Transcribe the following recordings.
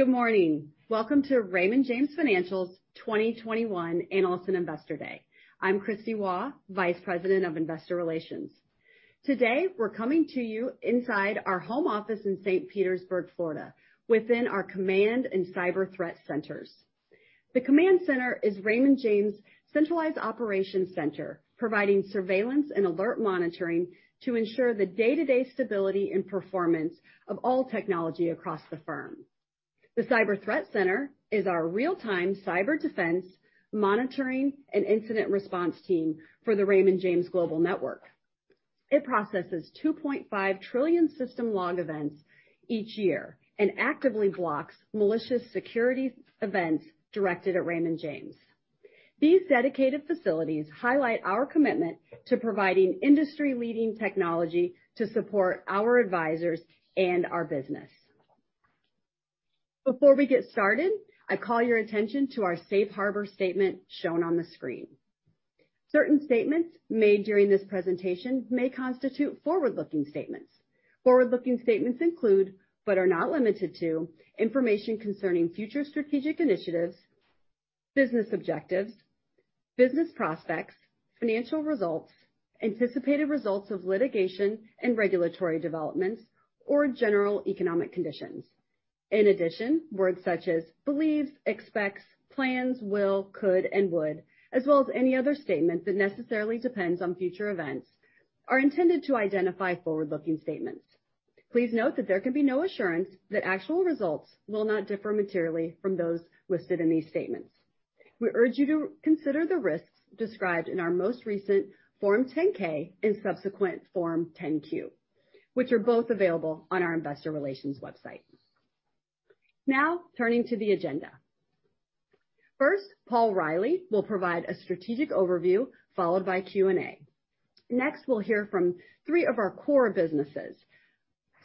Good morning. Welcome to Raymond James Financial's 2021 Analyst & Investor Day. I'm Kristina Waugh, Vice President of Investor Relations. Today, we're coming to you inside our home office in St. Petersburg, Florida, within our Command and Cyber Threat Centers. The Command Center is Raymond James' centralized operations center, providing surveillance and alert monitoring to ensure the day-to-day stability and performance of all technology across the firm. The Cyber Threat Center is our real-time cyber defense monitoring and incident response team for the Raymond James global network. It processes 2.5 trillion system log events each year and actively blocks malicious security events directed at Raymond James. These dedicated facilities highlight our commitment to providing industry-leading technology to support our advisors and our business. Before we get started, I call your attention to our safe harbor statement shown on the screen. Certain statements made during this presentation may constitute forward-looking statements. Forward-looking statements include, but are not limited to, information concerning future strategic initiatives, business objectives, business prospects, financial results, anticipated results of litigation and regulatory developments, or general economic conditions. In addition, words such as believes, expects, plans, will, could, and would, as well as any other statement that necessarily depends on future events, are intended to identify forward-looking statements. Please note that there can be no assurance that actual results will not differ materially from those listed in these statements. We urge you to consider the risks described in our most recent Form 10-K and subsequent Form 10-Q, which are both available on our investor relations website. Now, turning to the agenda. First, Paul Reilly will provide a strategic overview, followed by Q&A. Next, we'll hear from three of our core businesses.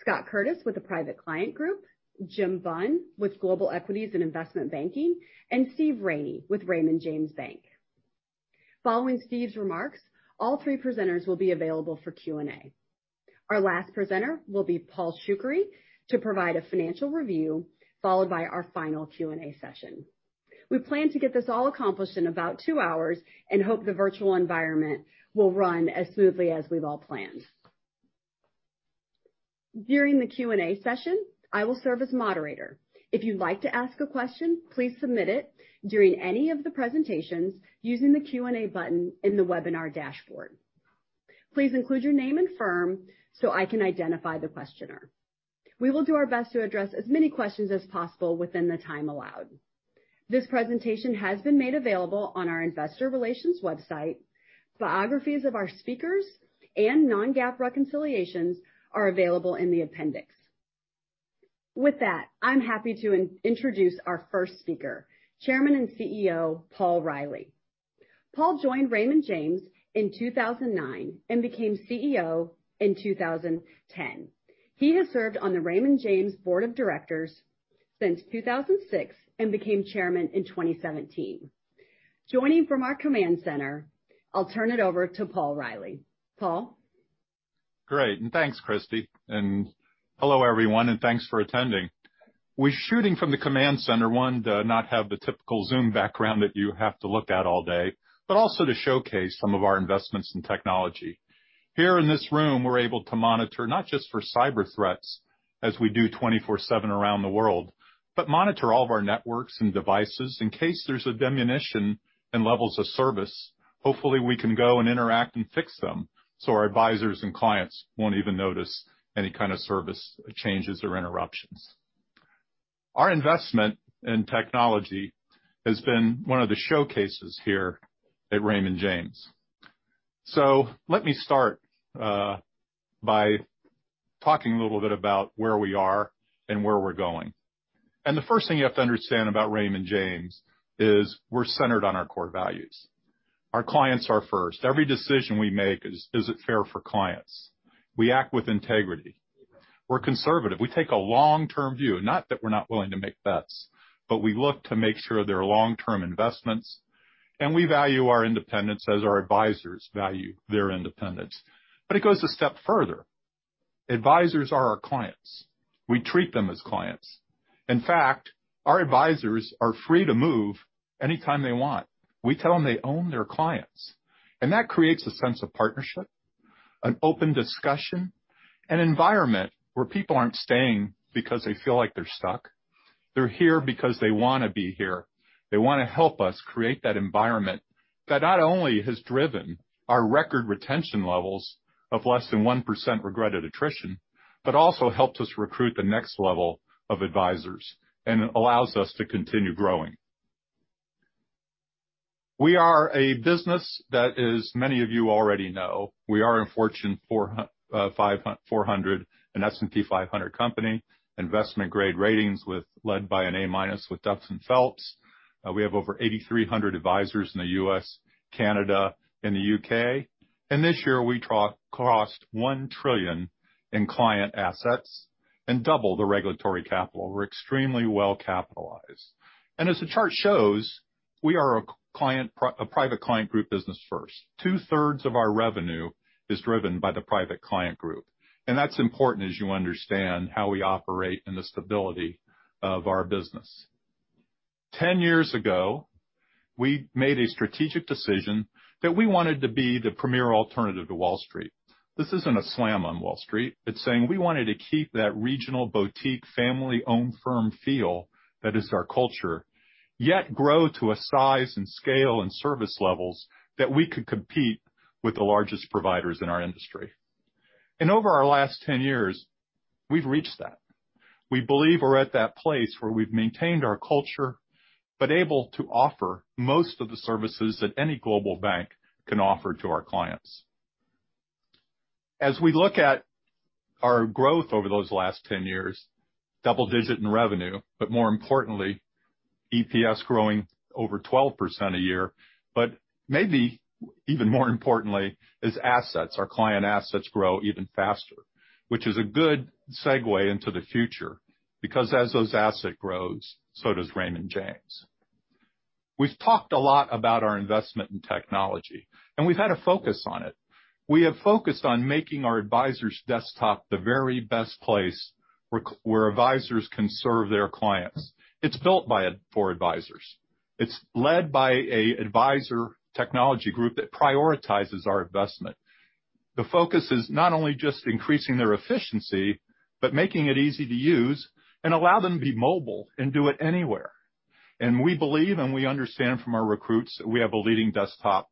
Scott Curtis with the Private Client Group, Jim Bunn with Global Equities & Investment Banking, and Steve Raney with Raymond James Bank. Following Steve's remarks, all three presenters will be available for Q&A. Our last presenter will be Paul Shoukry to provide a financial review followed by our final Q&A session. We plan to get this all accomplished in about two hours and hope the virtual environment will run as smoothly as we've all planned. During the Q&A session, I will serve as moderator. If you'd like to ask a question, please submit it during any of the presentations using the Q&A button in the webinar dashboard. Please include your name and firm so I can identify the questioner. We will do our best to address as many questions as possible within the time allowed. This presentation has been made available on our investor relations website. Biographies of our speakers and non-GAAP reconciliations are available in the appendix. With that, I'm happy to introduce our first speaker, Chairman and CEO, Paul Reilly. Paul joined Raymond James in 2009 and became CEO in 2010. He has served on the Raymond James Board of Directors since 2006 and became Chairman in 2017. Joining from our command center, I'll turn it over to Paul Reilly. Paul? Great. Thanks, Kristy. Hello, everyone, thanks for attending. We're shooting from the command center, one, to not have the typical Zoom background that you have to look at all day, but also to showcase some of our investments in technology. Here in this room, we're able to monitor not just for cyber threats as we do 24/7 around the world, but monitor all of our networks and devices in case there's a diminution in levels of service. Hopefully, we can go and interact and fix them so our advisors and clients won't even notice any kind of service changes or interruptions. Our investment in technology has been one of the showcases here at Raymond James. Let me start by talking a little bit about where we are and where we're going. The first thing you have to understand about Raymond James is we're centered on our core values. Our clients are first. Every decision we make is it fair for clients? We act with integrity. We're conservative. We take a long-term view, not that we're not willing to make bets, but we look to make sure they're long-term investments, and we value our independence as our advisors value their independence. It goes a step further. Advisors are our clients. We treat them as clients. In fact, our advisors are free to move anytime they want. We tell them they own their clients. That creates a sense of partnership, an open discussion, an environment where people aren't staying because they feel like they're stuck. They're here because they want to be here. They want to help us create that environment that not only has driven our record retention levels of less than 1% regretted attrition, but also helps us recruit the next level of advisors and allows us to continue growing. We are a business that is, many of you already know, we are a Forbes 400 and S&P 500 company, investment-grade ratings led by an A-minus with Duff & Phelps. We have over 8,300 advisors in the U.S., Canada, and the U.K. This year we crossed $1 trillion in client assets and doubled the regulatory capital. We're extremely well-capitalized. As the chart shows, we are a Private Client Group business first. Two-thirds of our revenue is driven by the Private Client Group, and that's important as you understand how we operate and the stability of our business. 10 years ago, we made a strategic decision that we wanted to be the premier alternative to Wall Street. This isn't a slam on Wall Street. It's saying we wanted to keep that regional boutique, family-owned firm feel that is our culture, yet grow to a size and scale and service levels that we could compete with the largest providers in our industry. Over our last 10 years, we've reached that. We believe we're at that place where we've maintained our culture, but able to offer most of the services that any global bank can offer to our clients. As we look at our growth over those last 10 years, double digit in revenue, but more importantly, EPS growing over 12% a year. Maybe even more importantly is assets. Our client assets grow even faster, which is a good segue into the future, because as those asset grows, so does Raymond James. We've talked a lot about our investment in technology, and we've had a focus on it. We have focused on making our advisor's desktop the very best place where advisors can serve their clients. It's built for advisors. It's led by a advisor technology group that prioritizes our investment. The focus is not only just increasing their efficiency, but making it easy to use and allow them to be mobile and do it anywhere. We believe, and we understand from our recruits, that we have a leading desktop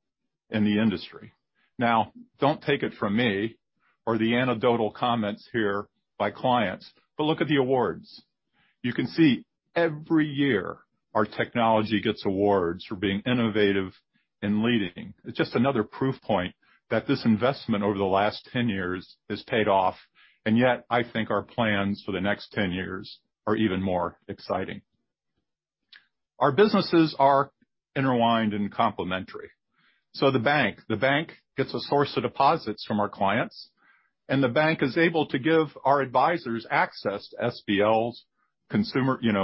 in the industry. Now, don't take it from me or the anecdotal comments here by clients, but look at the awards. You can see every year our technology gets awards for being innovative and leading. It's just another proof point that this investment over the last 10 years has paid off, and yet, I think our plans for the next 10 years are even more exciting. Our businesses are intertwined and complementary. The bank gets a source of deposits from our clients, and the bank is able to give our advisors access to SBLs,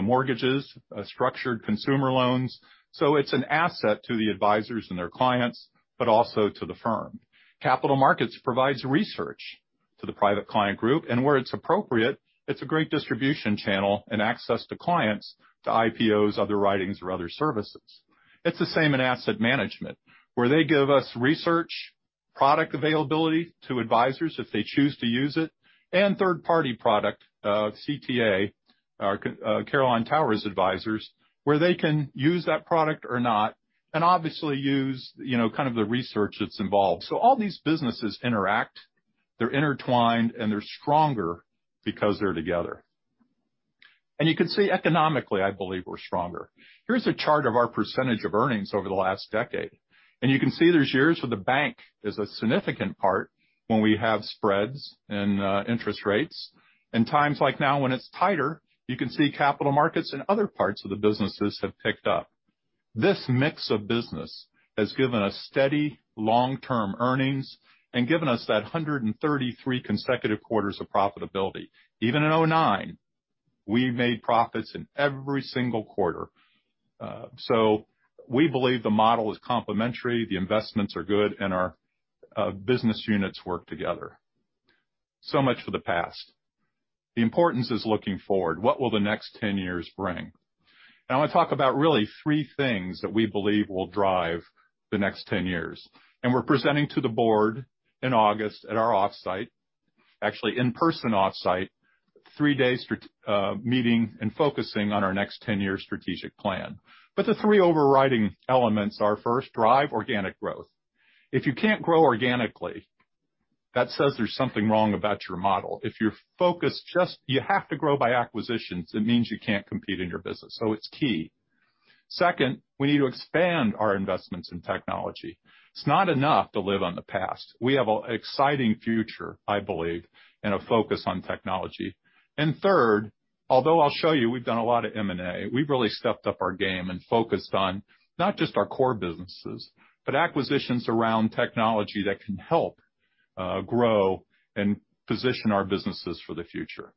mortgages, structured consumer loans. It's an asset to the advisors and their clients, but also to the firm. Capital Markets provides research to the Private Client Group, and where it's appropriate, it's a great distribution channel and access to clients to IPOs, underwritings, or other services. It's the same in asset management, where they give us research, product availability to advisors if they choose to use it, and third-party product, CTA, Carillon Tower Advisers, where they can use that product or not, and obviously use kind of the research that's involved. All these businesses interact, they're intertwined, and they're stronger because they're together. You can see economically, I believe we're stronger. Here's a chart of our % of earnings over the last decade. You can see there's years where the bank is a significant part when we have spreads and interest rates. In times like now when it's tighter, you can see capital markets and other parts of the businesses have picked up. This mix of business has given us steady, long-term earnings and given us that 133 consecutive quarters of profitability. Even in 2009, we made profits in every single quarter. We believe the model is complementary, the investments are good, and our business units work together. Much for the past. The importance is looking forward. What will the next 10 years bring? I want to talk about really three things that we believe will drive the next 10 years. We're presenting to the board in August at our offsite, actually in-person offsite, three-day meeting and focusing on our next 10-year strategic plan. The three overriding elements are, first, drive organic growth. If you can't grow organically, that says there's something wrong about your model. If you're focused you have to grow by acquisitions, it means you can't compete in your business. It's key. Second, we need to expand our investments in technology. It's not enough to live on the past. We have an exciting future, I believe, and a focus on technology. Third, although I'll show you, we've done a lot of M&A. We've really stepped up our game and focused on not just our core businesses, but acquisitions around technology that can help grow and position our businesses for the future.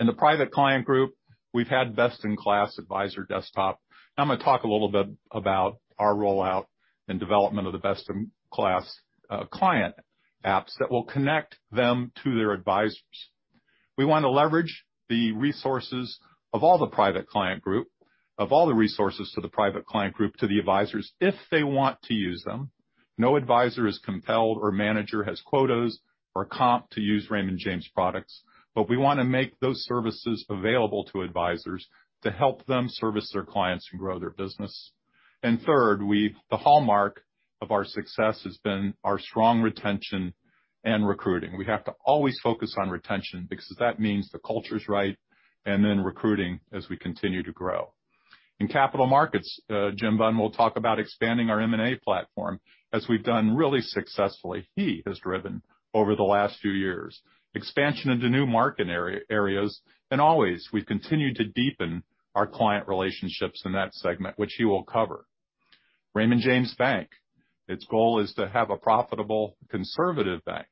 In the Private Client Group, we've had best-in-class advisor desktop. Now I'm going to talk a little bit about our rollout and development of the best-in-class client apps that will connect them to their advisors. We want to leverage the resources of all the Private Client Group, of all the resources to the Private Client Group to the advisors if they want to use them. No advisor is compelled or manager has quotas or comp to use Raymond James products. We want to make those services available to advisors to help them service their clients and grow their business. Third, the hallmark of our success has been our strong retention and recruiting. We have to always focus on retention because that means the culture's right, and then recruiting as we continue to grow. In capital markets, Jim Bunn will talk about expanding our M&A platform, as we've done really successfully. He has driven over the last few years, expansion into new market areas, and always, we've continued to deepen our client relationships in that segment, which he will cover. Raymond James Bank. Its goal is to have a profitable conservative bank.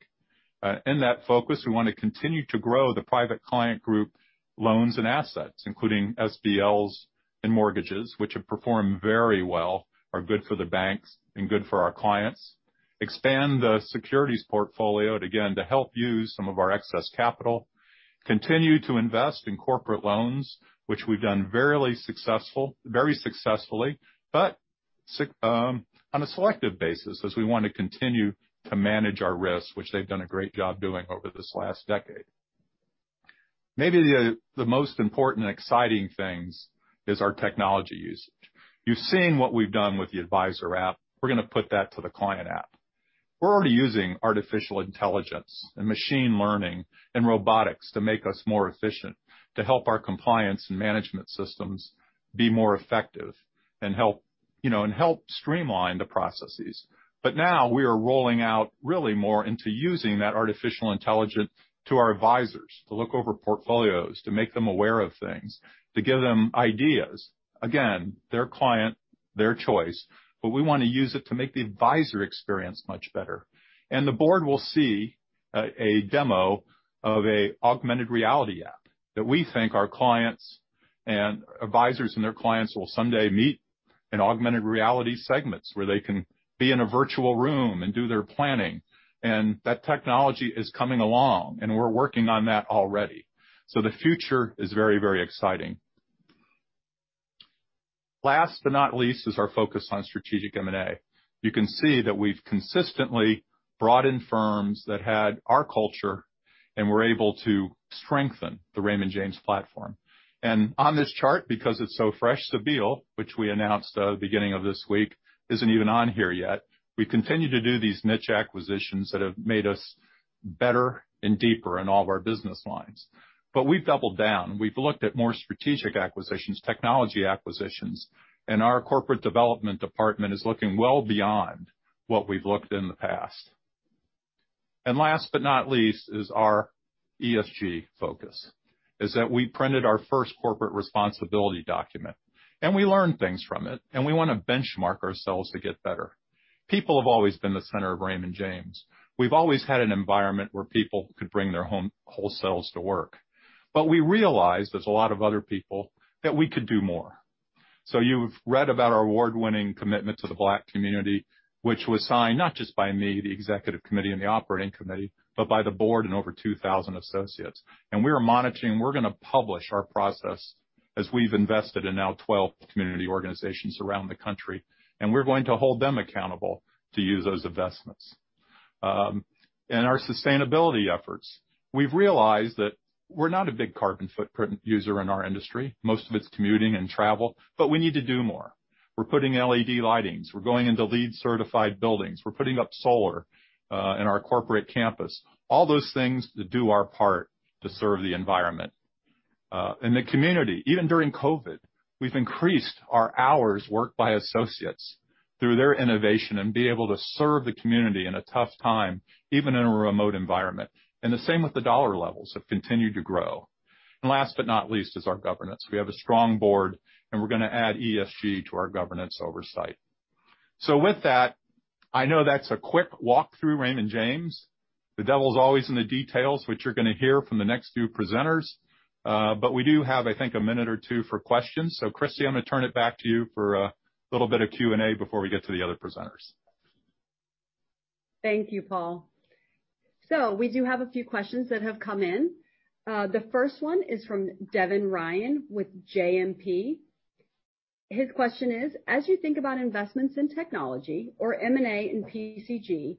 In that focus, we want to continue to grow the Private Client Group loans and assets, including SBLs and mortgages, which have performed very well, are good for the banks, and good for our clients. Expand the securities portfolio, again, to help use some of our excess capital. Continue to invest in corporate loans, which we've done very successfully. On a selective basis, as we want to continue to manage our risk, which they've done a great job doing over this last decade. Maybe the most important and exciting things is our technology usage. You've seen what we've done with the advisor app. We're going to put that to the client app. We're already using artificial intelligence and machine learning and robotics to make us more efficient, to help our compliance and management systems be more effective, and help streamline the processes. Now we are rolling out really more into using that artificial intelligence to our advisors to look over portfolios, to make them aware of things, to give them ideas. Again, their client, their choice, but we want to use it to make the advisor experience much better. The board will see a demo of an augmented reality app that we think our clients and advisors and their clients will someday meet in augmented reality segments where they can be in a virtual room and do their planning. That technology is coming along, and we're working on that already. The future is very exciting. Last but not least is our focus on strategic M&A. You can see that we've consistently brought in firms that had our culture and were able to strengthen the Raymond James platform. On this chart, because it's so fresh, Sabal, which we announced at the beginning of this week, isn't even on here yet. We continue to do these niche acquisitions that have made us better and deeper in all of our business lines. We've doubled down. We've looked at more strategic acquisitions, technology acquisitions, our corporate development department is looking well beyond what we've looked in the past. Last but not least is our ESG focus, is that we printed our first corporate responsibility document. We learned things from it, and we want to benchmark ourselves to get better. People have always been the center of Raymond James. We've always had an environment where people could bring their whole selves to work. We realized there's a lot of other people that we could do more. You've read about our award-winning commitment to the black community, which was signed not just by me, the executive committee, and the operating committee, but by the board and over 2,000 associates. We're monitoring. We're going to publish our process as we've invested in now 12 community organizations around the country, and we're going to hold them accountable to use those investments. Our sustainability efforts. We've realized that we're not a big carbon footprint user in our industry. Most of it's commuting and travel, but we need to do more. We're putting LED lighting. We're going into LEED certified buildings. We're putting up solar in our corporate campus. All those things to do our part to serve the environment. The community. Even during COVID, we've increased our hours worked by associates through their innovation and being able to serve the community in a tough time, even in a remote environment. The same with the dollar levels have continued to grow. Last but not least is our governance. We have a strong board, and we're going to add ESG to our governance oversight. With that, I know that's a quick walk through Raymond James. The devil's always in the details, which you're going to hear from the next few presenters. We do have, I think, a minute or two for questions. Kristy, I'm going to turn it back to you for a little bit of Q&A before we get to the other presenters. Thank you, Paul. We do have a few questions that have come in. The first one is from Devin Ryan with JMP. His question is, as you think about investments in technology or M&A and PCG,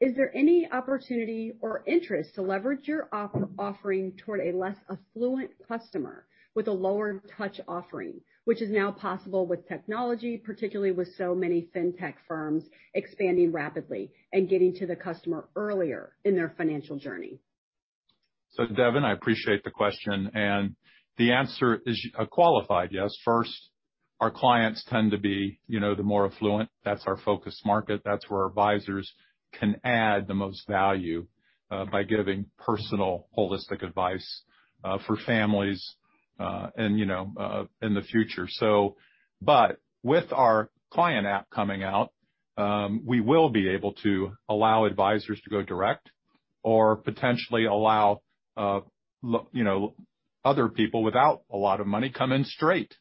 is there any opportunity or interest to leverage your offering toward a less affluent customer with a lower touch offering, which is now possible with technology, particularly with so many fintech firms expanding rapidly and getting to the customer earlier in their financial journey? Devin, I appreciate the question. The answer is a qualified yes. First, our clients tend to be the more affluent. That's our focus market. That's where advisors can add the most value by giving personal holistic advice for families in the future. With our client app coming out, we will be able to allow advisors to go direct or potentially allow other people without a lot of money come in straight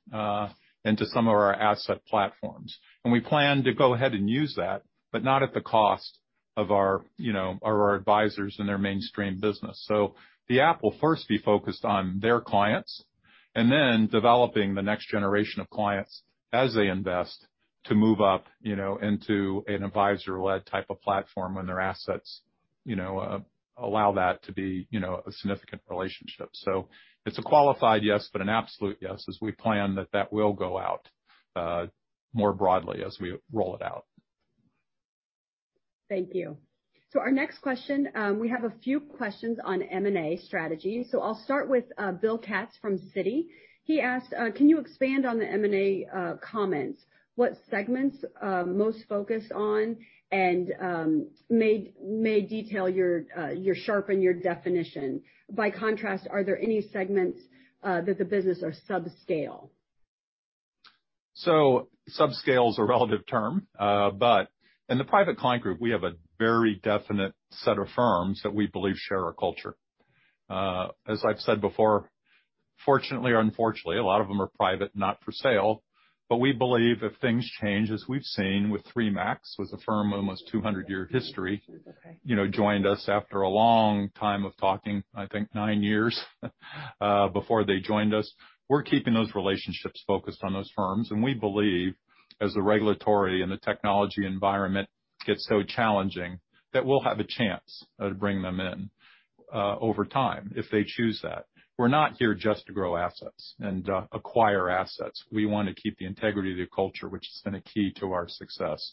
into some of our asset platforms. We plan to go ahead and use that, but not at the cost of our advisors and their mainstream business. The app will first be focused on their clients and then developing the next generation of clients as they invest to move up into an advisor-led type of platform when their assets allow that to be a significant relationship. It's a qualified yes, but an absolute yes as we plan that that will go out more broadly as we roll it out. Thank you. Our next question, we have a few questions on M&A strategy. I'll start with William Katz from Citi. He asked, can you expand on the M&A comments? What segments most focus on and may sharpen your definition? By contrast, are there any segments that the business are sub-scale? Subscale is a relative term. In the Private Client Group, we have a very definite set of firms that we believe share our culture. As I've said before, fortunately or unfortunately, a lot of them are private, not for sale. We believe if things change, as we've seen with Alex. Brown, with a firm almost 200-year history, joined us after a long time of talking, I think nine years before they joined us. We're keeping those relationships focused on those firms, and we believe as the regulatory and the technology environment gets so challenging, that we'll have a chance to bring them in over time if they choose that. We're not here just to grow assets and acquire assets. We want to keep the integrity of the culture, which has been a key to our success.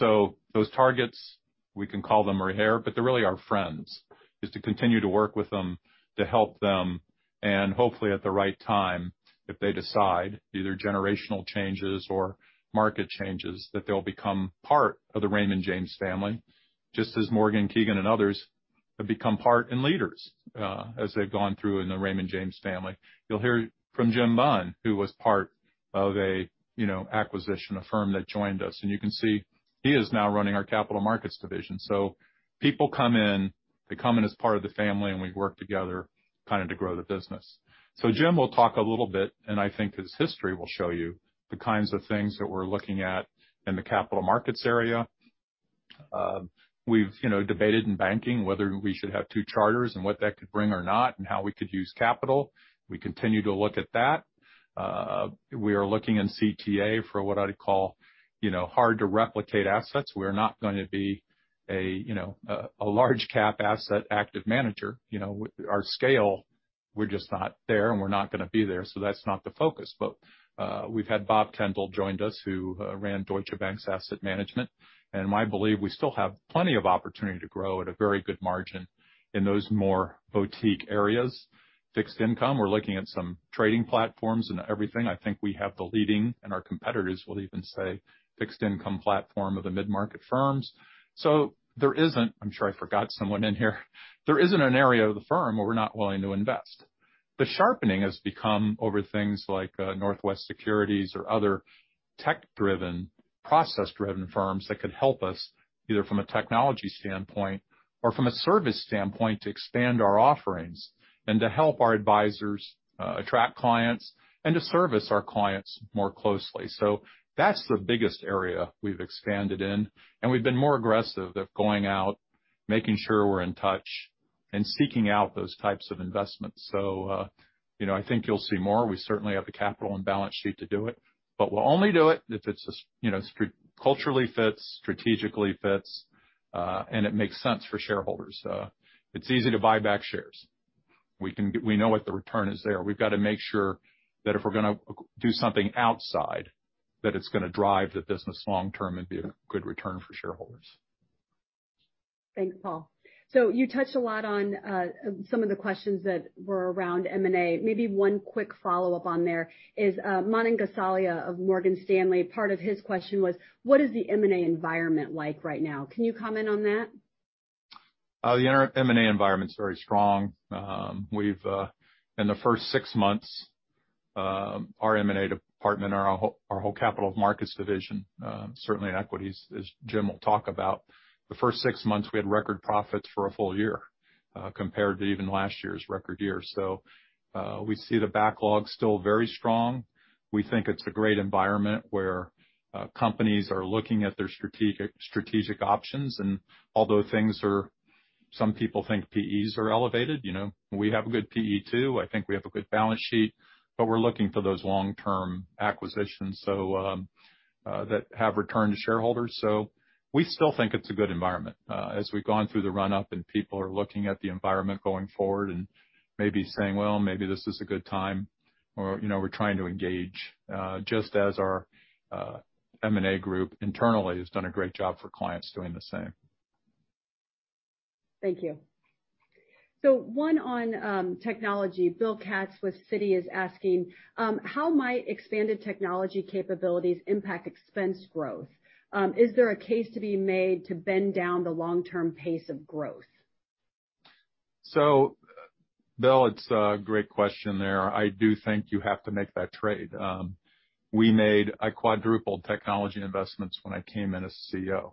Those targets, we can call them or hire, but they're really our friends, is to continue to work with them, to help them, and hopefully at the right time, if they decide, either generational changes or market changes, that they'll become part of the Raymond James family, just as Morgan Keegan and others have become part and leaders as they've gone through in the Raymond James family. You'll hear from Jim Bunn, who was part of a acquisition, a firm that joined us. You can see, he is now running our capital markets division. People come in, they come in as part of the family, and we work together to grow the business. Jim will talk a little bit, and I think his history will show you the kinds of things that we're looking at in the capital markets area. We've debated in banking whether we should have two charters and what that could bring or not, and how we could use capital. We continue to look at that. We are looking in CTA for what I'd call hard-to-replicate assets. We're not going to be a large cap asset active manager. Our scale, we're just not there, and we're not going to be there, so that's not the focus. We've had Robert Kendall joined us, who ran Deutsche Bank's asset management. I believe we still have plenty of opportunity to grow at a very good margin in those more boutique areas. Fixed income, we're looking at some trading platforms and everything. I think we have the leading, and our competitors will even say, fixed income platform of the mid-market firms. There isn't, I'm sure I forgot someone in here, there isn't an area of the firm where we're not willing to invest. The sharpening has become over things like Northwest Plan Services or other tech-driven, process-driven firms that could help us, either from a technology standpoint or from a service standpoint, to expand our offerings and to help our advisors attract clients and to service our clients more closely. That's the biggest area we've expanded in, and we've been more aggressive of going out, making sure we're in touch and seeking out those types of investments. I think you'll see more. We certainly have the capital and balance sheet to do it. We'll only do it if it culturally fits, strategically fits, and it makes sense for shareholders. It's easy to buy back shares. We know what the return is there. We've got to make sure that if we're going to do something outside, that it's going to drive the business long term and be a good return for shareholders. Thanks, Paul. You touched a lot on some of the questions that were around M&A. Maybe one quick follow-up on there is Manan Gosalia of Morgan Stanley. Part of his question was, what is the M&A environment like right now? Can you comment on that? The M&A environment's very strong. In the first six months, our M&A department, our whole capital markets division, certainly in equities, as Jim will talk about, the first six months, we had record profits for a full year compared to even last year's record year. We see the backlog still very strong. We think it's a great environment where companies are looking at their strategic options, and although some people think PEs are elevated, we have a good PE too. I think we have a good balance sheet. We're looking for those long-term acquisitions that have return to shareholders. We still think it's a good environment. As we've gone through the run-up and people are looking at the environment going forward and maybe saying, "Well, maybe this is a good time," or we're trying to engage, just as our M&A group internally has done a great job for clients doing the same. Thank you. One on technology. William Katz with Citi is asking, how might expanded technology capabilities impact expense growth? Is there a case to be made to bend down the long-term pace of growth? William Katz, it's a great question there. I do think you have to make that trade. I quadrupled technology investments when I came in as CEO,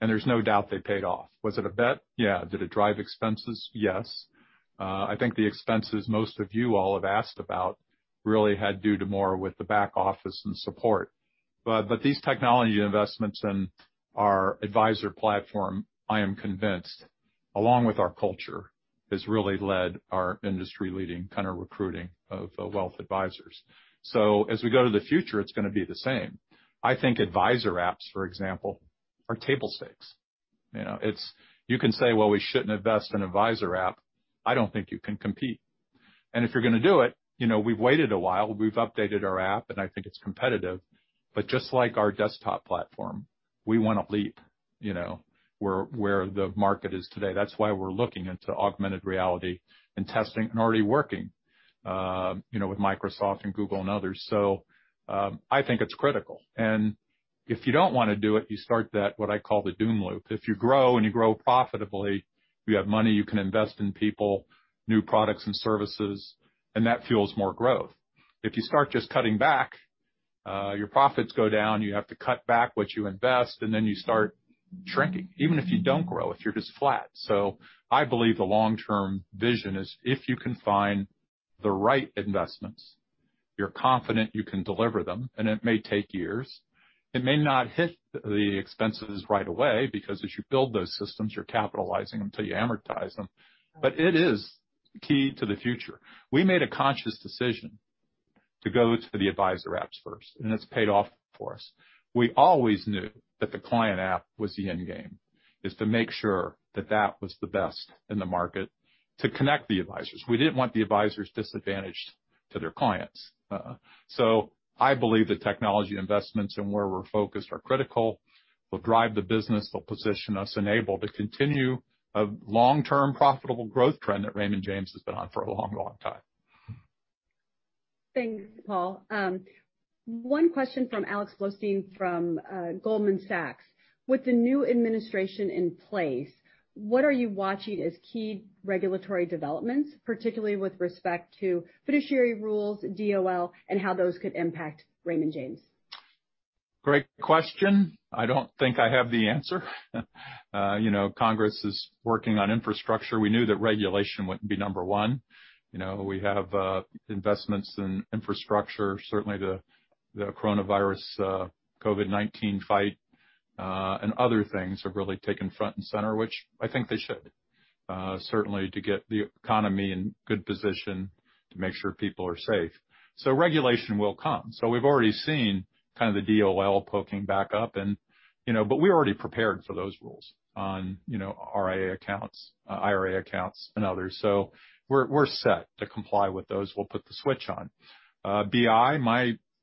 and there's no doubt they paid off. Was it a bet? Yeah. Did it drive expenses? Yes. I think the expenses most of you all have asked about really had to do more with the back office and support. These technology investments in our advisor platform, I am convinced, along with our culture, has really led our industry-leading kind of recruiting of wealth advisors. As we go to the future, it's going to be the same. I think advisor apps, for example, are table stakes. You can say, "Well, we shouldn't invest in an advisor app." I don't think you can compete. If you're going to do it, we've waited a while. We've updated our app, I think it's competitive. Just like our desktop platform, we want to leap where the market is today. That's why we're looking into augmented reality and testing and already working with Microsoft and Google and others. I think it's critical. If you don't want to do it, you start that, what I call the doom loop. If you grow and you grow profitably, you have money, you can invest in people, new products and services, and that fuels more growth. If you start just cutting back, your profits go down, you have to cut back what you invest, and then you start shrinking. Even if you don't grow, if you're just flat. I believe the long-term vision is if you can find the right investments, you're confident you can deliver them, and it may take years. It may not hit the expenses right away, because as you build those systems, you're capitalizing them till you amortize them. It is key to the future. We made a conscious decision to go to the advisor apps first, it's paid off for us. We always knew that the client app was the end game, is to make sure that that was the best in the market to connect the advisors. We didn't want the advisors disadvantaged to their clients. I believe the technology investments and where we're focused are critical, will drive the business, they'll position us, enable to continue a long-term profitable growth trend that Raymond James has been on for a long, long time. Thanks, Paul. One question from Alex Blostein from Goldman Sachs. With the new administration in place, what are you watching as key regulatory developments, particularly with respect to fiduciary rules, DOL, and how those could impact Raymond James? Great question. I don't think I have the answer. Congress is working on infrastructure. We knew that regulation would be number one. We have investments in infrastructure. Certainly, the coronavirus, COVID-19 fight, and other things have really taken front and center, which I think they should, certainly to get the economy in good position to make sure people are safe. Regulation will come. We've already seen kind of the DOL poking back up, but we're already prepared for those rules on RIA accounts, IRA accounts, and others. We're set to comply with those. We'll put the switch on. BI,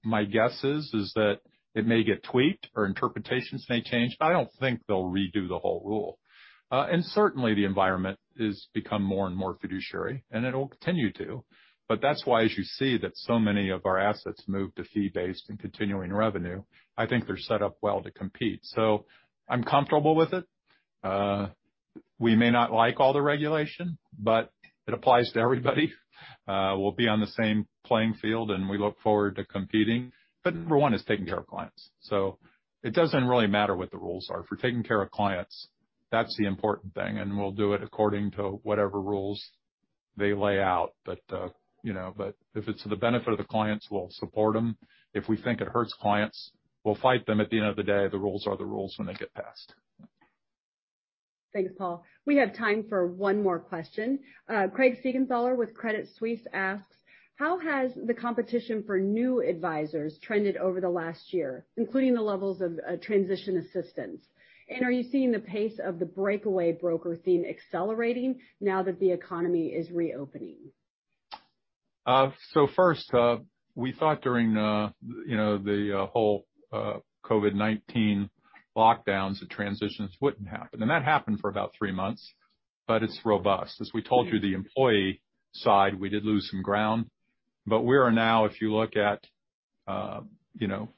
my guess is that it may get tweaked or interpretations may change. I don't think they'll redo the whole rule. Certainly, the environment has become more and more fiduciary, and it'll continue to. That's why, as you see that so many of our assets move to fee-based and continuing revenue, I think they're set up well to compete. I'm comfortable with it. We may not like all the regulation, but it applies to everybody. We'll be on the same playing field, and we look forward to competing. Number one is taking care of clients. It doesn't really matter what the rules are. If we're taking care of clients, that's the important thing, and we'll do it according to whatever rules they lay out. If it's to the benefit of the clients, we'll support them. If we think it hurts clients, we'll fight them. At the end of the day, the rules are the rules when they get passed. Thanks, Paul. We have time for one more question. Craig Siegenthaler with Credit Suisse asks, how has the competition for new advisors trended over the last year, including the levels of transition assistance? Are you seeing the pace of the breakaway broker theme accelerating now that the economy is reopening? First, we thought during the whole COVID-19 lockdowns, the transitions wouldn't happen. That happened for about three months, but it's robust. As we told you, the employee side, we did lose some ground, but we are now, if you look at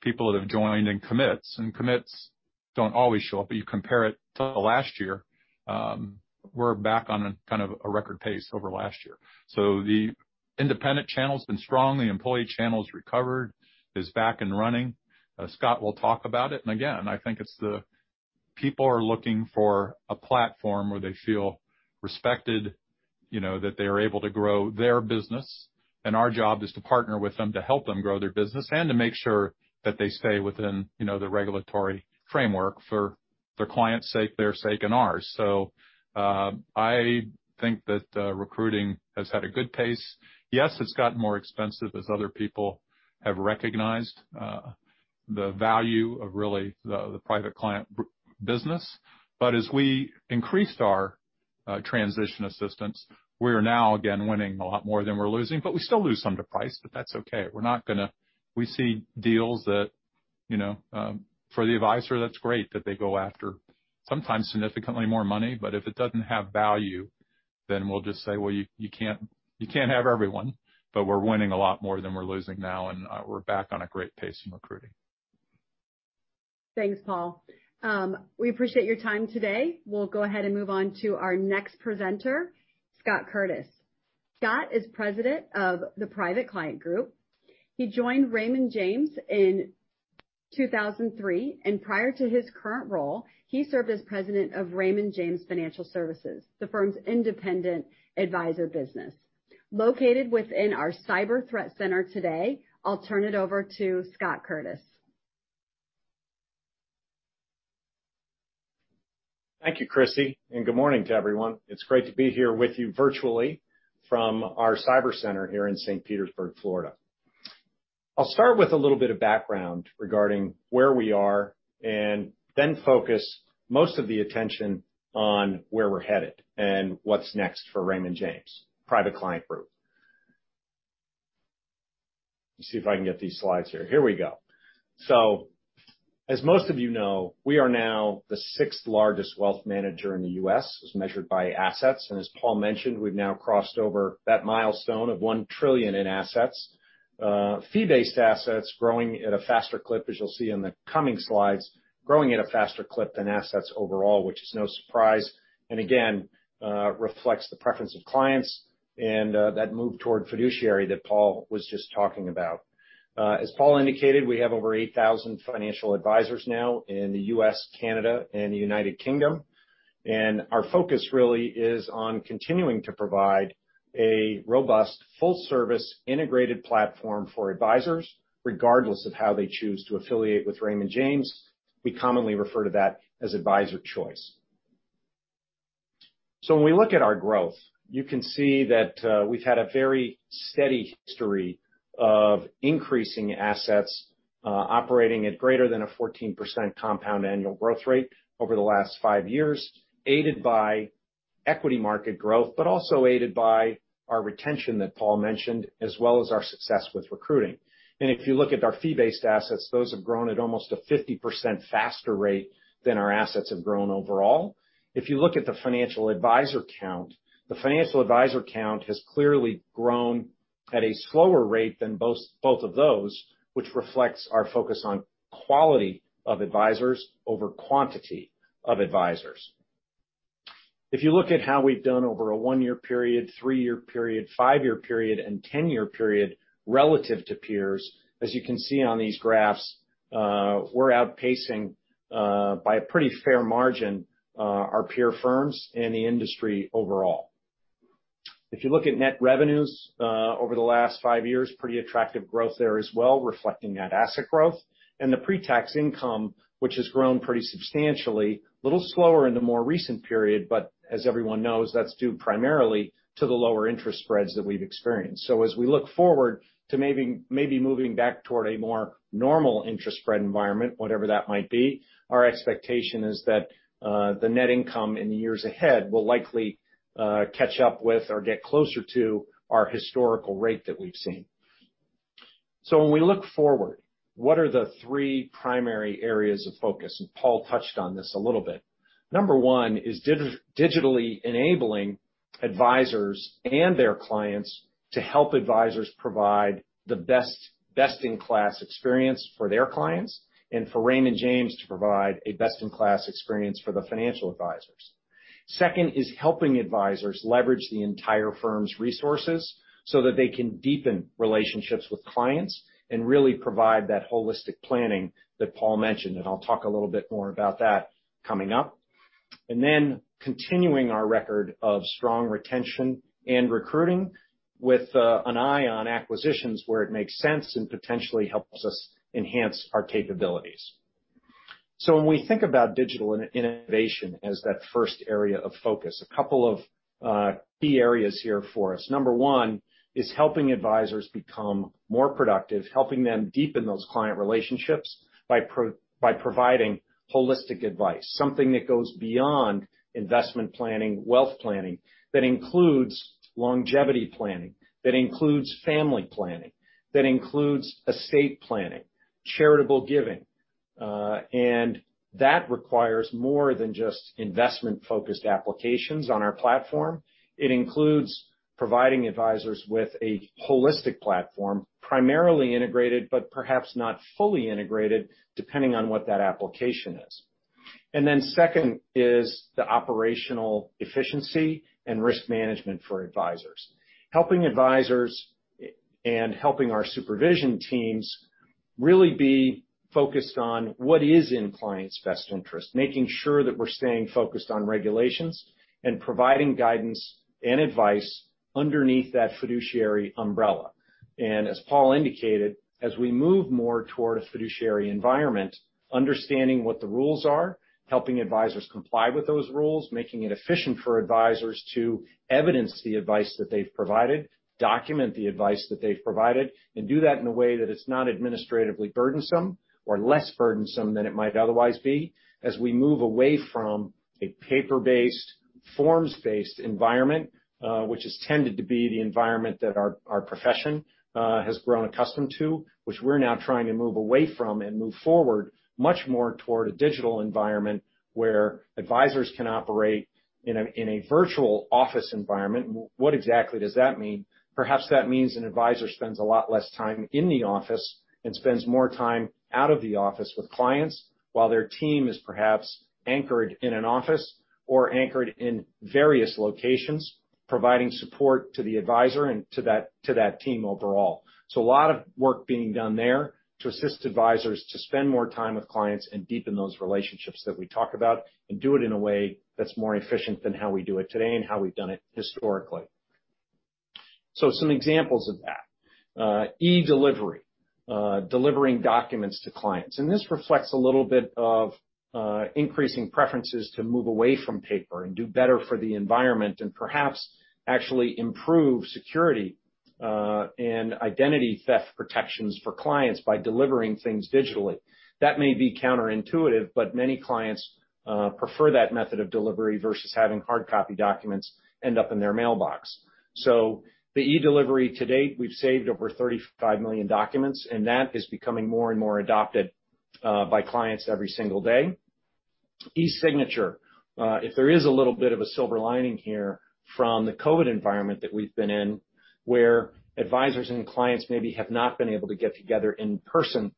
people that have joined in commits. Commits don't always show up, but you compare it to last year, we're back on a kind of a record pace over last year. The independent channel's been strong, the employee channel's recovered, is back and running. Scott will talk about it. Again, I think it's the people are looking for a platform where they feel respected, that they are able to grow their business. Our job is to partner with them to help them grow their business and to make sure that they stay within the regulatory framework for their clients' sake, their sake, and ours. I think that recruiting has had a good pace. Yes, it's gotten more expensive as other people have recognized the value of really the Private Client Group. As we increased our transition assistance, we are now again winning a lot more than we're losing, but we still lose some to price, but that's okay. We see deals that for the advisor, that's great that they go after sometimes significantly more money, but if it doesn't have value, then we'll just say, "Well, you can't have everyone," but we're winning a lot more than we're losing now, and we're back on a great pace in recruiting. Thanks, Paul. We appreciate your time today. We'll go ahead and move on to our next presenter, Scott Curtis. Scott is President of the Private Client Group. He joined Raymond James in 2003, and prior to his current role, he served as President of Raymond James Financial Services, the firm's independent advisor business. Located within our cyber threat center today, I'll turn it over to Scott Curtis. Thank you, Kristy, and good morning to everyone. It's great to be here with you virtually from our cyber center here in St. Petersburg, Florida. I'll start with a little bit of background regarding where we are, and then focus most of the attention on where we're headed and what's next for Raymond James Private Client Group. Let's see if I can get these slides here. Here we go. As most of you know, we are now the sixth largest wealth manager in the U.S., as measured by assets. As Paul mentioned, we've now crossed over that milestone of $1 trillion in assets. Fee-based assets growing at a faster clip, as you'll see in the coming slides, growing at a faster clip than assets overall, which is no surprise, and again reflects the preference of clients and that move toward fiduciary that Paul was just talking about. As Paul indicated, we have over 8,000 financial advisors now in the U.S., Canada, and the U.K. Our focus really is on continuing to provide a robust, full-service integrated platform for advisors, regardless of how they choose to affiliate with Raymond James. We commonly refer to that as advisor choice. When we look at our growth, you can see that we've had a very steady history of increasing assets, operating at greater than a 14% compound annual growth rate over the last five years, aided by equity market growth, but also aided by our retention that Paul mentioned, as well as our success with recruiting. If you look at our fee-based assets, those have grown at almost a 50% faster rate than our assets have grown overall. If you look at the financial advisor count, the financial advisor count has clearly grown at a slower rate than both of those, which reflects our focus on quality of advisors over quantity of advisors. If you look at how we've done over a one-year period, three-year period, five-year period, and 10-year period relative to peers, as you can see on these graphs, we're outpacing by a pretty fair margin our peer firms and the industry overall. If you look at net revenues over the last five years, pretty attractive growth there as well, reflecting that asset growth. The pre-tax income, which has grown pretty substantially, a little slower in the more recent period, but as everyone knows, that's due primarily to the lower interest spreads that we've experienced. As we look forward to maybe moving back toward a more normal interest spread environment, whatever that might be, our expectation is that the net income in the years ahead will likely catch up with or get closer to our historical rate that we've seen. When we look forward, what are the three primary areas of focus? Paul touched on this a little bit. Number one is digitally enabling advisors and their clients to help advisors provide the best-in-class experience for their clients and for Raymond James to provide a best-in-class experience for the financial advisors. Second is helping advisors leverage the entire firm's resources so that they can deepen relationships with clients and really provide that holistic planning that Paul mentioned, and I'll talk a little bit more about that coming up. Continuing our record of strong retention and recruiting with an eye on acquisitions where it makes sense and potentially helps us enhance our capabilities. When we think about digital innovation as that first area of focus, a couple of key areas here for us. Number one is helping advisors become more productive, helping them deepen those client relationships by providing holistic advice, something that goes beyond investment planning, wealth planning. That includes longevity planning, that includes family planning, that includes estate planning, charitable giving. That requires more than just investment-focused applications on our platform. It includes providing advisors with a holistic platform, primarily integrated, but perhaps not fully integrated, depending on what that application is. Second is the operational efficiency and risk management for advisors. Helping advisors and helping our supervision teams really be focused on what is in clients' best interest, making sure that we're staying focused on regulations and providing guidance and advice underneath that fiduciary umbrella. As Paul indicated, as we move more toward a fiduciary environment, understanding what the rules are, helping advisors comply with those rules, making it efficient for advisors to evidence the advice that they've provided, document the advice that they've provided, and do that in a way that it's not administratively burdensome or less burdensome than it might otherwise be, as we move away from a paper-based, forms-based environment. Which has tended to be the environment that our profession has grown accustomed to, which we're now trying to move away from and move forward much more toward a digital environment where advisors can operate in a virtual office environment. What exactly does that mean? Perhaps that means an advisor spends a lot less time in the office and spends more time out of the office with clients while their team is perhaps anchored in an office or anchored in various locations, providing support to the advisor and to that team overall. A lot of work being done there to assist advisors to spend more time with clients and deepen those relationships that we talk about and do it in a way that's more efficient than how we do it today and how we've done it historically. Some examples of that. E-delivery, delivering documents to clients. This reflects a little bit of increasing preferences to move away from paper and do better for the environment and perhaps actually improve security and identity theft protections for clients by delivering things digitally. That may be counterintuitive, many clients prefer that method of delivery versus having hard copy documents end up in their mailbox. The e-delivery to date, we've saved over 35 million documents, and that is becoming more and more adopted by clients every single day. E-signature. If there is a little bit of a silver lining here from the COVID environment that we've been in, where advisors and clients maybe have not been able to get together in person,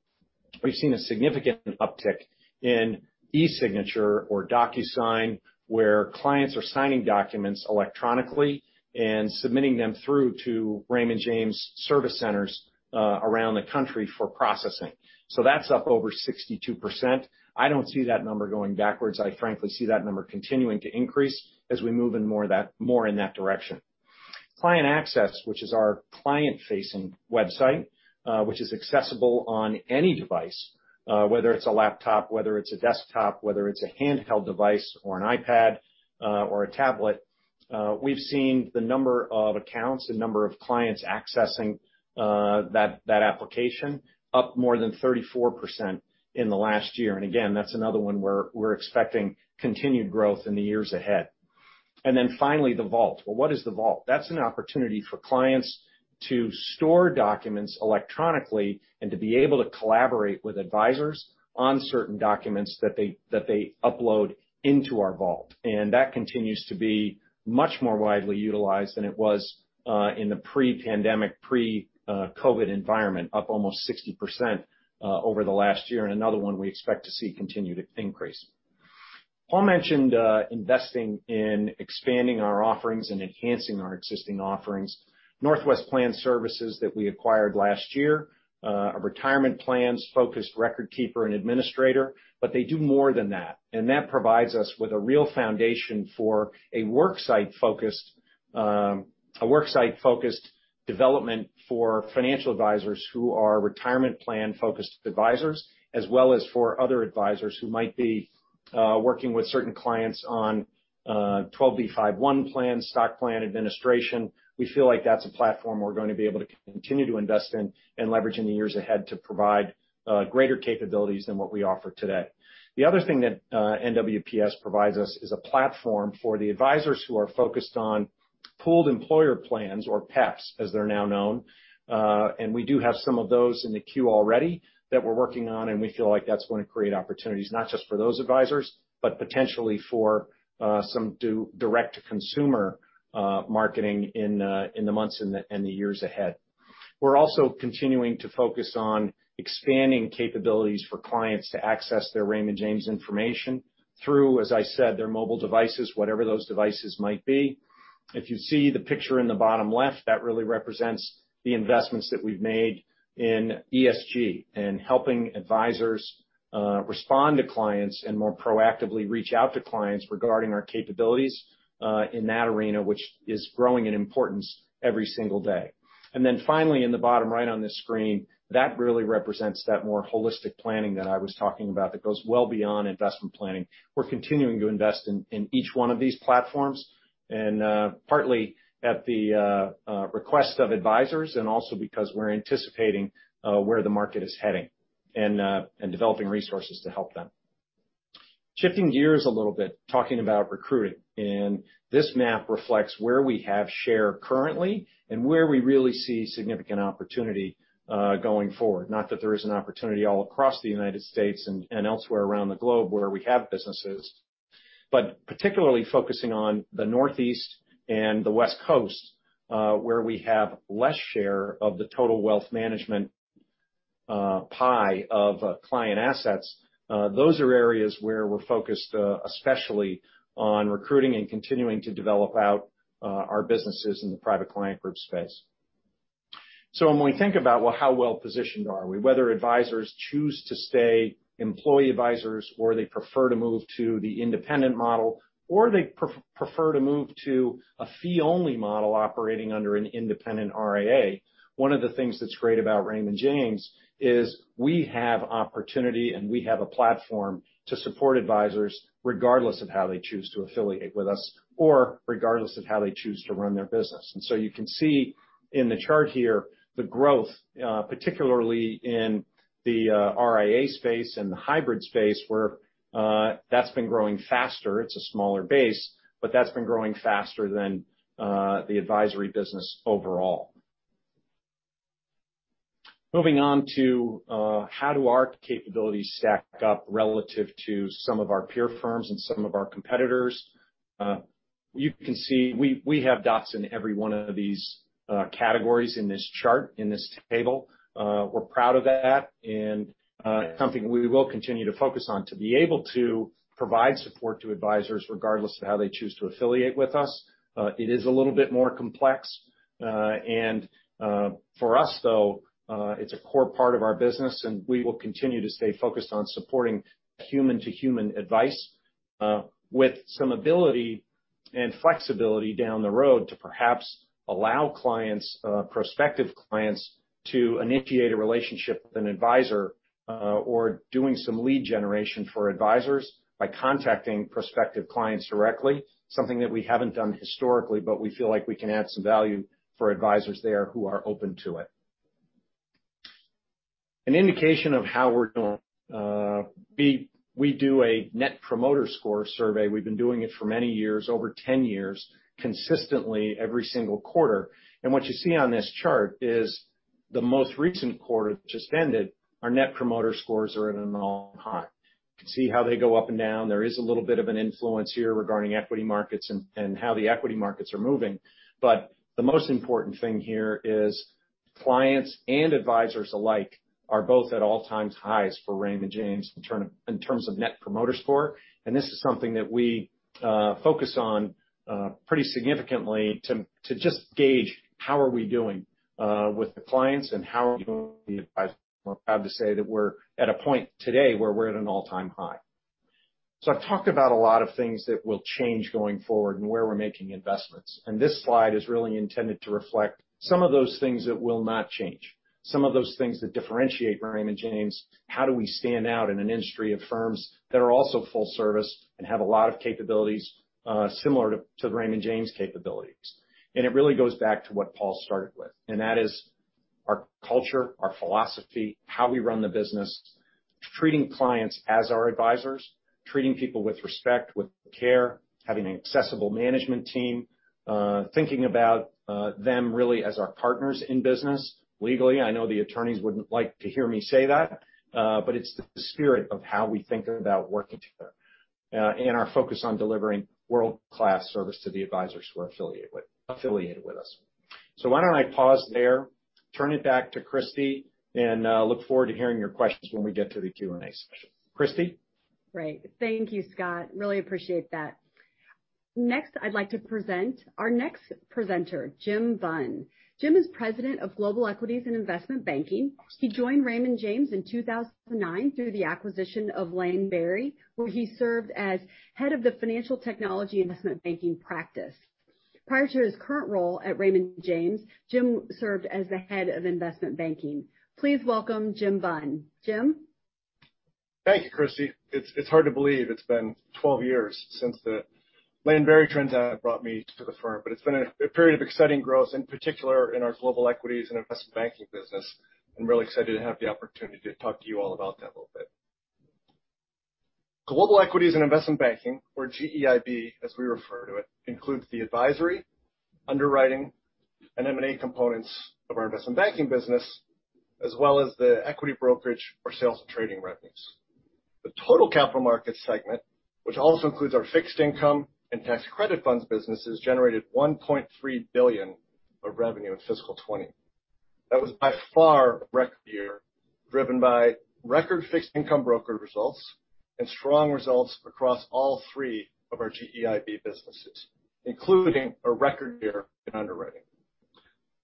we've seen a significant uptick in e-signature or DocuSign, where clients are signing documents electronically and submitting them through to Raymond James service centers around the country for processing. That's up over 62%. I don't see that number going backwards. I frankly see that number continuing to increase as we move more in that direction. Client Access, which is our client-facing website, which is accessible on any device, whether it's a laptop, whether it's a desktop, whether it's a handheld device or an iPad, or a tablet. We've seen the number of accounts, the number of clients accessing that application up more than 34% in the last year. Again, that's another one where we're expecting continued growth in the years ahead. Finally, the vault. What is the vault? That's an opportunity for clients to store documents electronically and to be able to collaborate with advisors on certain documents that they upload into our vault. That continues to be much more widely utilized than it was in the pre-pandemic, pre-COVID-19 environment, up almost 60% over the last year. Another one we expect to see continue to increase. Paul mentioned investing in expanding our offerings and enhancing our existing offerings. Northwest Plan Services that we acquired last year, a retirement plans-focused record keeper and administrator, but they do more than that. That provides us with a real foundation for a worksite-focused development for financial advisors who are retirement plan-focused advisors, as well as for other advisors who might be working with certain clients on 10b5-1 plans, stock plan administration. We feel like that's a platform we're going to be able to continue to invest in and leverage in the years ahead to provide greater capabilities than what we offer today. The other thing that NWPS provides us is a platform for the advisors who are focused on Pooled Employer Plans, or PEPs, as they're now known. We do have some of those in the queue already that we're working on, and we feel like that's going to create opportunities not just for those advisors, but potentially for some direct-to-consumer marketing in the months and the years ahead. We're also continuing to focus on expanding capabilities for clients to access their Raymond James information through, as I said, their mobile devices, whatever those devices might be. If you see the picture in the bottom left, that really represents the investments that we've made in ESG and helping advisors respond to clients and more proactively reach out to clients regarding our capabilities, in that arena, which is growing in importance every single day. Then finally, in the bottom right on this screen, that really represents that more holistic planning that I was talking about that goes well beyond investment planning. We're continuing to invest in each one of these platforms, and partly at the request of advisors, and also because we're anticipating where the market is heading and developing resources to help them. Shifting gears a little bit, talking about recruiting. This map reflects where we have share currently and where we really see significant opportunity going forward. Not that there isn't opportunity all across the United States and elsewhere around the globe where we have businesses, but particularly focusing on the Northeast and the West Coast, where we have less share of the total wealth management pie of client assets. Those are areas where we're focused, especially on recruiting and continuing to develop out our businesses in the Private Client Group space. When we think about, well, how well-positioned are we? Whether advisors choose to stay employee advisors or they prefer to move to the independent model, or they prefer to move to a fee-only model operating under an independent RIA. One of the things that's great about Raymond James is we have opportunity and we have a platform to support advisors regardless of how they choose to affiliate with us or regardless of how they choose to run their business. You can see in the chart here the growth, particularly in the RIA space and the hybrid space, where that's been growing faster. It's a smaller base, but that's been growing faster than the advisory business overall. Moving on to how do our capabilities stack up relative to some of our peer firms and some of our competitors? You can see we have dots in every one of these categories in this chart, in this table. We're proud of that and something we will continue to focus on to be able to provide support to advisors regardless of how they choose to affiliate with us. It is a little bit more complex. For us, though, it's a core part of our business, and we will continue to stay focused on supporting human-to-human advice, with some ability and flexibility down the road to perhaps allow prospective clients to initiate a relationship with an advisor, or doing some lead generation for advisors by contacting prospective clients directly. Something that we haven't done historically, but we feel like we can add some value for advisors there who are open to it. An indication of how we're doing. We do a Net Promoter Score survey. We've been doing it for many years, over 10 years, consistently every single quarter. What you see on this chart is the most recent quarter just ended, our Net Promoter Scores are at an all-time high. You can see how they go up and down. There is a little bit of an influence here regarding equity markets and how the equity markets are moving. The most important thing here is clients and advisors alike are both at all-time highs for Raymond James in terms of Net Promoter Score. This is something that we focus on pretty significantly to just gauge how are we doing with the clients and how are we doing with the advisors. We're proud to say that we're at a point today where we're at an all-time high. I've talked about a lot of things that will change going forward and where we're making investments. This slide is really intended to reflect some of those things that will not change. Some of those things that differentiate Raymond James, how do we stand out in an industry of firms that are also full service and have a lot of capabilities similar to Raymond James' capabilities. It really goes back to what Paul started with, and that is our culture, our philosophy, how we run the business, treating clients as our advisors, treating people with respect, with care, having an accessible management team, thinking about them really as our partners in business. Legally, I know the attorneys wouldn't like to hear me say that, but it's the spirit of how we think about working together, and our focus on delivering world-class service to the advisors who are affiliated with us. Why don't I pause there, turn it back to Kristy, and look forward to hearing your questions when we get to the Q&A session. Kristy? Great. Thank you, Scott. Really appreciate that. Next, I'd like to present our next presenter, Jim Bunn. Jim is President of Global Equities & Investment Banking. He joined Raymond James in 2009 through the acquisition of Lane Berry, where he served as head of the financial technology investment banking practice. Prior to his current role at Raymond James, Jim served as the head of investment banking. Please welcome Jim Bunn. Jim? Thank you, Kristy. It's hard to believe it's been 12 years since the Lane Berry transaction brought me to the firm. It's been a period of exciting growth, in particular in our Global Equities & Investment Banking business. I'm really excited to have the opportunity to talk to you all about that a little bit. Global Equities & Investment Banking, or GEIB as we refer to it, includes the advisory, underwriting, and M&A components of our investment banking business, as well as the equity brokerage or sales trading revenues. The total capital markets segment, which also includes our fixed income and tax credit funds businesses, generated $1.3 billion of revenue in fiscal '20. That was by far a record year, driven by record fixed income broker results and strong results across all three of our GEIB businesses, including a record year in underwriting.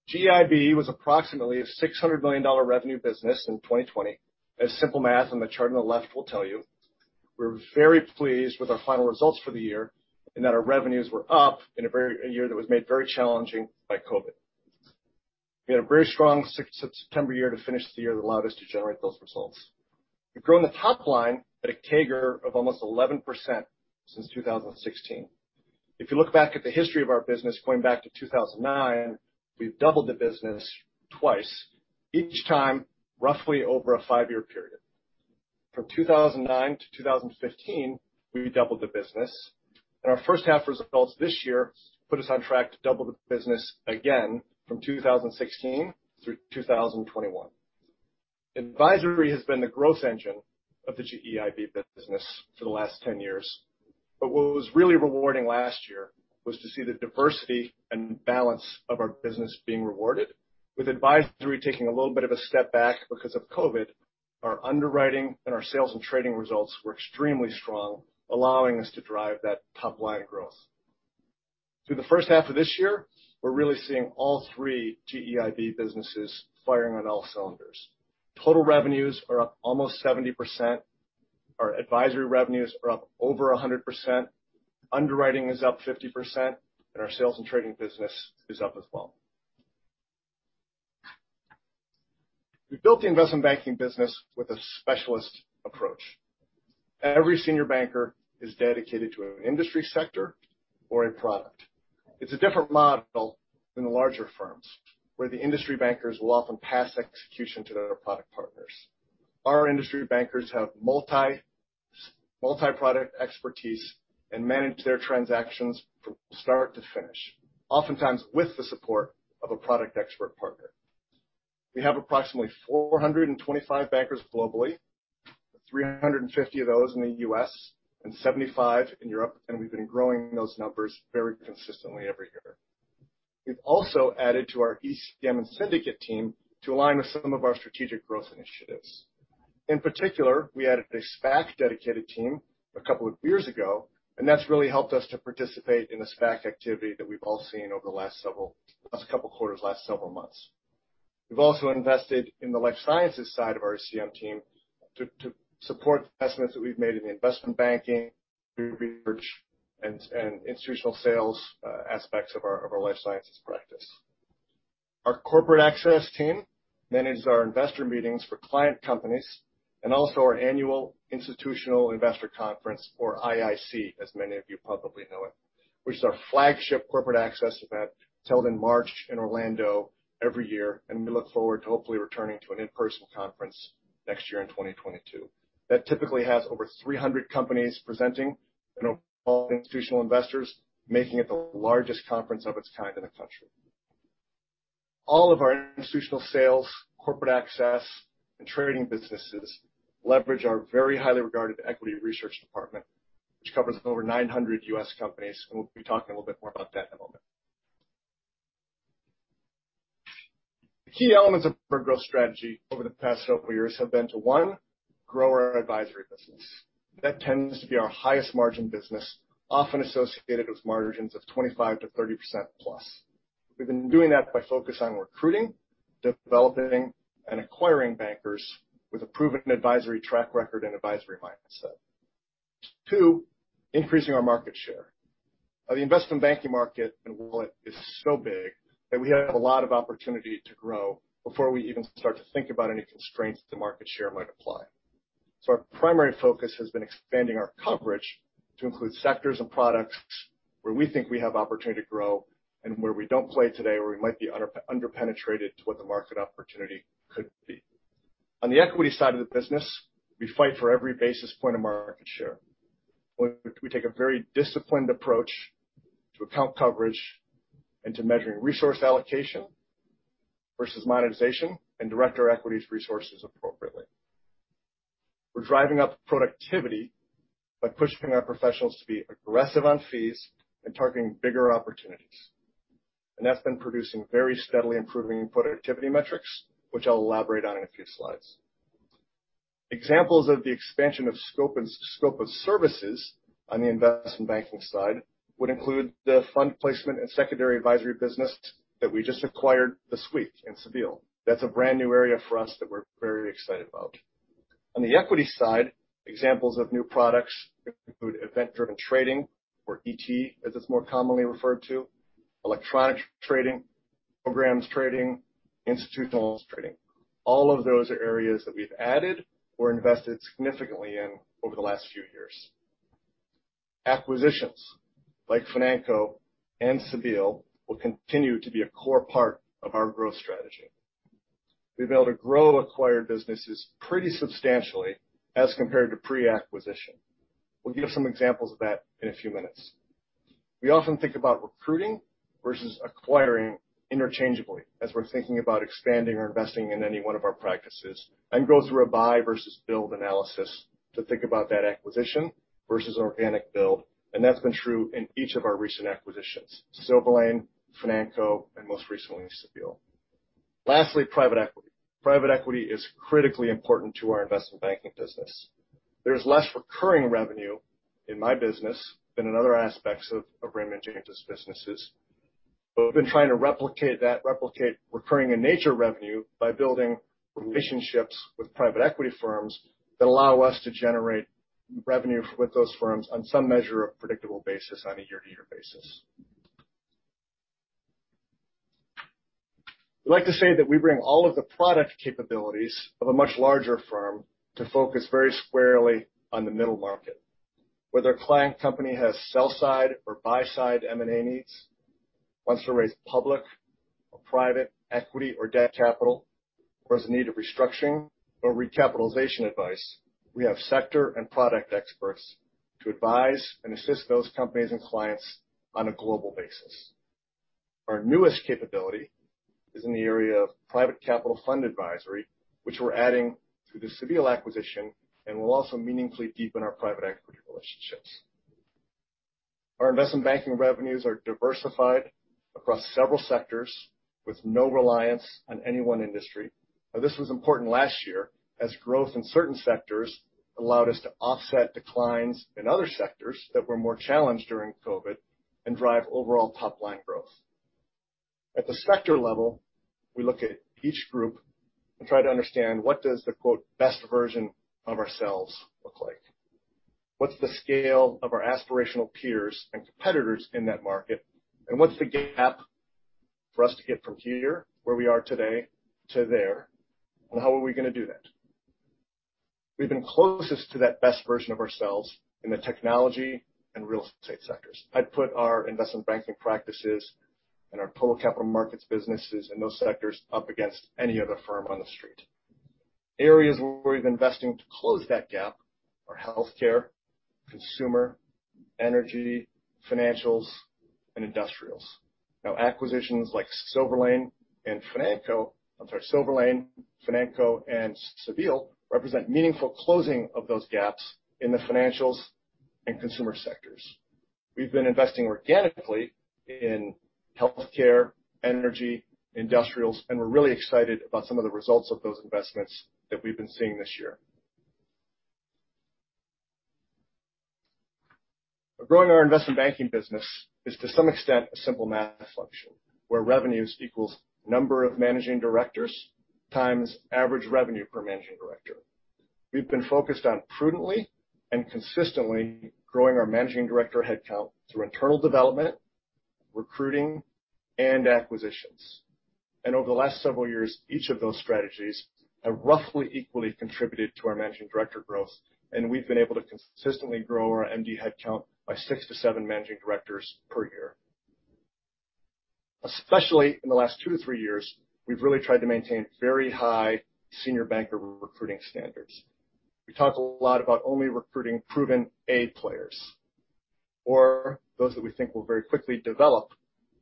GEIB was approximately a $600 million revenue business in 2020. As simple math on the chart on the left will tell you, we're very pleased with our final results for the year, and that our revenues were up in a year that was made very challenging by COVID. We had a very strong September year to finish the year that allowed us to generate those results. We've grown the top line at a CAGR of almost 11% since 2016. If you look back at the history of our business going back to 2009, we've doubled the business twice, each time roughly over a five-year period. From 2009 to 2015, we doubled the business. Our first half results this year put us on track to double the business again from 2016 through 2021. Advisory has been the growth engine of the GEIB business for the last 10 years. What was really rewarding last year was to see the diversity and balance of our business being rewarded. With advisory taking a little bit of a step back because of COVID, our underwriting and our sales and trading results were extremely strong, allowing us to drive that top-line growth. Through the first half of this year, we're really seeing all three GEIB businesses firing on all cylinders. Total revenues are up almost 70%. Our advisory revenues are up over 100%. Underwriting is up 50%, and our sales and trading business is up as well. We built the investment banking business with a specialist approach. Every senior banker is dedicated to an industry sector or a product. It's a different model than the larger firms, where the industry bankers will often pass execution to their product partners. Our industry bankers have multi-product expertise and manage their transactions from start to finish, oftentimes with the support of a product expert partner. We have approximately 425 bankers globally, 350 of those in the U.S., and 75 in Europe, and we've been growing those numbers very consistently every year. We've also added to our ECM and syndicate team to align with some of our strategic growth initiatives. In particular, we added a SPAC dedicated team a couple of years ago, and that's really helped us to participate in the SPAC activity that we've all seen over the last couple of quarters, last several months. We've also invested in the life sciences side of our ECM team to support the investments that we've made in the investment banking, research, and institutional sales aspects of our life sciences practice. Our corporate access team manages our investor meetings for client companies and also our annual Institutional Investor Conference, or IIC, as many of you probably know it, which is our flagship corporate access event held in March in Orlando every year. We look forward to hopefully returning to an in-person conference next year in 2022. That typically has over 300 companies presenting and over 1,000 institutional investors, making it the largest conference of its kind in the country. All of our institutional sales, corporate access, and trading businesses leverage our very highly regarded equity research department, which covers over 900 U.S. companies. We'll be talking a little bit more about that in a moment. The key elements of our growth strategy over the past several years have been to, one, grow our advisory business. That tends to be our highest margin business, often associated with margins of 25%-35% plus. We've been doing that by focus on recruiting, developing, and acquiring bankers with a proven advisory track record and advisory mindset. Two, increasing our market share. The investment banking market and wallet is so big that we have a lot of opportunity to grow before we even start to think about any constraints that market share might apply. Our primary focus has been expanding our coverage to include sectors and products where we think we have opportunity to grow and where we don't play today, or we might be under-penetrated to what the market opportunity could be. On the equity side of the business, we fight for every basis point of market share, where we take a very disciplined approach to account coverage and to measuring resource allocation versus monetization and direct our equities resources appropriately. We're driving up productivity by pushing our professionals to be aggressive on fees and targeting bigger opportunities. That's been producing very steadily improving productivity metrics, which I'll elaborate on in a few slides. Examples of the expansion of scope and scope of services on the investment banking side would include the fund placement and secondary advisory business that we just acquired this week in Cebile. That's a brand new area for us that we're very excited about. On the equity side, examples of new products include event-driven trading or ET, as it's more commonly referred to, electronic trading, programs trading, institutional trading. All of those are areas that we've added or invested significantly in over the last few years. Acquisitions like Financo and Cebile will continue to be a core part of our growth strategy. We've been able to grow acquired businesses pretty substantially as compared to pre-acquisition. We'll give some examples of that in a few minutes. We often think about recruiting versus acquiring interchangeably as we're thinking about expanding or investing in any one of our practices and go through a buy versus build analysis to think about that acquisition versus organic build. That's been true in each of our recent acquisitions, Silver Lane, Financo, and most recently, Cebile. Lastly, private equity. Private equity is critically important to our investment banking business. There is less recurring revenue in my business than in other aspects of Raymond James's businesses. We've been trying to replicate that recurring nature revenue by building relationships with private equity firms that allow us to generate revenue with those firms on some measure of predictable basis on a year-to-year basis. We like to say that we bring all of the product capabilities of a much larger firm to focus very squarely on the middle market. Whether a client company has sell-side or buy-side M&A needs, wants to raise public or private equity or debt capital, or has a need of restructuring or recapitalization advice, we have sector and product experts to advise and assist those companies and clients on a global basis. Our newest capability is in the area of private capital fund advisory, which we're adding through the Cebile acquisition and will also meaningfully deepen our private equity relationships. Our investment banking revenues are diversified across several sectors with no reliance on any one industry. Now, this was important last year as growth in certain sectors allowed us to offset declines in other sectors that were more challenged during COVID and drive overall top-line growth. At the sector level, we look at each group and try to understand what does the best version of ourselves look like. What's the scale of our aspirational peers and competitors in that market, and what's the gap for us to get from here, where we are today, to there, and how are we going to do that? We've been closest to that best version of ourselves in the technology and real estate sectors. I'd put our investment banking practices and our public capital markets businesses in those sectors up against any other firm on The Street. Areas where we're investing to close that gap are healthcare, consumer, energy, financials, and industrials. Now, acquisitions like Silver Lane, Financo, and Cebile represent meaningful closing of those gaps in the financials and consumer sectors. We've been investing organically in healthcare, energy, industrials, and we're really excited about some of the results of those investments that we've been seeing this year. Growing our investment banking business is to some extent a simple math function where revenues equals number of managing directors times average revenue per managing director. We've been focused on prudently and consistently growing our managing director headcount through internal development, recruiting, and acquisitions. Over the last several years, each of those strategies have roughly equally contributed to our managing director growth, and we've been able to consistently grow our MD headcount by 6-7 managing directors per year. Especially in the last 2-3 years, we've really tried to maintain very high senior banker recruiting standards. We talk a lot about only recruiting proven A players, or those that we think will very quickly develop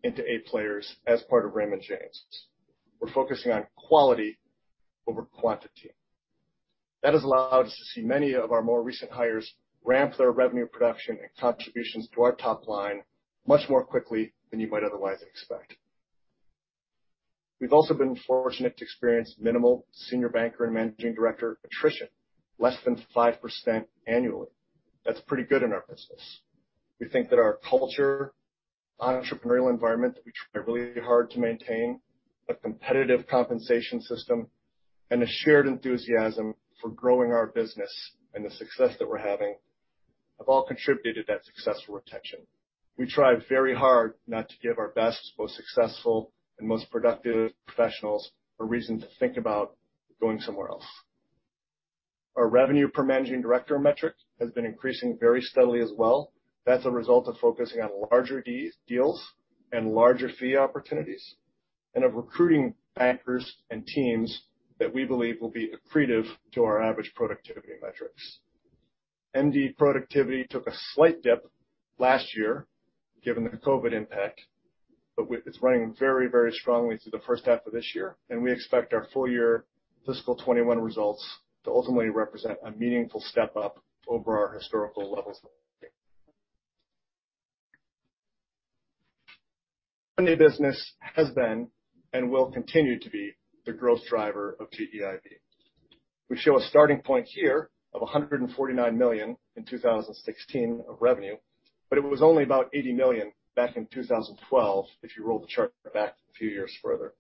into A players as part of Raymond James. We're focusing on quality over quantity. That has allowed us to see many of our more recent hires ramp their revenue production and contributions to our top line much more quickly than you would otherwise expect. We've also been fortunate to experience minimal senior banker Managing Director attrition, less than 5% annually. That's pretty good in our business. We think that our culture, entrepreneurial environment that we try really hard to maintain, a competitive compensation system, and a shared enthusiasm for growing our business, and the success that we're having have all contributed to that successful retention. We try very hard not to give our best, most successful, and most productive professionals a reason to think about going somewhere else. Our revenue per managing director metric has been increasing very steadily as well. That's a result of focusing on larger deals and larger fee opportunities, and of recruiting bankers and teams that we believe will be accretive to our average productivity metrics. MD productivity took a slight dip last year, given the COVID impact, it's running very strongly through the first half of this year, and we expect our full year fiscal 2021 results to ultimately represent a meaningful step up over our historical levels. M&A business has been and will continue to be the growth driver of GEIB. We show a starting point here of $149 million in 2016 of revenue, but it was only about $80 million back in 2012 if you roll the chart back a few years further.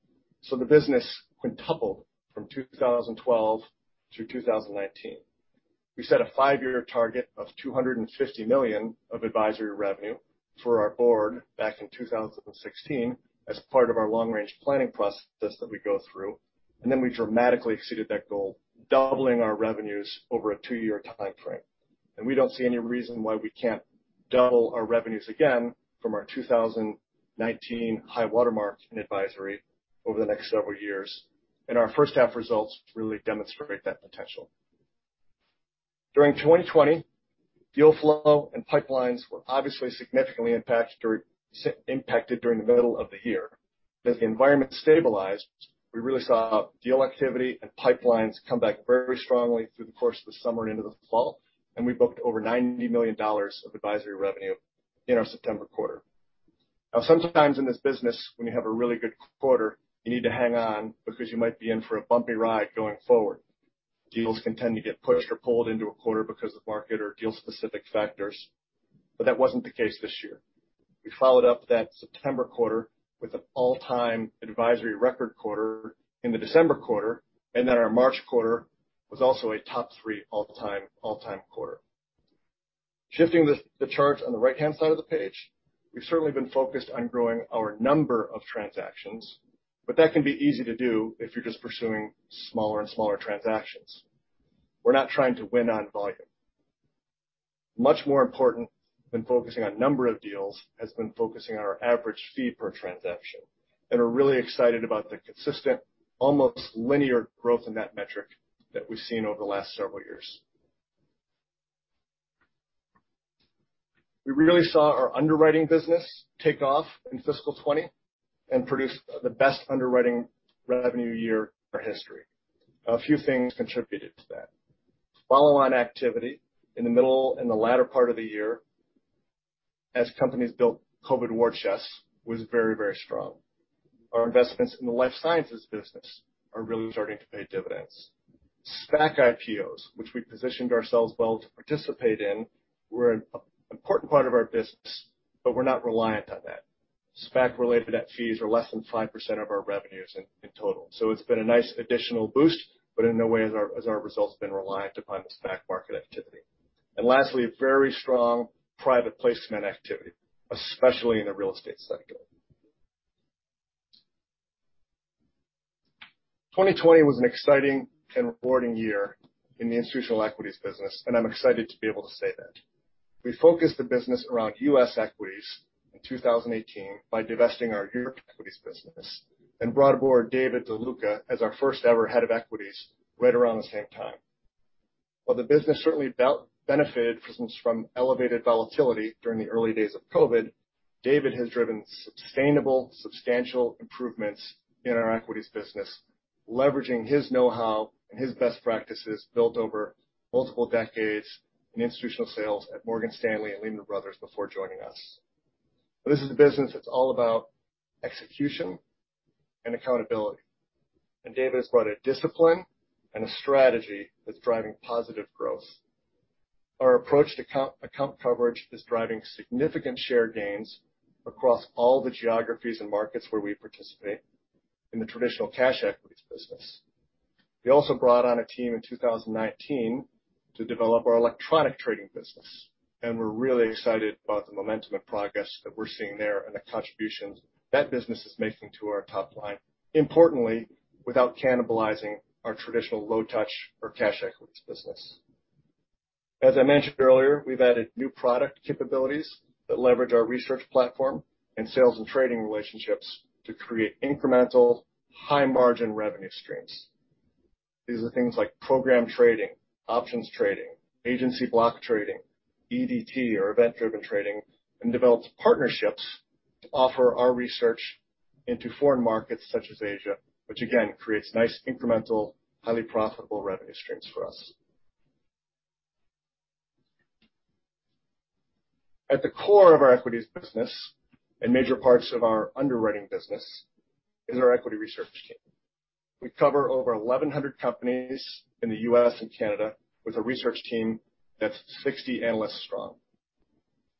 The business quintupled from 2012 to 2019. We set a five-year target of $250 million of advisory revenue for our board back in 2016 as part of our long-range planning process that we go through, and then we dramatically exceeded that goal, doubling our revenues over a two-year timeframe. We don't see any reason why we can't double our revenues again from our 2019 high watermark in advisory over the next several years. Our first half results really demonstrate that potential. During 2020, deal flow and pipelines were obviously significantly impacted during the middle of the year. As the environment stabilized, we really saw deal activity and pipelines come back very strongly through the course of the summer into the fall, and we booked over $90 million of advisory revenue in our September quarter. Now, sometimes in this business, when you have a really good quarter, you need to hang on because you might be in for a bumpy ride going forward. Deals continue to get pushed or pulled into a quarter because of market or deal-specific factors. That wasn't the case this year. We followed up that September quarter with an all-time advisory record quarter in the December quarter, and then our March quarter was also a top three all-time quarter. Shifting the chart on the right-hand side of the page, we've certainly been focused on growing our number of transactions, but that can be easy to do if you're just pursuing smaller and smaller transactions. We're not trying to win on volume. Much more important than focusing on number of deals has been focusing on our average fee per transaction, and we're really excited about the consistent, almost linear growth in that metric that we've seen over the last several years. We really saw our underwriting business take off in fiscal 2020 and produce the best underwriting revenue year in our history. A few things contributed to that. Follow-on activity in the latter part of the year as companies built COVID war chests was very strong. Our investments in the life sciences business are really starting to pay dividends. SPAC IPOs, which we positioned ourselves well to participate in, were an important part of our business, but we're not reliant on that. SPAC-related fees are less than 5% of our revenues in total. It's been a nice additional boost, but in no way has our results been reliant upon SPAC market activity. Lastly, very strong private placement activity, especially in the real estate sector. 2020 was an exciting and rewarding year in the institutional equities business, and I'm excited to be able to say that. We focused the business around U.S. equities in 2018 by divesting our European equities business, and brought aboard David De Luca as our first-ever head of equities right around the same time. While the business certainly benefited from some from elevated volatility during the early days of COVID, David has driven sustainable, substantial improvements in our equities business, leveraging his know-how and his best practices built over multiple decades in institutional sales at Morgan Stanley and Lehman Brothers before joining us. This is a business that's all about execution and accountability. David has brought a discipline and a strategy that's driving positive growth. Our approach to account coverage is driving significant share gains across all the geographies and markets where we participate in the traditional cash equities business. We also brought on a team in 2019 to develop our electronic trading business. We're really excited about the momentum and progress that we're seeing there and the contributions that business is making to our top line, importantly, without cannibalizing our traditional low touch or cash equities business. As I mentioned earlier, we've added new product capabilities that leverage our research platform and sales and trading relationships to create incremental high margin revenue streams. These are things like program trading, options trading, agency block trading, EDT or event-driven trading, and develops partnerships to offer our research into foreign markets such as Asia, which again creates nice incremental, highly profitable revenue streams for us. At the core of our equities business and major parts of our underwriting business is our equity research team. We cover over 1,100 companies in the U.S. and Canada with a research team that's 60 analysts strong.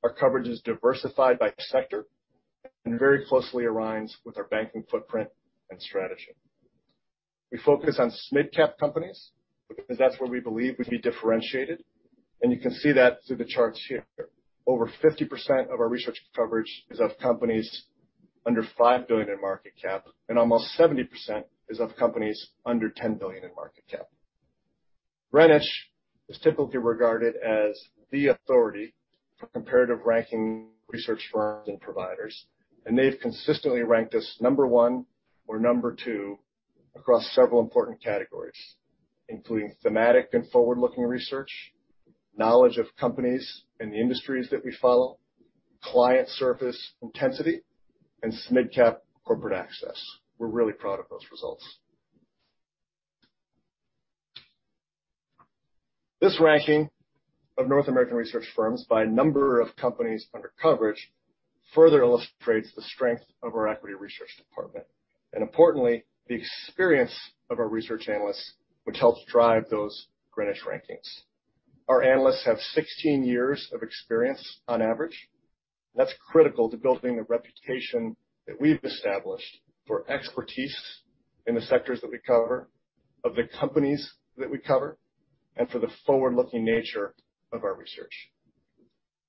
Our coverage is diversified by sector and very closely aligns with our banking footprint and strategy. We focus on mid-cap companies because that's where we believe we can be differentiated, and you can see that through the charts here. Over 50% of our research coverage is of companies under $5 billion in market cap, and almost 70% is of companies under $10 billion in market cap. Greenwich is typically regarded as the authority for comparative ranking research firms and providers, and they've consistently ranked us number one or number two across several important categories, including thematic and forward-looking research, knowledge of companies and the industries that we follow, client service intensity, and mid-cap corporate access. We're really proud of those results. This ranking of North American research firms by number of companies under coverage further illustrates the strength of our equity research department and importantly, the experience of our research analysts, which helps drive those Greenwich rankings. Our analysts have 16 years of experience on average. That's critical to building the reputation that we've established for expertise in the sectors that we cover, of the companies that we cover, and for the forward-looking nature of our research.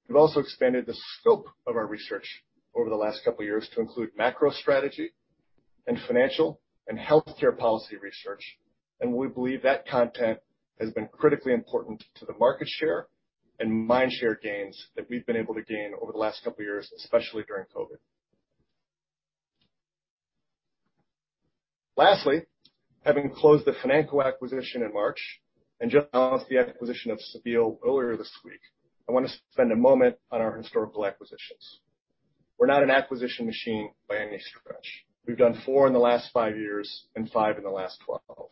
We've also expanded the scope of our research over the last couple of years to include macro strategy and financial and healthcare policy research, and we believe that content has been critically important to the market share and mind share gains that we've been able to gain over the last couple of years, especially during COVID. Lastly, having closed the Financo acquisition in March and just announced the acquisition of Cebile earlier this week, I want to spend a moment on our historical acquisitions. We're not an acquisition machine by any stretch. We've done four in the last five years and five in the last 12.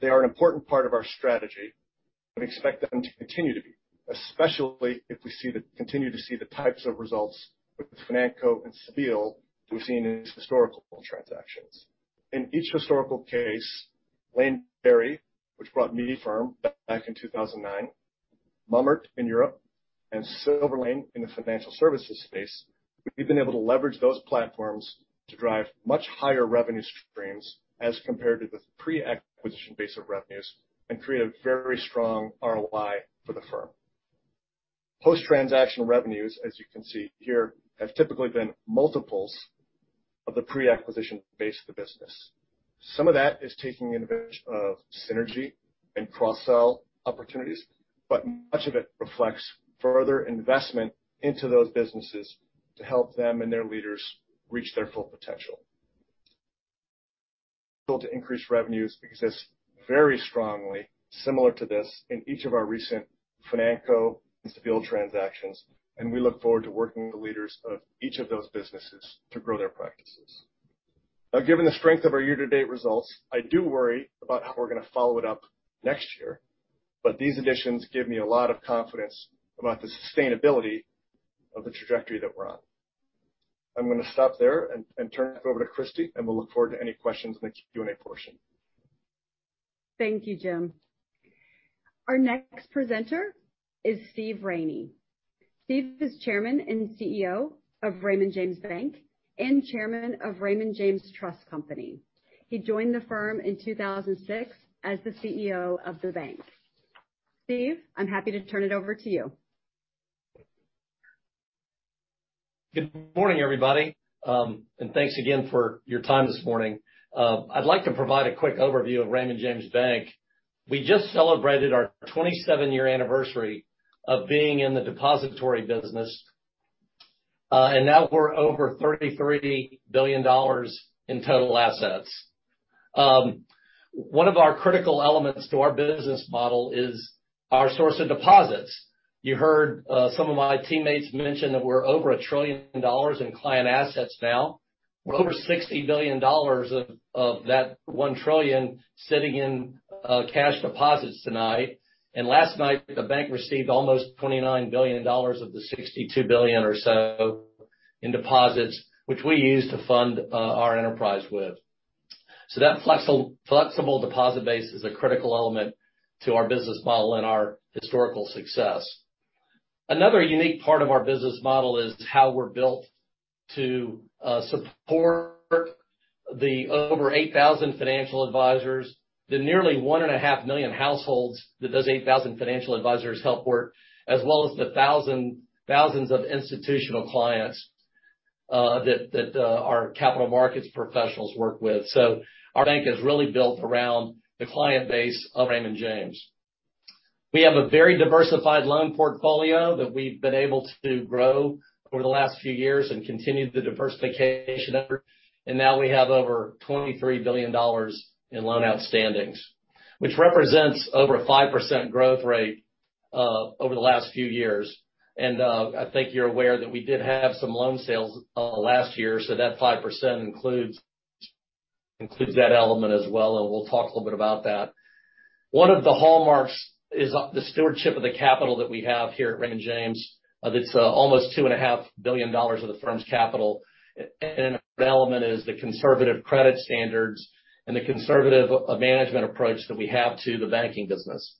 They are an important part of our strategy and expect them to continue to be, especially if we continue to see the types of results with Financo and Cebile that we've seen in these historical transactions. In each historical case, Lane Berry, which brought me to the firm back in 2009, Mummert in Europe, and Silver Lane in the financial services space, we've been able to leverage those platforms to drive much higher revenue streams as compared to the pre-acquisition base of revenues and create a very strong ROI for the firm. Post-transaction revenues, as you can see here, have typically been multiples of the pre-acquisition base of the business. Some of that is taking advantage of synergy and cross-sell opportunities, much of it reflects further investment into those businesses to help them and their leaders reach their full potential. Able to increase revenues exists very strongly similar to this in each of our recent Financo and Cebile transactions, and we look forward to working with leaders of each of those businesses to grow their practices. Given the strength of our year-to-date results, I do worry about how we're going to follow it up next year, but these additions give me a lot of confidence about the sustainability of the trajectory that we're on. I'm going to stop there and turn it over to Kristy, and we'll look forward to any questions in the Q&A portion. Thank you, Jim. Our next presenter is Steve Raney. Steve is Chairman and CEO of Raymond James Bank and Chairman of Raymond James Trust Company. He joined the firm in 2006 as the CEO of the bank. Steve, I'm happy to turn it over to you. Good morning, everybody. Thanks again for your time this morning. I'd like to provide a quick overview of Raymond James Bank. We just celebrated our 27-year anniversary of being in the depository business, and now we're over $33 billion in total assets. One of our critical elements to our business model is our source of deposits. You heard some of my teammates mention that we're over $1 trillion in client assets now. We're over $60 billion of that $1 trillion sitting in cash deposits tonight. Last night, the bank received almost $29 billion of the $62 billion or so in deposits, which we use to fund our enterprise with. That flexible deposit base is a critical element to our business model and our historical success. Another unique part of our business model is how we're built to support the over 8,000 financial advisors, the nearly one and a half million households that those 8,000 financial advisors help work, as well as the thousands of institutional clients that our capital markets professionals work with. Our bank is really built around the client base of Raymond James. We have a very diversified loan portfolio that we've been able to grow over the last few years and continue the diversification effort. Now we have over $23 billion in loan outstandings, which represents over a 5% growth rate over the last few years. I think you're aware that we did have some loan sales last year, so that 5% includes that element as well, and we'll talk a little bit about that. One of the hallmarks is the stewardship of the capital that we have here at Raymond James. It's almost $2.5 billion of the firm's capital. An element is the conservative credit standards and the conservative management approach that we have to the banking business.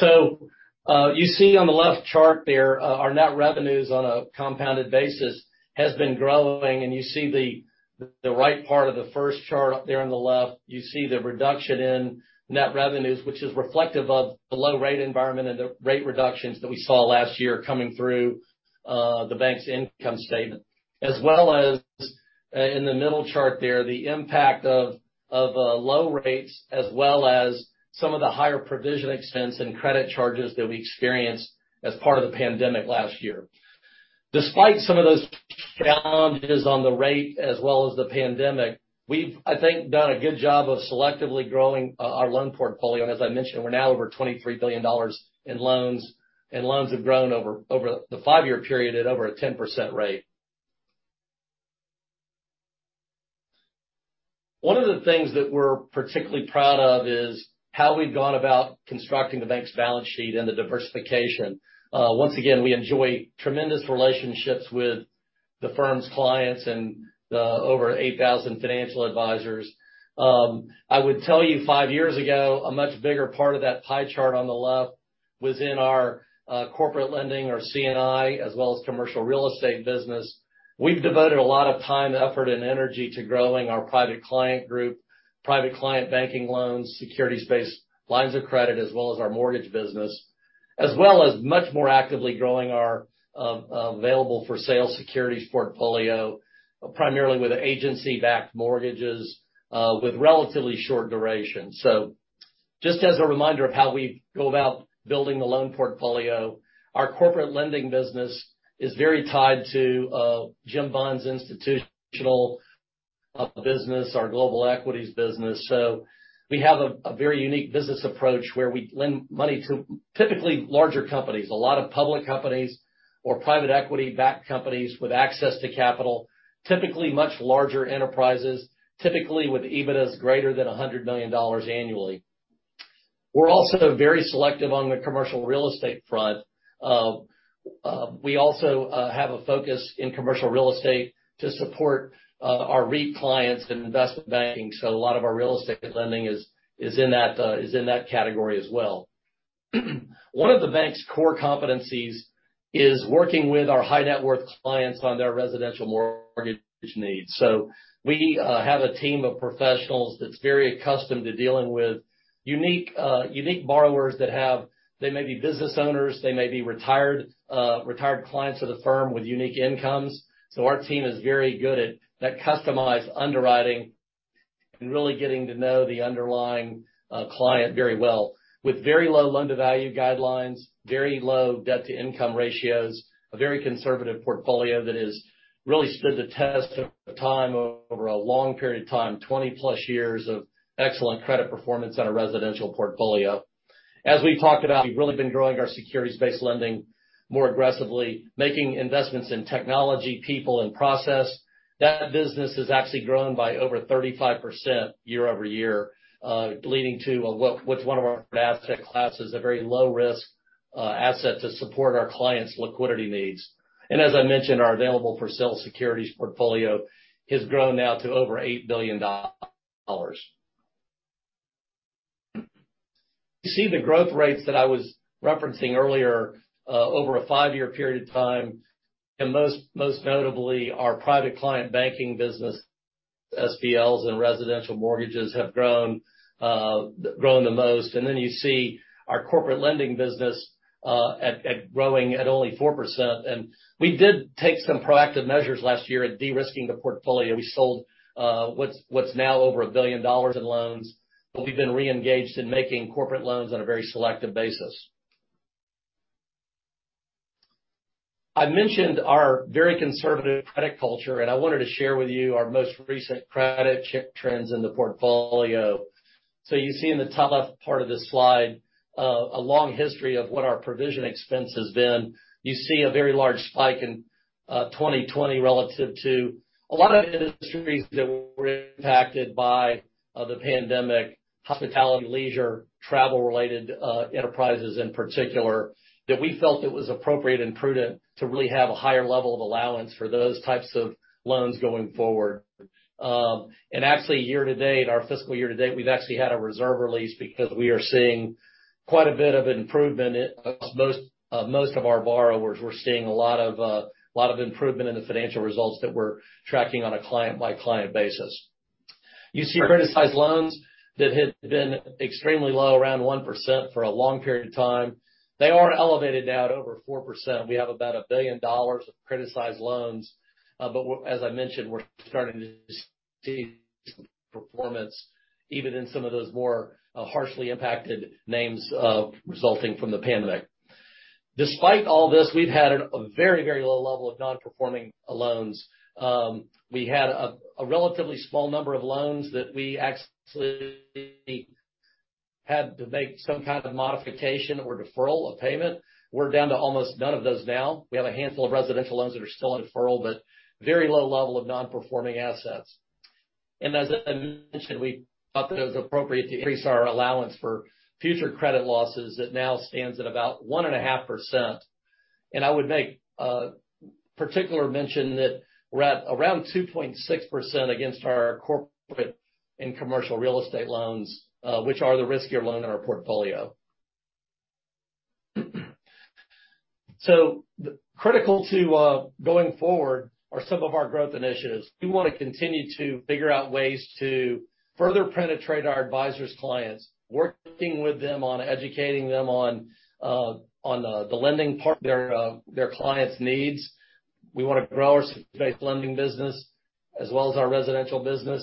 You see on the left chart there, our net revenues on a compounded basis has been growing. You see the right part of the first chart there on the left, you see the reduction in net revenues, which is reflective of the low rate environment and the rate reductions that we saw last year coming through the bank's income statement. As well as in the middle chart there, the impact of low rates as well as some of the higher provision expense and credit charges that we experienced as part of the pandemic last year. Despite some of those challenges on the rate as well as the pandemic, we've, I think, done a good job of selectively growing our loan portfolio. As I mentioned, we're now over $23 billion in loans, and loans have grown over the five-year period at over a 10% rate. One of the things that we're particularly proud of is how we've gone about constructing the bank's balance sheet and the diversification. Once again, we enjoy tremendous relationships with the firm's clients and the over 8,000 financial advisors. I would tell you, five years ago, a much bigger part of that pie chart on the left was in our corporate lending or C&I, as well as commercial real estate business. We've devoted a lot of time, effort, and energy to growing our Private Client Group, private client banking loans, securities-based lines of credit, as well as our mortgage business. As well as much more actively growing our available-for-sale securities portfolio, primarily with agency-backed mortgages with relatively short duration. Just as a reminder of how we go about building the loan portfolio, our corporate lending business is very tied to Jim Bunn's institutional business, our Global Equities business. We have a very unique business approach where we lend money to typically larger companies, a lot of public companies or private equity-backed companies with access to capital, typically much larger enterprises, typically with EBITDAs greater than $100 million annually. We are also very selective on the commercial real estate front. We also have a focus in commercial real estate to support our REIT clients in Investment Banking. A lot of our real estate lending is in that category as well. One of the bank's core competencies is working with our high-net-worth clients on their residential mortgage needs. We have a team of professionals that's very accustomed to dealing with unique borrowers. They may be business owners, they may be retired clients of the firm with unique incomes. Our team is very good at that customized underwriting and really getting to know the underlying client very well. With very low loan-to-value guidelines, very low debt-to-income ratios, a very conservative portfolio that has really stood the test of time over a long period of time, 20-plus years of excellent credit performance on a residential portfolio. As we talked about, we've really been growing our securities-based lending more aggressively, making investments in technology, people, and process. That business has actually grown by over 35% year-over-year, leading to what's one of our asset classes, a very low-risk asset to support our clients' liquidity needs. As I mentioned, our available-for-sale securities portfolio has grown now to over $8 billion. You see the growth rates that I was referencing earlier over a five-year period of time, and most notably, our private client banking business, SBLs and residential mortgages have grown the most. You see our corporate lending business growing at only 4%. We did take some proactive measures last year at de-risking the portfolio. We sold what's now over $1 billion in loans, but we've been re-engaged in making corporate loans on a very selective basis. I mentioned our very conservative credit culture, and I wanted to share with you our most recent credit trends in the portfolio. You see in the top left part of this slide a long history of what our provision expense has been. You see a very large spike in 2020 relative to a lot of industries that were impacted by the pandemic, hospitality, leisure, travel-related enterprises in particular, that we felt it was appropriate and prudent to really have a higher level of allowance for those types of loans going forward. Actually, year to date, our fiscal year to date, we've actually had a reserve release because we are seeing quite a bit of improvement across most of our borrowers. We're seeing a lot of improvement in the financial results that we're tracking on a client-by-client basis. You see criticized loans that had been extremely low, around 1% for a long period of time. They are elevated now to over 4%. We have about $1 billion of criticized loans. As I mentioned, we're starting to see performance even in some of those more harshly impacted names resulting from the pandemic. Despite all this, we've had a very low level of non-performing loans. We had a relatively small number of loans that we actually had to make some kind of modification or deferral of payment. We're down to almost none of those now. We have a handful of residential loans that are still in deferral, but very low level of non-performing assets. As I mentioned, we thought that it was appropriate to increase our allowance for future credit losses that now stands at about one and a half %. I would make a particular mention that we're at around 2.6% against our corporate and commercial real estate loans, which are the riskier loan in our portfolio. Critical to going forward are some of our growth initiatives. We want to continue to figure out ways to further penetrate our advisors' clients, working with them on educating them on the lending part their clients needs. We want to grow our securities-based lending business as well as our residential business.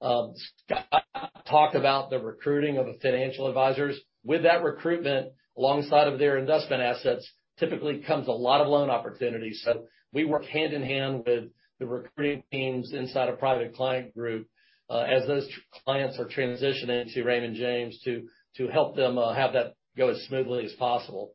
Scott talked about the recruiting of the financial advisors. With that recruitment, alongside of their investment assets, typically comes a lot of loan opportunities. We work hand in hand with the recruiting teams inside a Private Client Group as those clients are transitioning to Raymond James to help them have that go as smoothly as possible.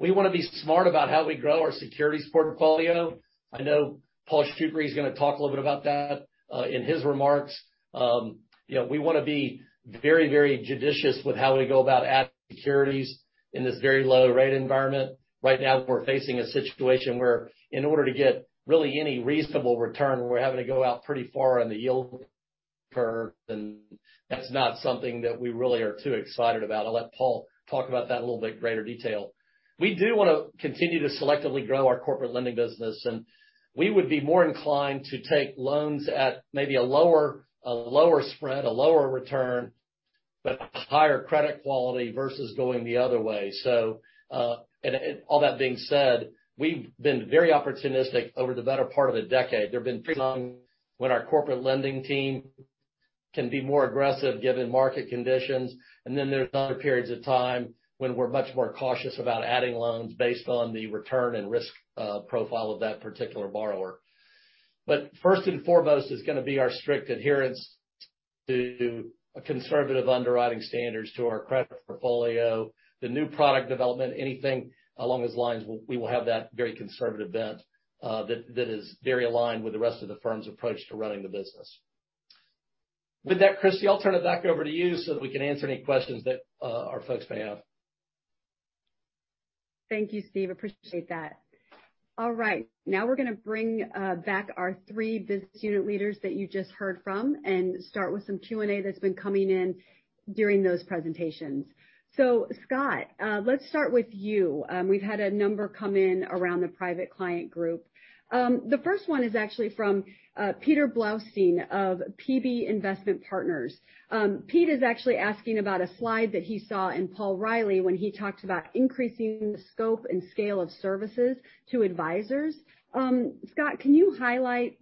We want to be smart about how we grow our securities portfolio. I know Paul Shoukry is going to talk a little bit about that in his remarks. We want to be very judicious with how we go about adding securities in this very low rate environment. Right now, we're facing a situation where in order to get really any reasonable return, we're having to go out pretty far on the yield curve. That's not something that we really are too excited about. I'll let Paul talk about that in a little bit greater detail. We do want to continue to selectively grow our corporate lending business. We would be more inclined to take loans at maybe a lower spread, a lower return, a higher credit quality versus going the other way. All that being said, we've been very opportunistic over the better part of a decade. There have been pretty long when our corporate lending team can be more aggressive given market conditions. Then there's other periods of time when we're much more cautious about adding loans based on the return and risk profile of that particular borrower. First and foremost is going to be our strict adherence to conservative underwriting standards to our credit portfolio, the new product development, anything along those lines, we will have that very conservative bent that is very aligned with the rest of the firm's approach to running the business. With that, Kristy, I'll turn it back over to you so that we can answer any questions that our folks may have. Thank you, Steve. Appreciate that. All right. Now we're going to bring back our three business unit leaders that you just heard from and start with some Q&A that's been coming in during those presentations. Scott, let's start with you. We've had a number come in around the Private Client Group. The first one is actually from Peter Blaustein of PB Investment Partners. Pete is actually asking about a slide that he saw in Paul Reilly when he talked about increasing the scope and scale of services to advisors. Scott, can you highlight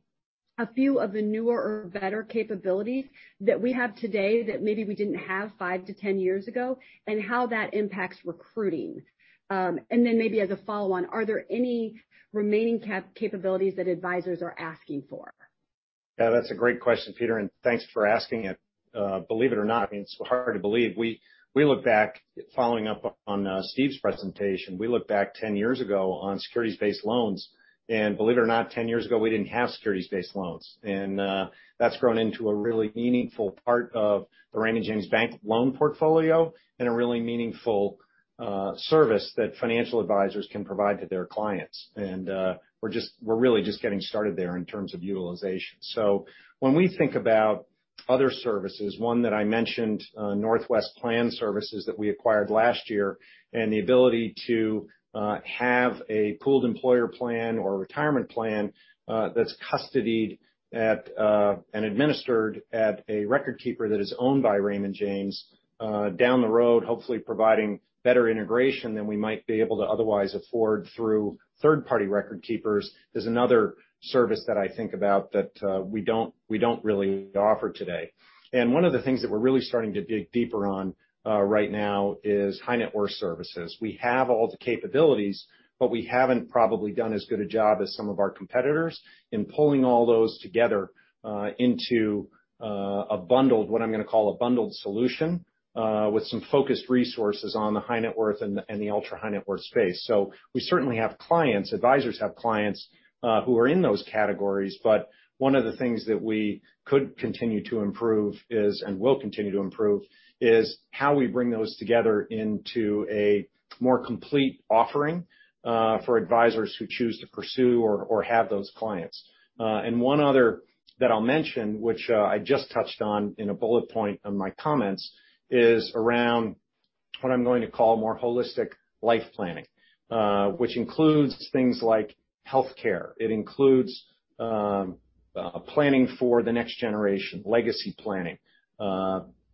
a few of the newer or better capabilities that we have today that maybe we didn't have five to 10 years ago, and how that impacts recruiting? Then maybe as a follow-on, are there any remaining capabilities that advisors are asking for? Yeah, that's a great question, Peter, and thanks for asking it. Believe it or not, it's hard to believe. Following up on Steve's presentation, we look back 10 years ago on Securities-Based Loans, and believe it or not, 10 years ago, we didn't have Securities-Based Loans. That's grown into a really meaningful part of the Raymond James Bank loan portfolio and a really meaningful service that financial advisors can provide to their clients. We're really just getting started there in terms of utilization. When we think about other services, one that I mentioned, Northwest Plan Services that we acquired last year and the ability to have a pooled employer plan or retirement plan that's custodied at and administered at a record keeper that is owned by Raymond James down the road, hopefully providing better integration than we might be able to otherwise afford through third-party record keepers is another service that I think about that we don't really offer today. One of the things that we're really starting to dig deeper on right now is high net worth services. We have all the capabilities, but we haven't probably done as good a job as some of our competitors in pulling all those together into what I'm going to call a bundled solution with some focused resources on the high net worth and the ultra-high net worth space. We certainly have clients, advisors have clients who are in those categories, but one of the things that we could continue to improve is, and will continue to improve, is how we bring those together into a more complete offering for advisors who choose to pursue or have those clients. One other that I'll mention, which I just touched on in a bullet point in my comments, is around what I'm going to call more holistic life planning, which includes things like healthcare. It includes planning for the next generation, legacy planning,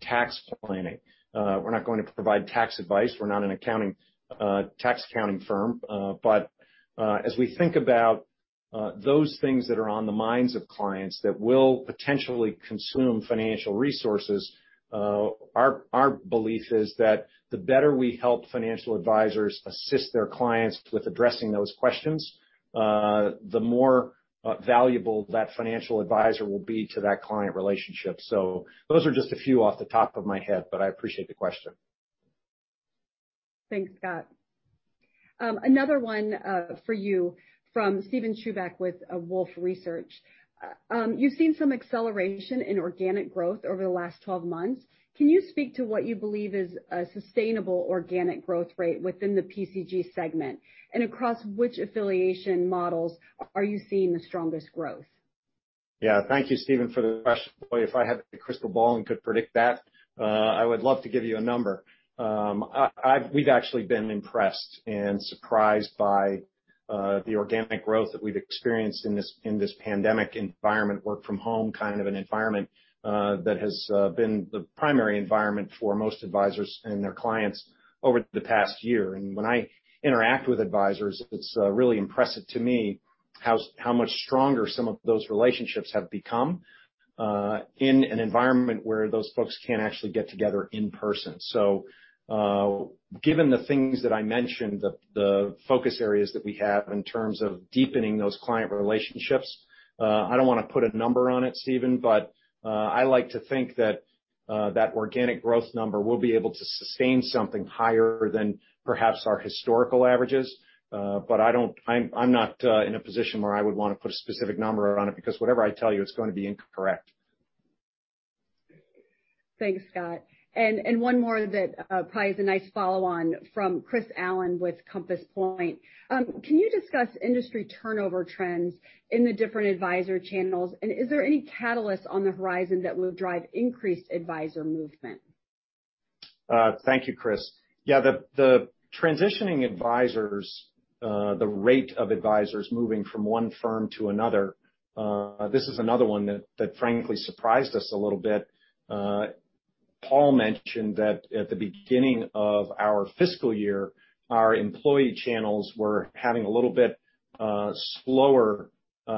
tax planning. We're not going to provide tax advice. We're not a tax accounting firm. As we think about Those things that are on the minds of clients that will potentially consume financial resources, our belief is that the better we help financial advisors assist their clients with addressing those questions, the more valuable that financial advisor will be to that client relationship. Those are just a few off the top of my head, but I appreciate the question. Thanks, Scott. Another one for you from Steven Chubak with Wolfe Research. You've seen some acceleration in organic growth over the last 12 months. Can you speak to what you believe is a sustainable organic growth rate within the PCG segment? Across which affiliation models are you seeing the strongest growth? Thank you, Steven, for the question. Boy, if I had a crystal ball and could predict that, I would love to give you a number. We've actually been impressed and surprised by the organic growth that we've experienced in this pandemic environment, work from home kind of an environment, that has been the primary environment for most advisors and their clients over the past year. When I interact with advisors, it's really impressive to me how much stronger some of those relationships have become, in an environment where those folks can't actually get together in person. Given the things that I mentioned, the focus areas that we have in terms of deepening those client relationships, I don't want to put a number on it, Steven, but I like to think that organic growth number, we'll be able to sustain something higher than perhaps our historical averages. I'm not in a position where I would want to put a specific number on it, because whatever I tell you is going to be incorrect. Thanks, Scott. One more that probably is a nice follow-on from Chris Allen with Compass Point. Can you discuss industry turnover trends in the different advisor channels? Is there any catalyst on the horizon that will drive increased advisor movement? Thank you, Chris. Yeah, the transitioning advisors, the rate of advisors moving from one firm to another, this is another one that frankly surprised us a little bit. Paul mentioned that at the beginning of our fiscal year, our employee channels were having a little bit slower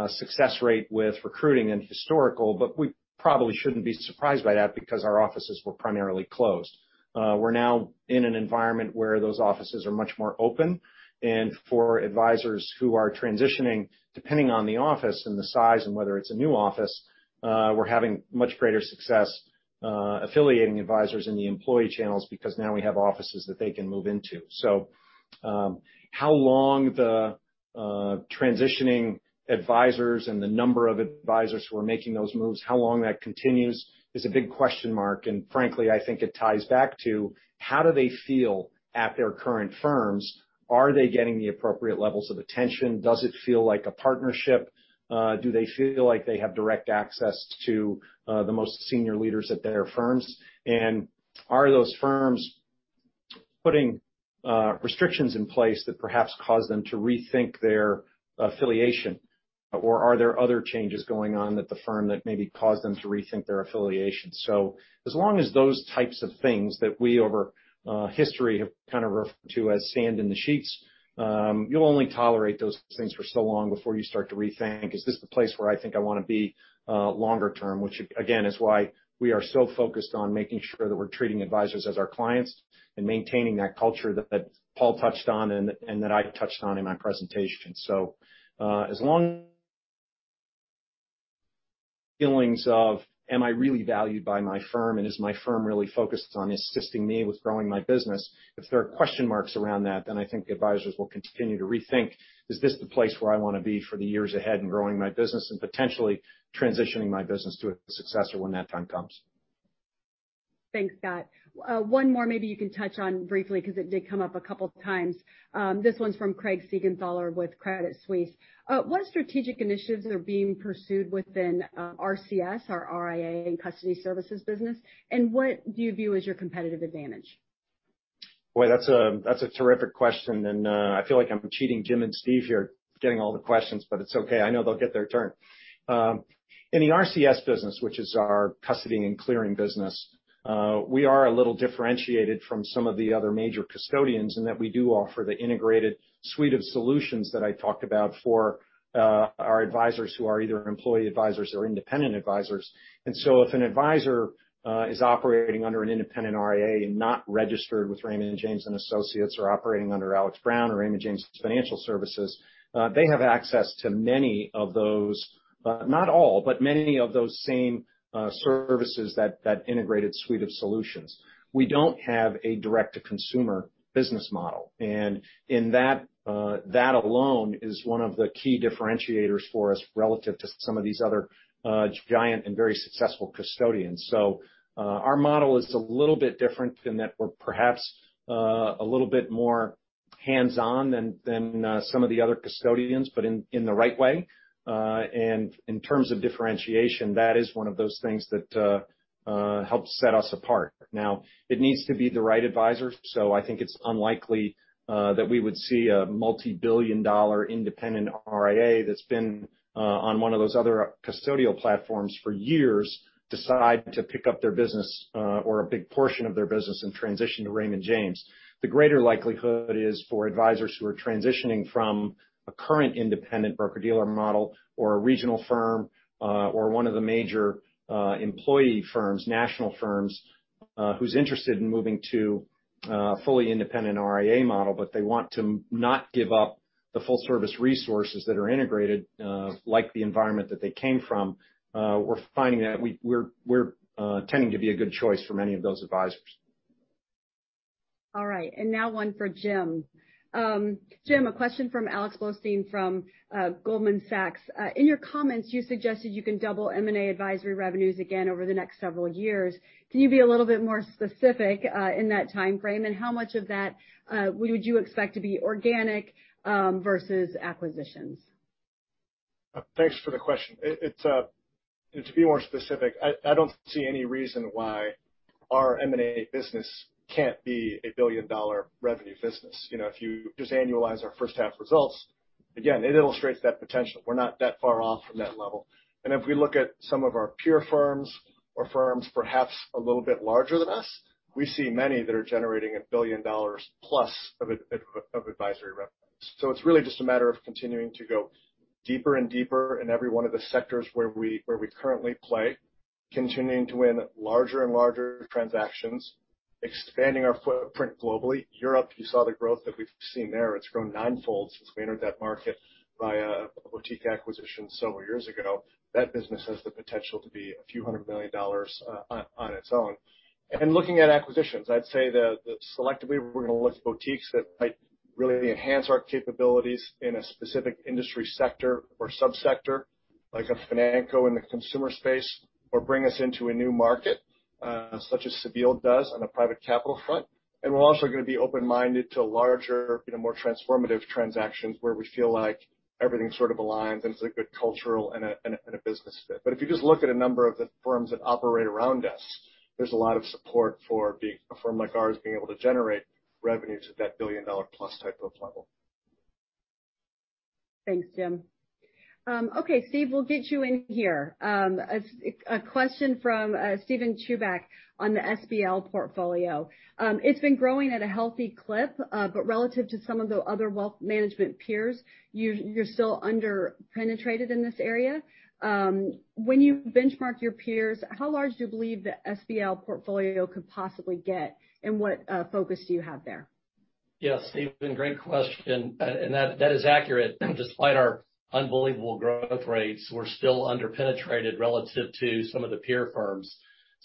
success rate with recruiting than historical, but we probably shouldn't be surprised by that because our offices were primarily closed. We're now in an environment where those offices are much more open, and for advisors who are transitioning, depending on the office and the size and whether it's a new office, we're having much greater success affiliating advisors in the employee channels because now we have offices that they can move into. How long the transitioning advisors and the number of advisors who are making those moves, how long that continues is a big question mark. Frankly, I think it ties back to how do they feel at their current firms? Are they getting the appropriate levels of attention? Does it feel like a partnership? Do they feel like they have direct access to the most senior leaders at their firms? Are those firms putting restrictions in place that perhaps cause them to rethink their affiliation? Are there other changes going on at the firm that maybe cause them to rethink their affiliation? As long as those types of things that we over history have kind of referred to as sand in the sheets, you'll only tolerate those things for so long before you start to rethink, is this the place where I think I want to be longer term, which again, is why we are so focused on making sure that we're treating advisors as our clients and maintaining that culture that Paul touched on and that I touched on in my presentation. As long as feelings of am I really valued by my firm and is my firm really focused on assisting me with growing my business? If there are question marks around that, then I think advisors will continue to rethink, is this the place where I want to be for the years ahead in growing my business and potentially transitioning my business to a successor when that time comes? Thanks, Scott. One more maybe you can touch on briefly because it did come up a couple times. This one's from Craig Siegenthaler with Credit Suisse. What strategic initiatives are being pursued within RCS, our RIA and custody services business, and what do you view as your competitive advantage? Boy, that's a terrific question, and I feel like I'm cheating Jim and Steve here getting all the questions, but it's okay. I know they'll get their turn. In the RCS business, which is our custody and clearing business, we are a little differentiated from some of the other major custodians in that we do offer the integrated suite of solutions that I talked about for our advisors who are either employee advisors or independent advisors. If an advisor is operating under an independent RIA, not registered with Raymond James & Associates or operating under Alex. Brown or Raymond James Financial Services, they have access to many of those, not all, but many of those same services that integrated suite of solutions. We don't have a direct-to-consumer business model, that alone is one of the key differentiators for us relative to some of these other giant and very successful custodians. Our model is a little bit different in that we're perhaps a little bit more hands-on than some of the other custodians, but in the right way. In terms of differentiation, that is one of those things that helps set us apart. It needs to be the right advisor; I think it's unlikely that we would see a multi-billion-dollar independent RIA that's been on one of those other custodial platforms for years decide to pick up their business or a big portion of their business and transition to Raymond James. The greater likelihood is for advisors who are transitioning from a current independent broker-dealer model or a regional firm or one of the major employee firms, national firms, who's interested in moving to a fully independent RIA model, but they want to not give up. The full service resources that are integrated, like the environment that they came from, we're finding that we're tending to be a good choice for many of those advisors. All right, now one for Jim. Jim, a question from Alexander Blostein from Goldman Sachs. In your comments, you suggested you can double M&A advisory revenues again over the next several years. Can you be a little bit more specific in that timeframe, how much of that would you expect to be organic versus acquisitions? Thanks for the question. To be more specific, I don't see any reason why our M&A business can't be a billion-dollar revenue business. If you just annualize our first half results, again, it illustrates that potential. We're not that far off from that level. If we look at some of our peer firms or firms perhaps a little bit larger than us, we see many that are generating $1 billion-plus of advisory revenues. It's really just a matter of continuing to go deeper and deeper in every one of the sectors where we currently play, continuing to win larger and larger transactions, expanding our footprint globally. Europe, you saw the growth that we've seen there. It's grown ninefold since we entered that market via a boutique acquisition several years ago. That business has the potential to be a few hundred million dollars on its own. Looking at acquisitions, I'd say that selectively, we're going to look at boutiques that might really enhance our capabilities in a specific industry sector or sub-sector, like a Financo in the consumer space, or bring us into a new market, such as Cebile does on the private capital front. We're also going to be open-minded to larger, more transformative transactions where we feel like everything sort of aligns and it's a good cultural and a business fit. If you just look at a number of the firms that operate around us, there's a lot of support for a firm like ours being able to generate revenues at that billion-dollar-plus type of level. Thanks, Jim. Okay, Steve, we'll get you in here. A question from Steven Chubak on the SBL portfolio. It's been growing at a healthy clip. Relative to some of the other wealth management peers, you're still under-penetrated in this area. When you benchmark your peers, how large do you believe the SBL portfolio could possibly get, and what focus do you have there? Yeah, Steven, great question. That is accurate. Despite our unbelievable growth rates, we're still under-penetrated relative to some of the peer firms.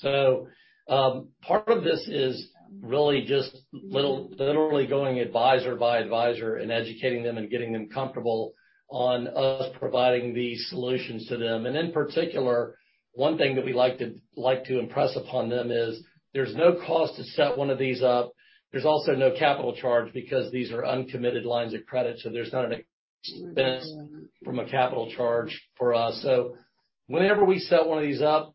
Part of this is really just literally going advisor by advisor and educating them and getting them comfortable on us providing these solutions to them. In particular, one thing that we like to impress upon them is there's no cost to set one of these up. There's also no capital charge because these are uncommitted lines of credit, there's not an expense from a capital charge for us. Whenever we set one of these up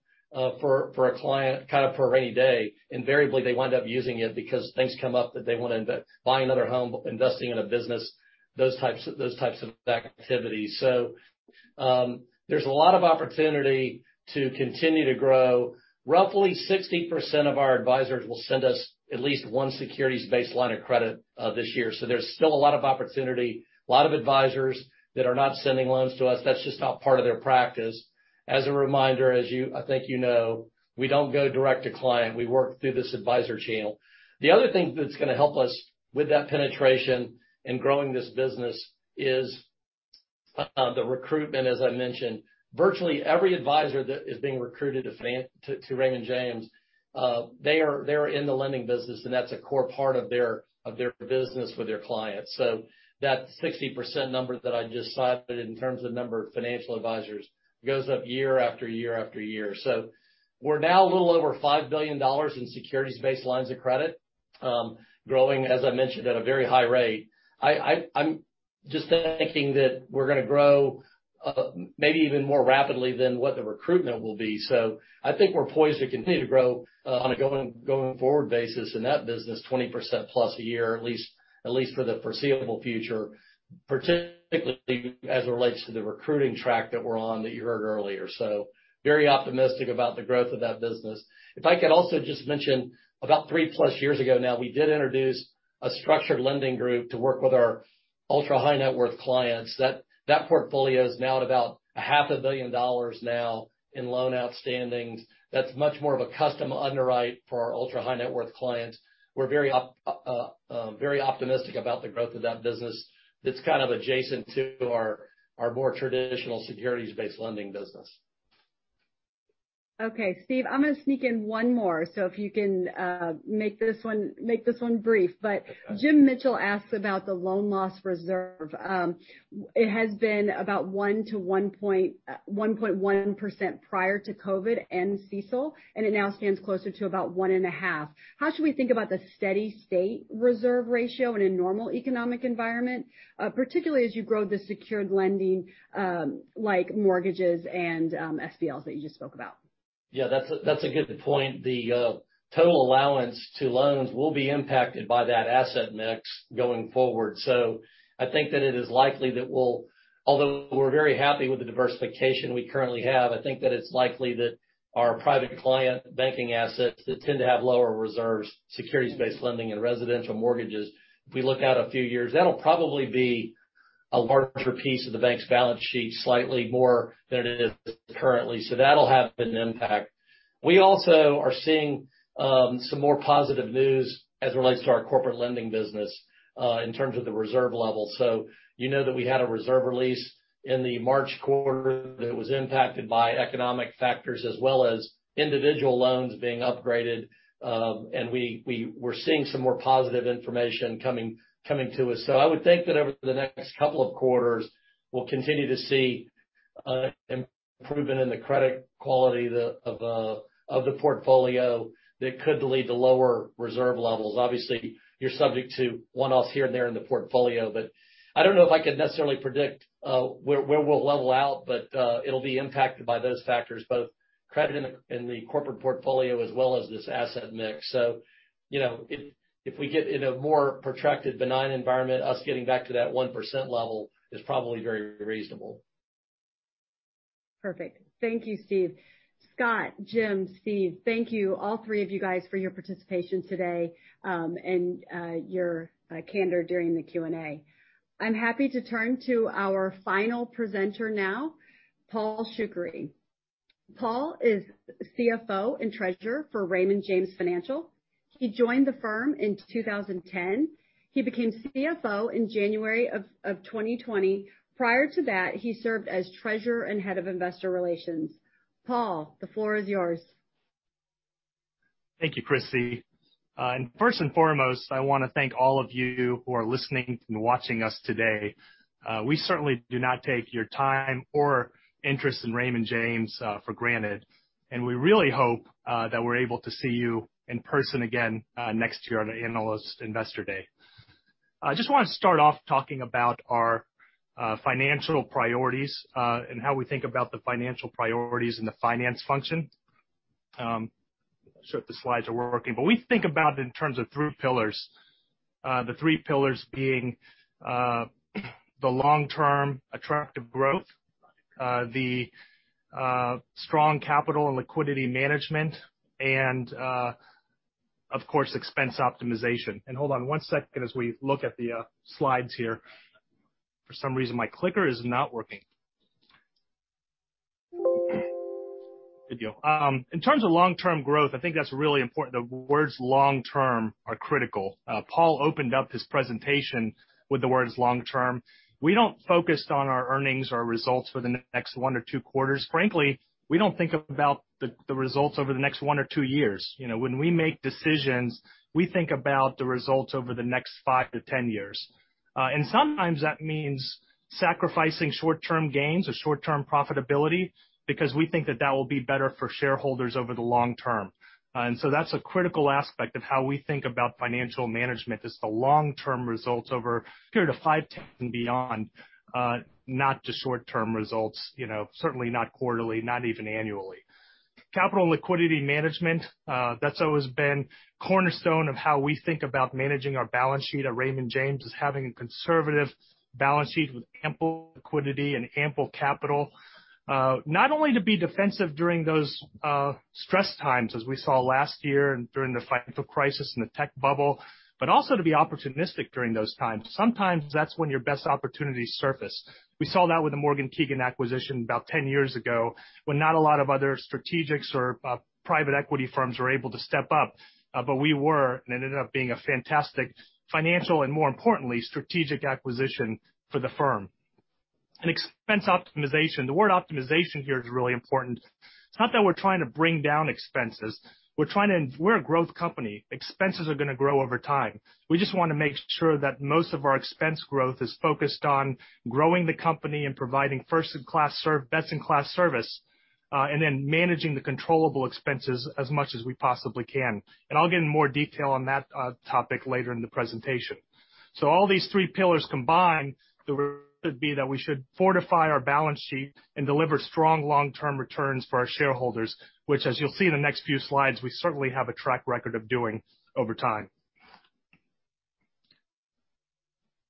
for a client kind of for a rainy day, invariably they wind up using it because things come up that they want to buy another home, investing in a business, those types of activities. There's a lot of opportunity to continue to grow. Roughly 60% of our advisors will send us at least one securities-based lines of credit this year. There's still a lot of opportunity. A lot of advisors that are not sending loans to us, that's just not part of their practice. As a reminder, as I think you know, we don't go direct to client. We work through this advisor channel. The other thing that's going to help us with that penetration in growing this business is the recruitment, as I mentioned. Virtually every advisor that is being recruited to Raymond James, they are in the lending business, and that's a core part of their business with their clients. That 60% number that I just cited in terms of number of financial advisors goes up year after year after year. We're now a little over $5 billion in securities-based lines of credit. Growing, as I mentioned, at a very high rate. I'm just thinking that we're going to grow maybe even more rapidly than what the recruitment will be. I think we're poised to continue to grow on a going forward basis in that business 20%-plus a year, at least for the foreseeable future, particularly as it relates to the recruiting track that we're on that you heard earlier. Very optimistic about the growth of that business. If I could also just mention, about three-plus years ago now, we did introduce a structured lending group to work with our ultra-high net worth clients. That portfolio is now at about a half a billion dollars now in loan outstandings. That's much more of a custom underwrite for our ultra-high net worth clients. We're very optimistic about the growth of that business that's kind of adjacent to our more traditional securities-based lending business. Okay, Steve, I'm going to sneak in one more. If you can make this one brief. Okay. James Mitchell asks about the loan loss reserve. It has been about 1%-1.1% prior to COVID and CECL, and it now stands closer to about 1.5%. How should we think about the steady state reserve ratio in a normal economic environment, particularly as you grow the secured lending like mortgages and SBLs that you just spoke about? Yeah, that's a good point. The total allowance to loans will be impacted by that asset mix going forward. I think that it is likely that we'll, although we're very happy with the diversification we currently have, I think that it's likely that our private client banking assets that tend to have lower reserves, securities-based lending, and residential mortgages, if we look out a few years, that'll probably be a larger piece of the bank's balance sheet slightly more than it is currently. That'll have an impact. We also are seeing some more positive news as it relates to our corporate lending business in terms of the reserve level. You know that we had a reserve release in the March quarter that was impacted by economic factors as well as individual loans being upgraded. We're seeing some more positive information coming to us. I would think that over the next couple of quarters, we'll continue to see an improvement in the credit quality of the portfolio that could lead to lower reserve levels. Obviously, you're subject to one-offs here and there in the portfolio, but I don't know if I could necessarily predict where we'll level out. It'll be impacted by those factors, both credit in the corporate portfolio as well as this asset mix. If we get in a more protracted, benign environment, us getting back to that 1% level is probably very reasonable. Perfect. Thank you, Steve. Scott, Jim, Steve, thank you, all three of you guys, for your participation today, and your candor during the Q&A. I'm happy to turn to our final presenter now, Paul Shoukry. Paul is CFO and treasurer for Raymond James Financial. He joined the firm in 2010. He became CFO in January of 2020. Prior to that, he served as treasurer and head of investor relations. Paul, the floor is yours. Thank you, Kristy. First and foremost, I want to thank all of you who are listening and watching us today. We certainly do not take your time or interest in Raymond James for granted. We really hope that we're able to see you in person again next year at our Analyst & Investor Day. I just want to start off talking about our financial priorities, how we think about the financial priorities and the finance function. Not sure if the slides are working. We think about it in terms of three pillars. The three pillars being the long-term attractive growth, the strong capital and liquidity management. Of course, expense optimization. Hold on one second as we look at the slides here. For some reason, my clicker is not working. Good deal. In terms of long-term growth, I think that's really important. The words long term are critical. Paul opened up his presentation with the words long term. We don't focus on our earnings or results for the next one or two quarters. Frankly, we don't think about the results over the next one or two years. When we make decisions, we think about the results over the next five to 10 years. Sometimes that means sacrificing short-term gains or short-term profitability because we think that that will be better for shareholders over the long term. That's a critical aspect of how we think about financial management is the long-term results over a period of five, 10, and beyond, not just short-term results. Certainly not quarterly, not even annually. Capital liquidity management. That's always been cornerstone of how we think about managing our balance sheet at Raymond James, is having a conservative balance sheet with ample liquidity and ample capital. Not only to be defensive during those stress times as we saw last year and during the financial crisis and the tech bubble, but also to be opportunistic during those times. Sometimes that's when your best opportunities surface. We saw that with the Morgan Keegan acquisition about 10 years ago, when not a lot of other strategics or private equity firms were able to step up. We were, and it ended up being a fantastic financial and, more importantly, strategic acquisition for the firm. Expense optimization. The word optimization here is really important. It's not that we're trying to bring down expenses. We're a growth company. Expenses are going to grow over time. We just want to make sure that most of our expense growth is focused on growing the company and providing best-in-class service, and then managing the controllable expenses as much as we possibly can. I'll get in more detail on that topic later in the presentation. All these three pillars combined, they would be that we should fortify our balance sheet and deliver strong long-term returns for our shareholders, which as you'll see in the next few slides, we certainly have a track record of doing over time.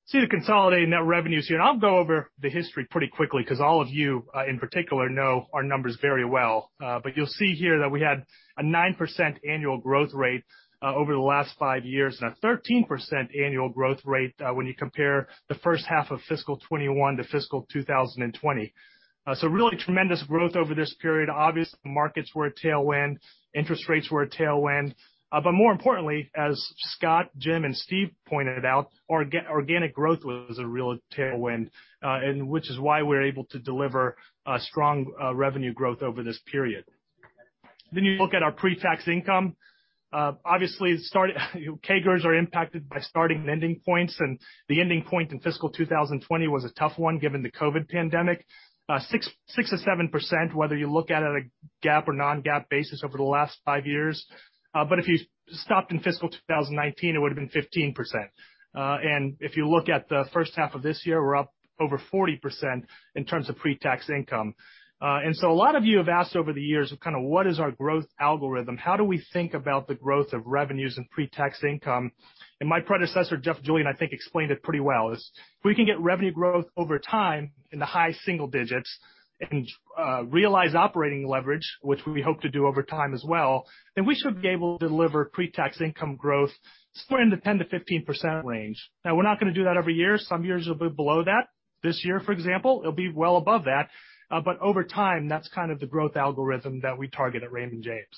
See the consolidated net revenues here. I'll go over the history pretty quickly because all of you, in particular, know our numbers very well. You'll see here that we had a 9% annual growth rate over the last five years and a 13% annual growth rate when you compare the first half of fiscal 2021 to fiscal 2020. really tremendous growth over this period. Obviously, markets were a tailwind, interest rates were a tailwind. more importantly, as Scott, Jim, and Steve pointed out, organic growth was a real tailwind, and which is why we're able to deliver strong revenue growth over this period. You look at our pre-tax income. Obviously, CAGRs are impacted by starting and ending points, and the ending point in fiscal 2020 was a tough one given the COVID pandemic. 6%-7%, whether you look at it a GAAP or non-GAAP basis over the last five years. If you stopped in fiscal 2019, it would've been 15%. If you look at the first half of this year, we're up over 40% in terms of pre-tax income. A lot of you have asked over the years kind of what is our growth algorithm? How do we think about the growth of revenues and pre-tax income? My predecessor, Jeff Julien, I think explained it pretty well, is if we can get revenue growth over time in the high single digits and realize operating leverage, which we hope to do over time as well, then we should be able to deliver pre-tax income growth somewhere in the 10%-15% range. Now, we're not going to do that every year. Some years it'll be below that. This year, for example, it'll be well above that. Over time, that's kind of the growth algorithm that we target at Raymond James.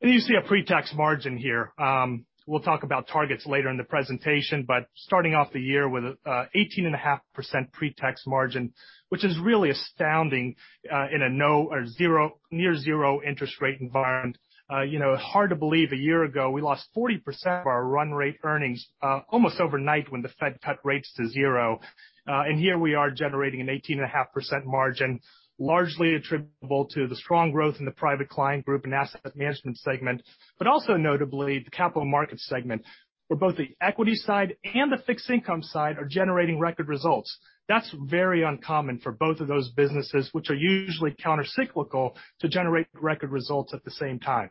You see a pre-tax margin here. We'll talk about targets later in the presentation, but starting off the year with 18.5% pre-tax margin, which is really astounding, in a near zero interest rate environment. It's hard to believe a year ago we lost 40% of our run rate earnings almost overnight when the Fed cut rates to zero. Here we are generating an 18.5% margin, largely attributable to the strong growth in the Private Client Group and asset management segment, but also notably the Capital Markets segment, where both the equity side and the fixed income side are generating record results. That's very uncommon for both of those businesses, which are usually counter-cyclical, to generate record results at the same time.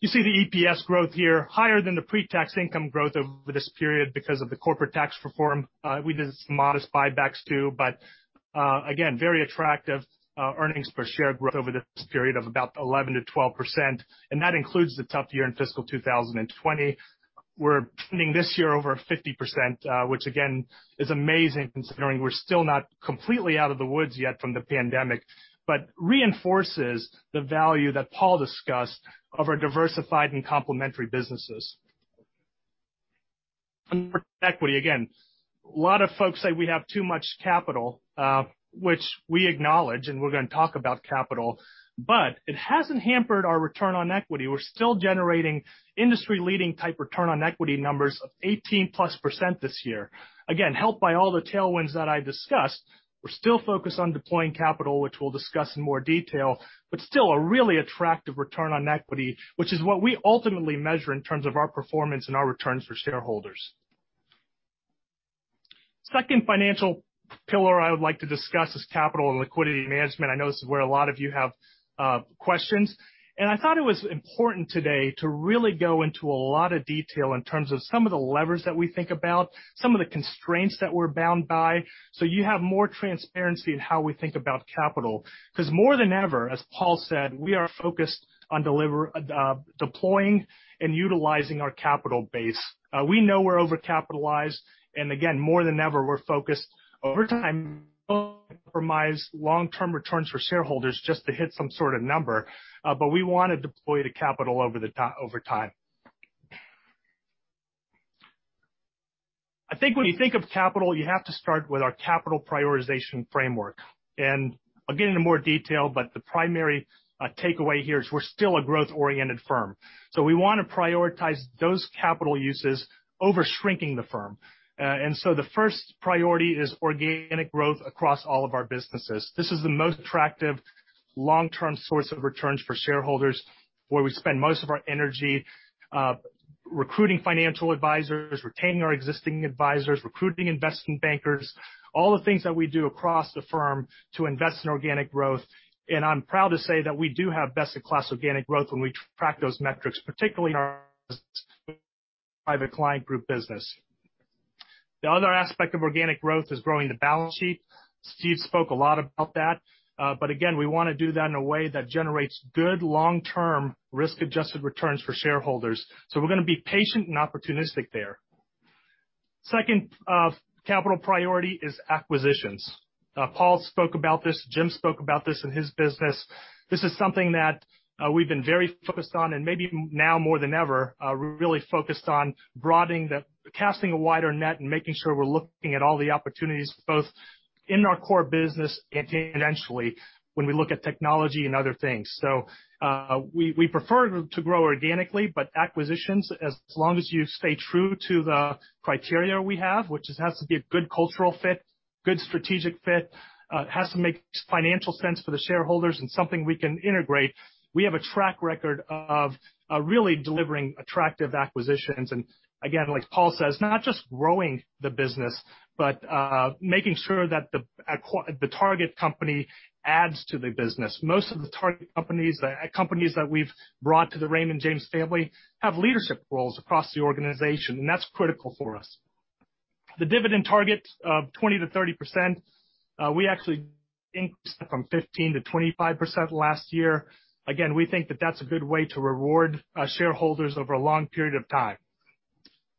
You see the EPS growth here, higher than the pre-tax income growth over this period because of the corporate tax reform. We did some modest buybacks, too. Again, very attractive earnings per share growth over this period of about 11%-12%, and that includes the tough year in fiscal 2020. We're trending this year over 50%, which again, is amazing considering we're still not completely out of the woods yet from the pandemic. Reinforces the value that Paul discussed of our diversified and complementary businesses. Return on Equity. A lot of folks say we have too much capital, which we acknowledge, and we're going to talk about capital. It hasn't hampered our Return on Equity. We're still generating industry leading type Return on Equity numbers of 18% plus this year. Helped by all the tailwinds that I discussed. We're still focused on deploying capital, which we'll discuss in more detail, but still a really attractive Return on Equity, which is what we ultimately measure in terms of our performance and our returns for shareholders. Second financial pillar I would like to discuss is capital and liquidity management. I know this is where a lot of you have questions. I thought it was important today to really go into a lot of detail in terms of some of the levers that we think about, some of the constraints that we're bound by, so you have more transparency in how we think about capital. More than ever, as Paul said, we are focused on deploying and utilizing our capital base. We know we're overcapitalized, and again, more than ever, we're focused over time to compromise long-term returns for shareholders just to hit some sort of number. We want to deploy the capital over time. I think when you think of capital, you have to start with our capital prioritization framework. I'll get into more detail, but the primary takeaway here is we're still a growth-oriented firm. We want to prioritize those capital uses over shrinking the firm. The first priority is organic growth across all of our businesses. This is the most attractive long-term source of returns for shareholders, where we spend most of our energy recruiting financial advisors, retaining our existing advisors, recruiting investment bankers, all the things that we do across the firm to invest in organic growth. I'm proud to say that we do have best in class organic growth when we track those metrics, particularly in our Private Client Group business. The other aspect of organic growth is growing the balance sheet. Steve spoke a lot about that. Again, we want to do that in a way that generates good long-term risk-adjusted returns for shareholders. We're going to be patient and opportunistic there. Second capital priority is acquisitions. Paul spoke about this. Jim spoke about this in his business. This is something that we've been very focused on, and maybe now more than ever, really focused on casting a wider net and making sure we're looking at all the opportunities, both in our core business and financially when we look at technology and other things. We prefer to grow organically, but acquisitions, as long as you stay true to the criteria we have, which it has to be a good cultural fit, good strategic fit. It has to make financial sense for the shareholders and something we can integrate. We have a track record of really delivering attractive acquisitions. Again, like Paul says, not just growing the business, but making sure that the target company adds to the business. Most of the target companies that we've brought to the Raymond James family have leadership roles across the organization, and that's critical for us. The dividend target of 20%-30%. We actually increased that from 15%-25% last year. Again, we think that that's a good way to reward shareholders over a long period of time.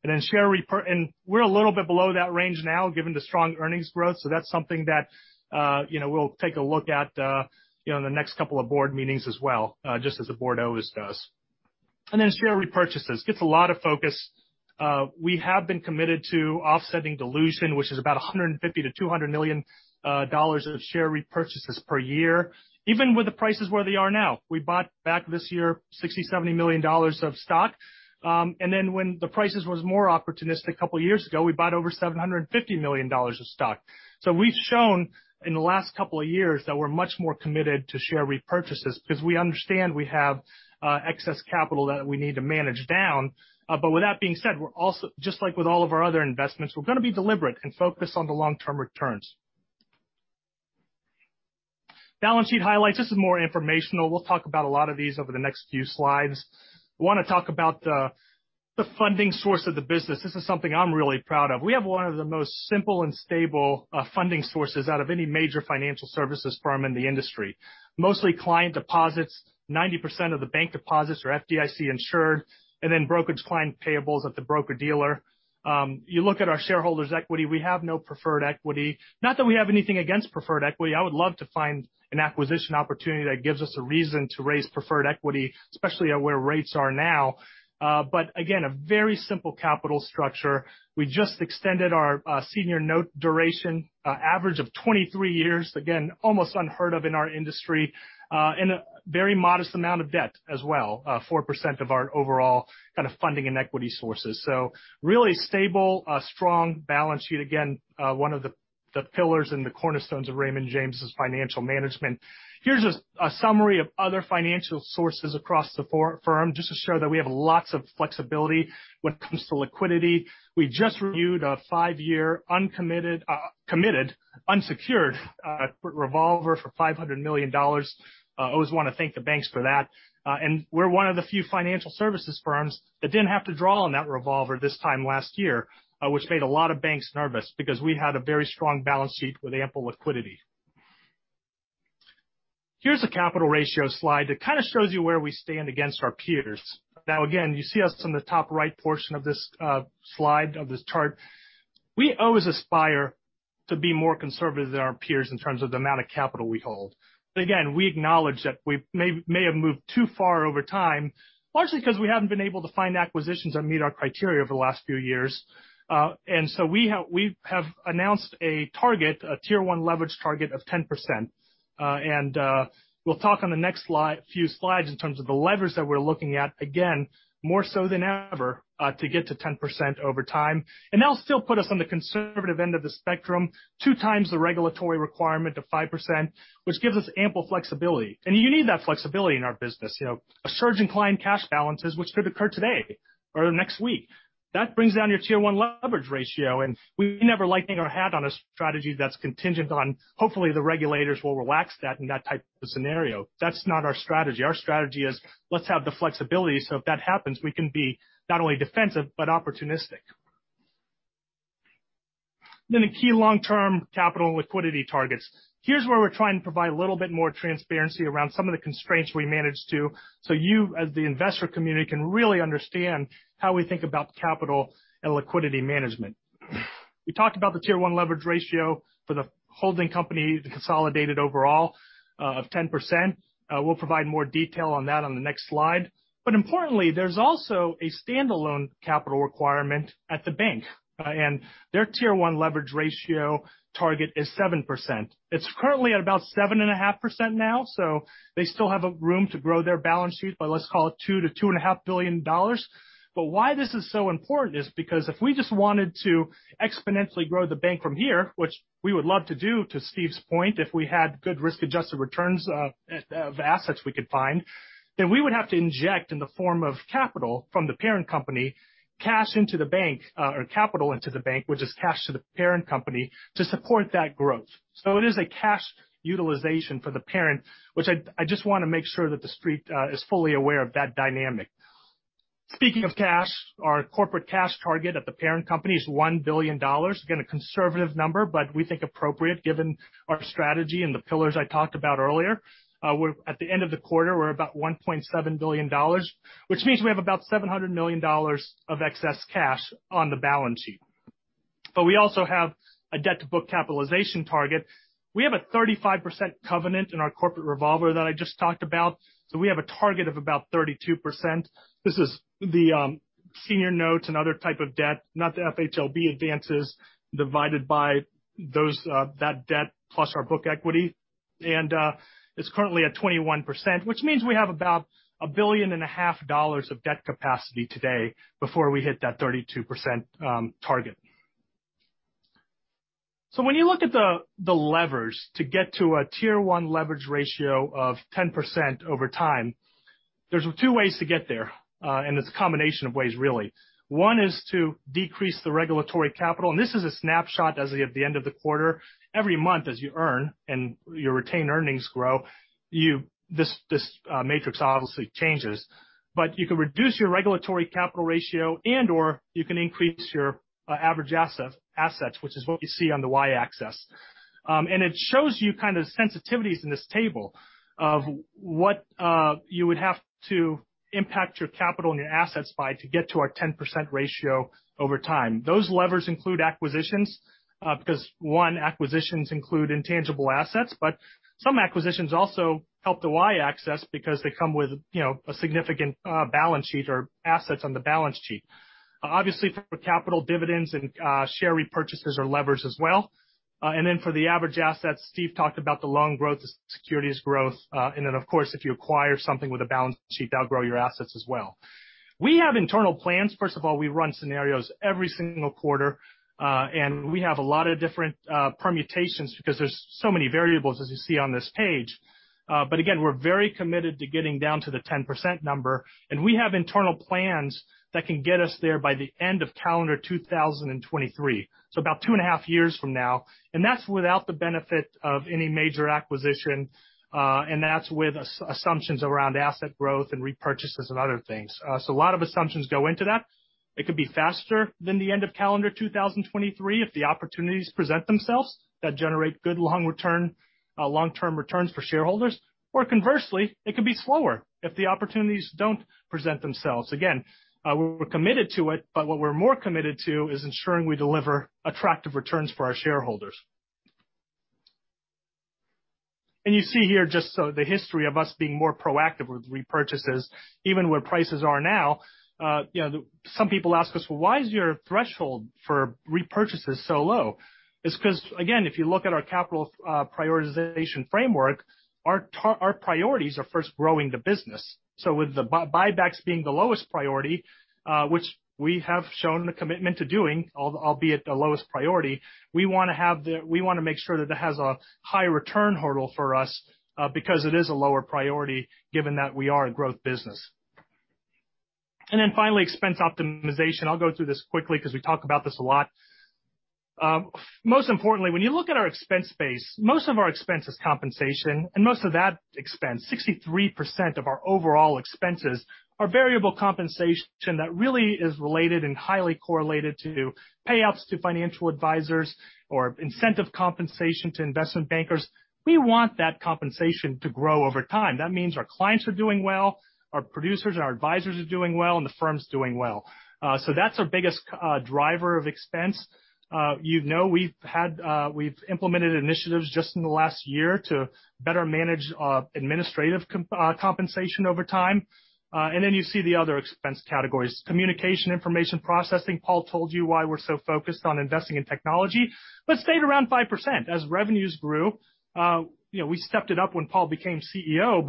We're a little bit below that range now given the strong earnings growth. That's something that we'll take a look at in the next couple of board meetings as well, just as the board always does. Then share repurchases. Gets a lot of focus. We have been committed to offsetting dilution, which is about $150 million-$200 million of share repurchases per year. Even with the prices where they are now. We bought back this year $60 million-$70 million of stock. When the prices was more opportunistic a couple of years ago, we bought over $750 million of stock. We've shown in the last couple of years that we're much more committed to share repurchases because we understand we have excess capital that we need to manage down. With that being said, just like with all of our other investments, we're going to be deliberate and focus on the long-term returns. Balance sheet highlights. This is more informational. We'll talk about a lot of these over the next few slides. I want to talk about the funding source of the business. This is something I'm really proud of. We have one of the most simple and stable funding sources out of any major financial services firm in the industry. Mostly client deposits, 90% of the bank deposits are FDIC insured, and then brokerage client payables at the broker-dealer. You look at our shareholders' equity, we have no preferred equity. Not that we have anything against preferred equity. I would love to find an acquisition opportunity that gives us a reason to raise preferred equity, especially at where rates are now. Again, a very simple capital structure. We just extended our senior note duration average of 23 years. Again, almost unheard of in our industry. A very modest amount of debt as well. 4% of our overall kind of funding and equity sources. Really stable, strong balance sheet, again, one of the pillars and the cornerstones of Raymond James' financial management. Here's a summary of other financial sources across the firm, just to show that we have lots of flexibility when it comes to liquidity. We just renewed a five-year committed unsecured revolver for $500 million. I always want to thank the banks for that. We're one of the few financial services firms that didn't have to draw on that revolver this time last year, which made a lot of banks nervous because we had a very strong balance sheet with ample liquidity. Here's a capital ratio slide that kind of shows you where we stand against our peers. Again, you see us in the top right portion of this slide, of this chart. We always aspire to be more conservative than our peers in terms of the amount of capital we hold. Again, we acknowledge that we may have moved too far over time, largely because we haven't been able to find acquisitions that meet our criteria over the last few years. We have announced a target, a Tier 1 leverage target of 10%. We'll talk on the next few slides in terms of the levers that we're looking at, again, more so than ever, to get to 10% over time. That'll still put us on the conservative end of the spectrum, two times the regulatory requirement of 5%, which gives us ample flexibility. You need that flexibility in our business. A surge in client cash balances, which could occur today or next week. That brings down your Tier 1 leverage ratio, and we never liking our hat on a strategy that's contingent on hopefully the regulators will relax that in that type of scenario. That's not our strategy. Our strategy is let's have the flexibility so if that happens, we can be not only defensive, but opportunistic. The key long-term capital and liquidity targets. Here's where we're trying to provide a little bit more transparency around some of the constraints we manage to so you, as the investor community, can really understand how we think about capital and liquidity management. We talked about the Tier 1 leverage ratio for the holding company, the consolidated overall of 10%. We'll provide more detail on that on the next slide. Importantly, there's also a standalone capital requirement at the bank. Their Tier 1 leverage ratio target is 7%. It's currently at about 7.5% now. They still have room to grow their balance sheet by let's call it $2 billion-$2.5 billion. Why this is so important is because if we just wanted to exponentially grow the bank from here, which we would love to do, to Steve's point, if we had good risk-adjusted returns of assets we could find, then we would have to inject in the form of capital from the parent company, cash into the bank or capital into the bank, which is cash to the parent company to support that growth. It is a cash utilization for the parent, which I just want to make sure that the street is fully aware of that dynamic. Speaking of cash, our corporate cash target at the parent company is $1 billion. Again, a conservative number, but we think appropriate given our strategy and the pillars I talked about earlier. At the end of the quarter, we're about $1.7 billion, which means we have about $700 million of excess cash on the balance sheet. We also have a debt to book capitalization target. We have a 35% covenant in our corporate revolver that I just talked about. We have a target of about 32%. This is the senior notes and other type of debt, not the FHLB advances divided by that debt plus our book equity. It's currently at 21%, which means we have about a billion and a half dollars of debt capacity today before we hit that 32% target. When you look at the levers to get to a Tier 1 leverage ratio of 10% over time, there's two ways to get there. It's a combination of ways, really. One is to decrease the regulatory capital, and this is a snapshot as of the end of the quarter. Every month, as you earn and your retained earnings grow, this matrix obviously changes. You can reduce your regulatory capital ratio and/or you can increase your average assets, which is what you see on the Y-axis. It shows you kind of sensitivities in this table of what you would have to impact your capital and your assets by to get to our 10% ratio over time. Those levers include acquisitions. One, acquisitions include intangible assets, but some acquisitions also help the Y-axis because they come with a significant balance sheet or assets on the balance sheet. Obviously, for capital dividends and share repurchases or levers as well. For the average assets, Steve talked about the loan growth, the securities growth. Of course, if you acquire something with a balance sheet, that'll grow your assets as well. We have internal plans. First of all, we run scenarios every single quarter. We have a lot of different permutations because there's so many variables as you see on this page. Again, we're very committed to getting down to the 10% number, and we have internal plans that can get us there by the end of calendar 2023. About two and a half years from now, and that's without the benefit of any major acquisition, and that's with assumptions around asset growth and repurchases and other things. A lot of assumptions go into that. It could be faster than the end of calendar 2023 if the opportunities present themselves that generate good long-term returns for shareholders. Conversely, it could be slower if the opportunities don't present themselves. Again, we're committed to it, but what we're more committed to is ensuring we deliver attractive returns for our shareholders. You see here just the history of us being more proactive with repurchases, even where prices are now. Some people ask us, "Well, why is your threshold for repurchases so low?" It's because, again, if you look at our capital prioritization framework, our priorities are first growing the business. With the buybacks being the lowest priority, which we have shown a commitment to doing, albeit the lowest priority, we want to make sure that it has a high return hurdle for us because it is a lower priority given that we are a growth business. Finally, expense optimization. I'll go through this quickly because we talk about this a lot. Most importantly, when you look at our expense base, most of our expense is compensation. Most of that expense, 63% of our overall expenses, are variable compensation that really is related and highly correlated to payouts to financial advisors or incentive compensation to investment bankers. We want that compensation to grow over time. That means our clients are doing well, our producers, our advisors are doing well. The firm's doing well. That's our biggest driver of expense. You know we've implemented initiatives just in the last year to better manage administrative compensation over time. You see the other expense categories. Communication, information processing. Paul told you why we're so focused on investing in technology. Stayed around 5%. As revenues grew, we stepped it up when Paul became CEO.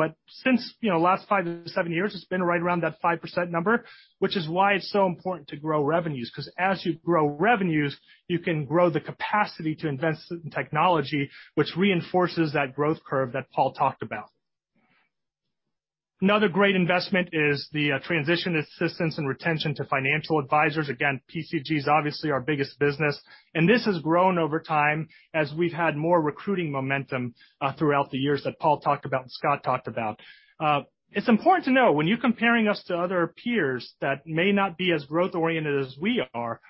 Since the last five to seven years, it's been right around that 5%, which is why it's so important to grow revenues because as you grow revenues, you can grow the capacity to invest in technology, which reinforces that growth curve that Paul talked about. Another great investment is the transition assistance and retention to financial advisors. Again, PCG is obviously our biggest business, and this has grown over time as we've had more recruiting momentum throughout the years that Paul talked about and Scott talked about. It's important to know when you're comparing us to other peers that may not be as growth-oriented as we are.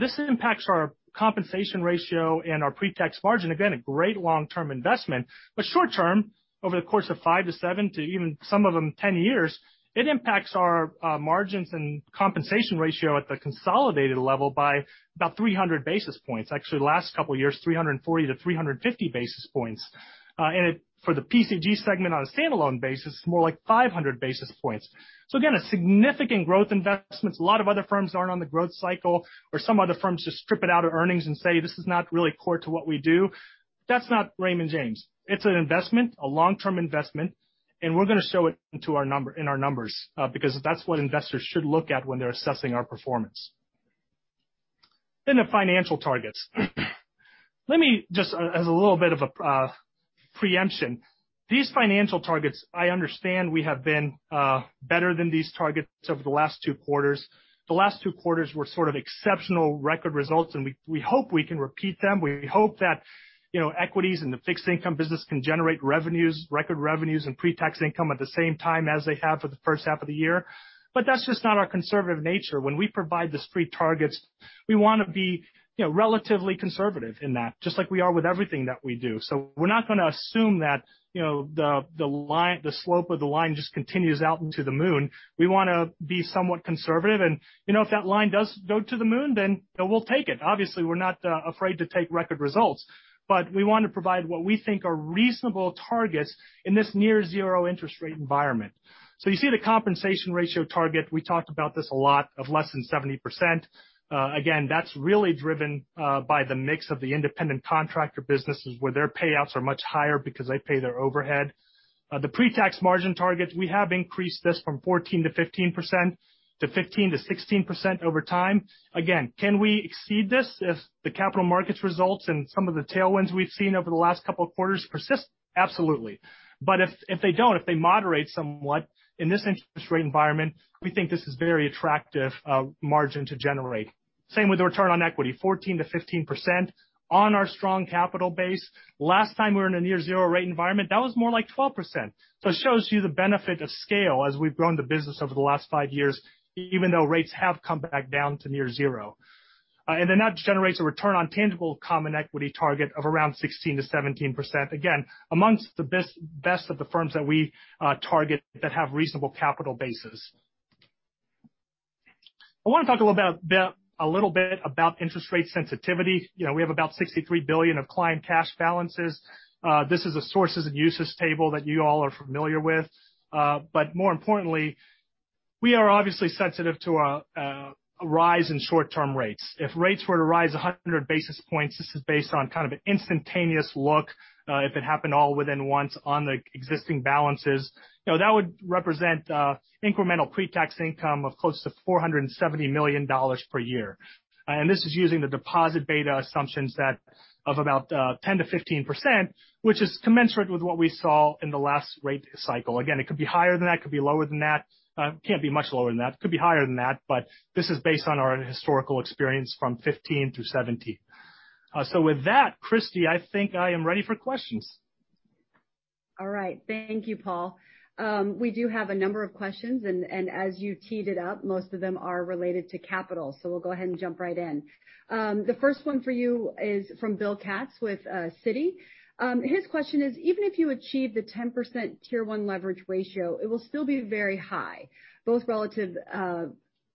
This impacts our compensation ratio and our pre-tax margin. A great long-term investment, but short term, over the course of five to seven to even some of them 10 years, it impacts our margins and compensation ratio at the consolidated level by about 300 basis points. Actually, the last couple of years, 340 to 350 basis points. For the PCG segment on a standalone basis, more like 500 basis points. Again, a significant growth investment. A lot of other firms aren't on the growth cycle, or some other firms just strip it out of earnings and say, "This is not really core to what we do." That's not Raymond James. It's an investment, a long-term investment, and we're going to show it in our numbers because that's what investors should look at when they're assessing our performance. The financial targets. Let me just as a little bit of a preemption. These financial targets, I understand we have been better than these targets over the last two quarters. The last two quarters were sort of exceptional record results. We hope we can repeat them. We hope that equities and the fixed income business can generate record revenues and pre-tax income at the same time as they have for the first half of the year. That's just not our conservative nature. When we provide these targets, we want to be relatively conservative in that, just like we are with everything that we do. We're not going to assume that the slope of the line just continues out into the moon. We want to be somewhat conservative. If that line does go to the moon, we'll take it. Obviously, we're not afraid to take record results. We want to provide what we think are reasonable targets in this near zero interest rate environment. You see the compensation ratio target. We talk about this a lot of less than 70%. That's really driven by the mix of the independent contractor businesses where their payouts are much higher because they pay their overhead. The pre-tax margin targets, we have increased this from 14%-15% to 15%-16% over time. Can we exceed this if the capital markets results and some of the tailwinds we've seen over the last couple of quarters persist? Absolutely. If they don't, if they moderate somewhat in this interest rate environment, we think this is a very attractive margin to generate. Same with the return on equity, 14%-15% on our strong capital base. It shows you the benefit of scale as we've grown the business over the last five years, even though rates have come back down to near zero. That generates a return on tangible common equity target of around 16%-17%. Again, amongst the best of the firms that we target that have reasonable capital bases. I want to talk a little bit about interest rate sensitivity. We have about $63 billion of client cash balances. This is a sources and uses table that you all are familiar with. More importantly, we are obviously sensitive to a rise in short-term rates. If rates were to rise 100 basis points, this is based on kind of an instantaneous look if it happened all within once on the existing balances. That would represent incremental pre-tax income of close to $470 million per year. This is using the deposit beta assumptions of about 10%-15%, which is commensurate with what we saw in the last rate cycle. Again, it could be higher than that, could be lower than that. Can't be much lower than that. Could be higher than that, but this is based on our historical experience from 2015 to 2017. With that, Kristy, I think I am ready for questions. All right. Thank you, Paul. We do have a number of questions, and as you teed it up, most of them are related to capital. We'll go ahead and jump right in. The first one for you is from William Katz with Citi. His question is, even if you achieve the 10% Tier 1 leverage ratio, it will still be very high, both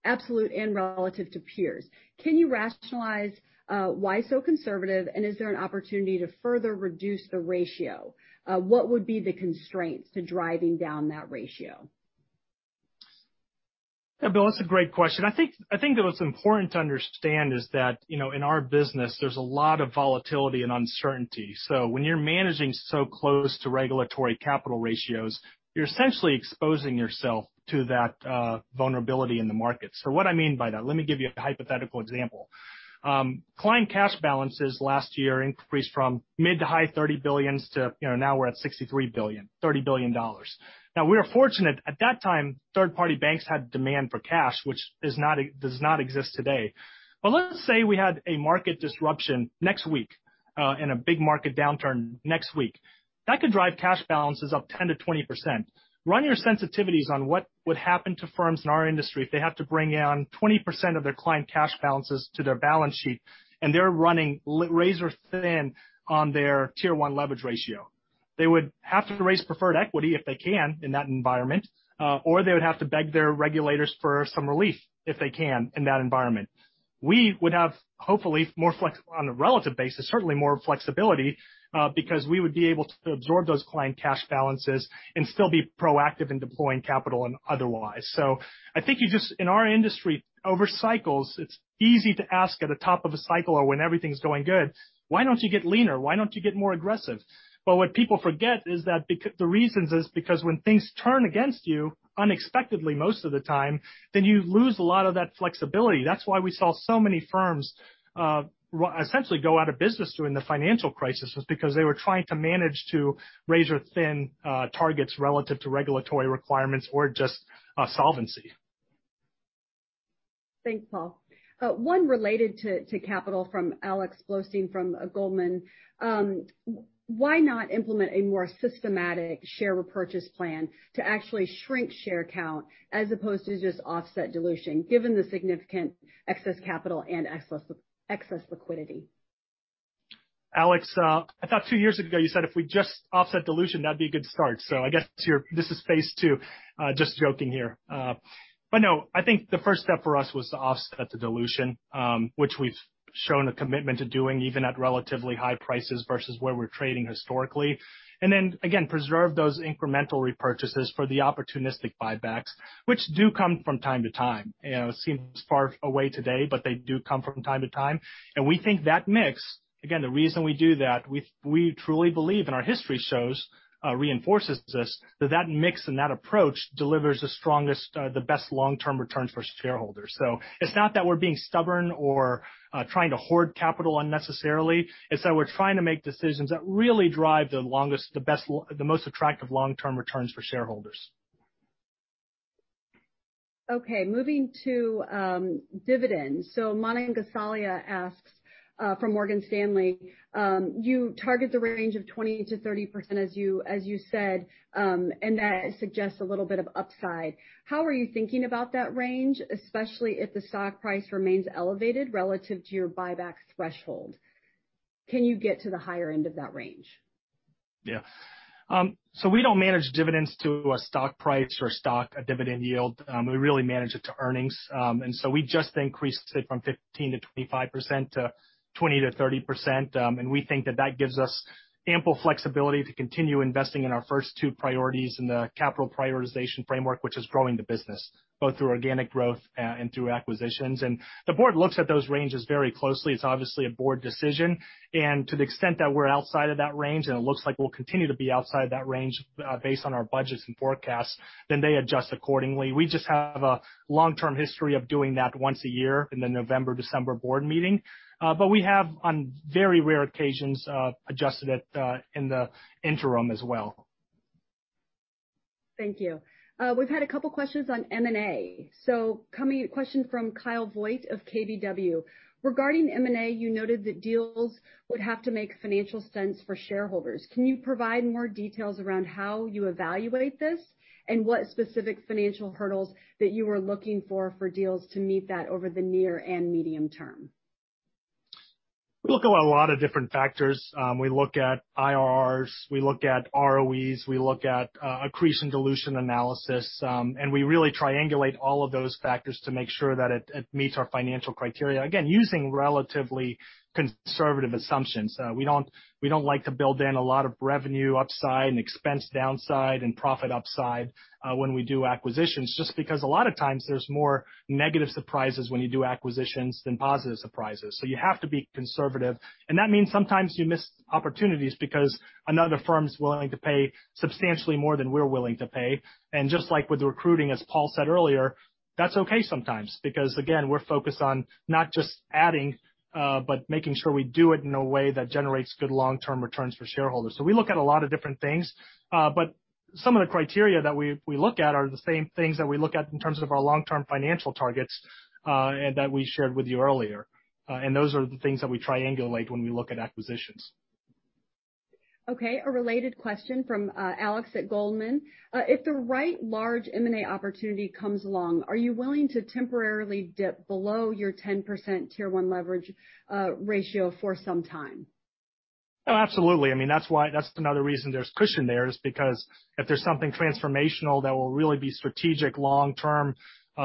absolute and relative to peers. Can you rationalize why so conservative, and is there an opportunity to further reduce the ratio? What would be the constraints to driving down that ratio? Yeah, Bill, that's a great question. I think that what's important to understand is that, in our business, there's a lot of volatility and uncertainty. When you're managing so close to regulatory capital ratios, you're essentially exposing yourself to that vulnerability in the market. What I mean by that, let me give you a hypothetical example. Client cash balances last year increased from mid to high $30 billion to now we're at $30 billion. Now, we are fortunate at that time, third-party banks had demand for cash, which does not exist today. Let's say we had a market disruption next week, and a big market downturn next week. That could drive cash balances up 10%-20%. Run your sensitivities on what would happen to firms in our industry if they have to bring on 20% of their client cash balances to their balance sheet, and they're running razor thin on their Tier 1 leverage ratio. They would have to raise preferred equity if they can in that environment, or they would have to beg their regulators for some relief if they can in that environment. We would have, hopefully on a relative basis, certainly more flexibility, because we would be able to absorb those client cash balances and still be proactive in deploying capital and otherwise. I think in our industry, over cycles, it's easy to ask at the top of a cycle or when everything's going good, "Why don't you get leaner? Why don't you get more aggressive?" What people forget is that the reason is because when things turn against you unexpectedly, most of the time, then you lose a lot of that flexibility. That's why we saw so many firms essentially go out of business during the Financial Crisis was because they were trying to manage to razor-thin targets relative to regulatory requirements or just solvency. Thanks, Paul. One related to capital from Alexander Blostein from Goldman. Why not implement a more systematic share repurchase plan to actually shrink share count as opposed to just offset dilution, given the significant excess capital and excess liquidity? Alex, I thought two years ago you said if we just offset dilution that'd be a good start. I guess this is phase two. Just joking here. No, I think the first step for us was to offset the dilution, which we've shown a commitment to doing even at relatively high prices versus where we're trading historically. Again, preserve those incremental repurchases for the opportunistic buybacks, which do come from time to time. It seems far away today, they do come from time to time. We think that mix, again, the reason we do that, we truly believe and our history shows, reinforces this, that mix and that approach delivers the best long-term returns for shareholders. It's not that we're being stubborn or trying to hoard capital unnecessarily. It's that we're trying to make decisions that really drive the most attractive long-term returns for shareholders. Moving to dividends. Manan Gosalia asks, from Morgan Stanley, you target the range of 20%-30%, as you said, and that suggests a little bit of upside. How are you thinking about that range, especially if the stock price remains elevated relative to your buyback threshold? Can you get to the higher end of that range? Yeah. We don't manage dividends to a stock price or a dividend yield. We really manage it to earnings. We just increased it from 15%-25% to 20%-30%, and we think that that gives us ample flexibility to continue investing in our first two priorities in the capital prioritization framework, which is growing the business, both through organic growth and through acquisitions. The board looks at those ranges very closely. It's obviously a board decision. To the extent that we're outside of that range, and it looks like we'll continue to be outside that range based on our budgets and forecasts, they adjust accordingly. We just have a long-term history of doing that once a year in the November-December board meeting. We have, on very rare occasions, adjusted it in the interim as well. Thank you. We've had a couple questions on M&A. Question from Kyle Voigt of KBW. Regarding M&A, you noted that deals would have to make financial sense for shareholders. Can you provide more details around how you evaluate this, and what specific financial hurdles that you are looking for for deals to meet that over the near and medium term? We look at a lot of different factors. We look at IRRs, we look at ROEs, we look at accretion dilution analysis. We really triangulate all of those factors to make sure that it meets our financial criteria. Again, using relatively conservative assumptions. We don't like to build in a lot of revenue upside and expense downside and profit upside when we do acquisitions just because a lot of times there's more negative surprises when you do acquisitions than positive surprises. You have to be conservative. That means sometimes you miss opportunities because another firm's willing to pay substantially more than we're willing to pay. Just like with recruiting, as Paul said earlier, that's okay sometimes because again, we're focused on not just adding, but making sure we do it in a way that generates good long-term returns for shareholders. We look at a lot of different things. Some of the criteria that we look at are the same things that we look at in terms of our long-term financial targets that we shared with you earlier. Those are the things that we triangulate when we look at acquisitions. Okay. A related question from Alex at Goldman. If the right large M&A opportunity comes along, are you willing to temporarily dip below your 10% Tier 1 leverage ratio for some time? Absolutely. That's another reason there's cushion there is because if there's something transformational that will really be strategic long-term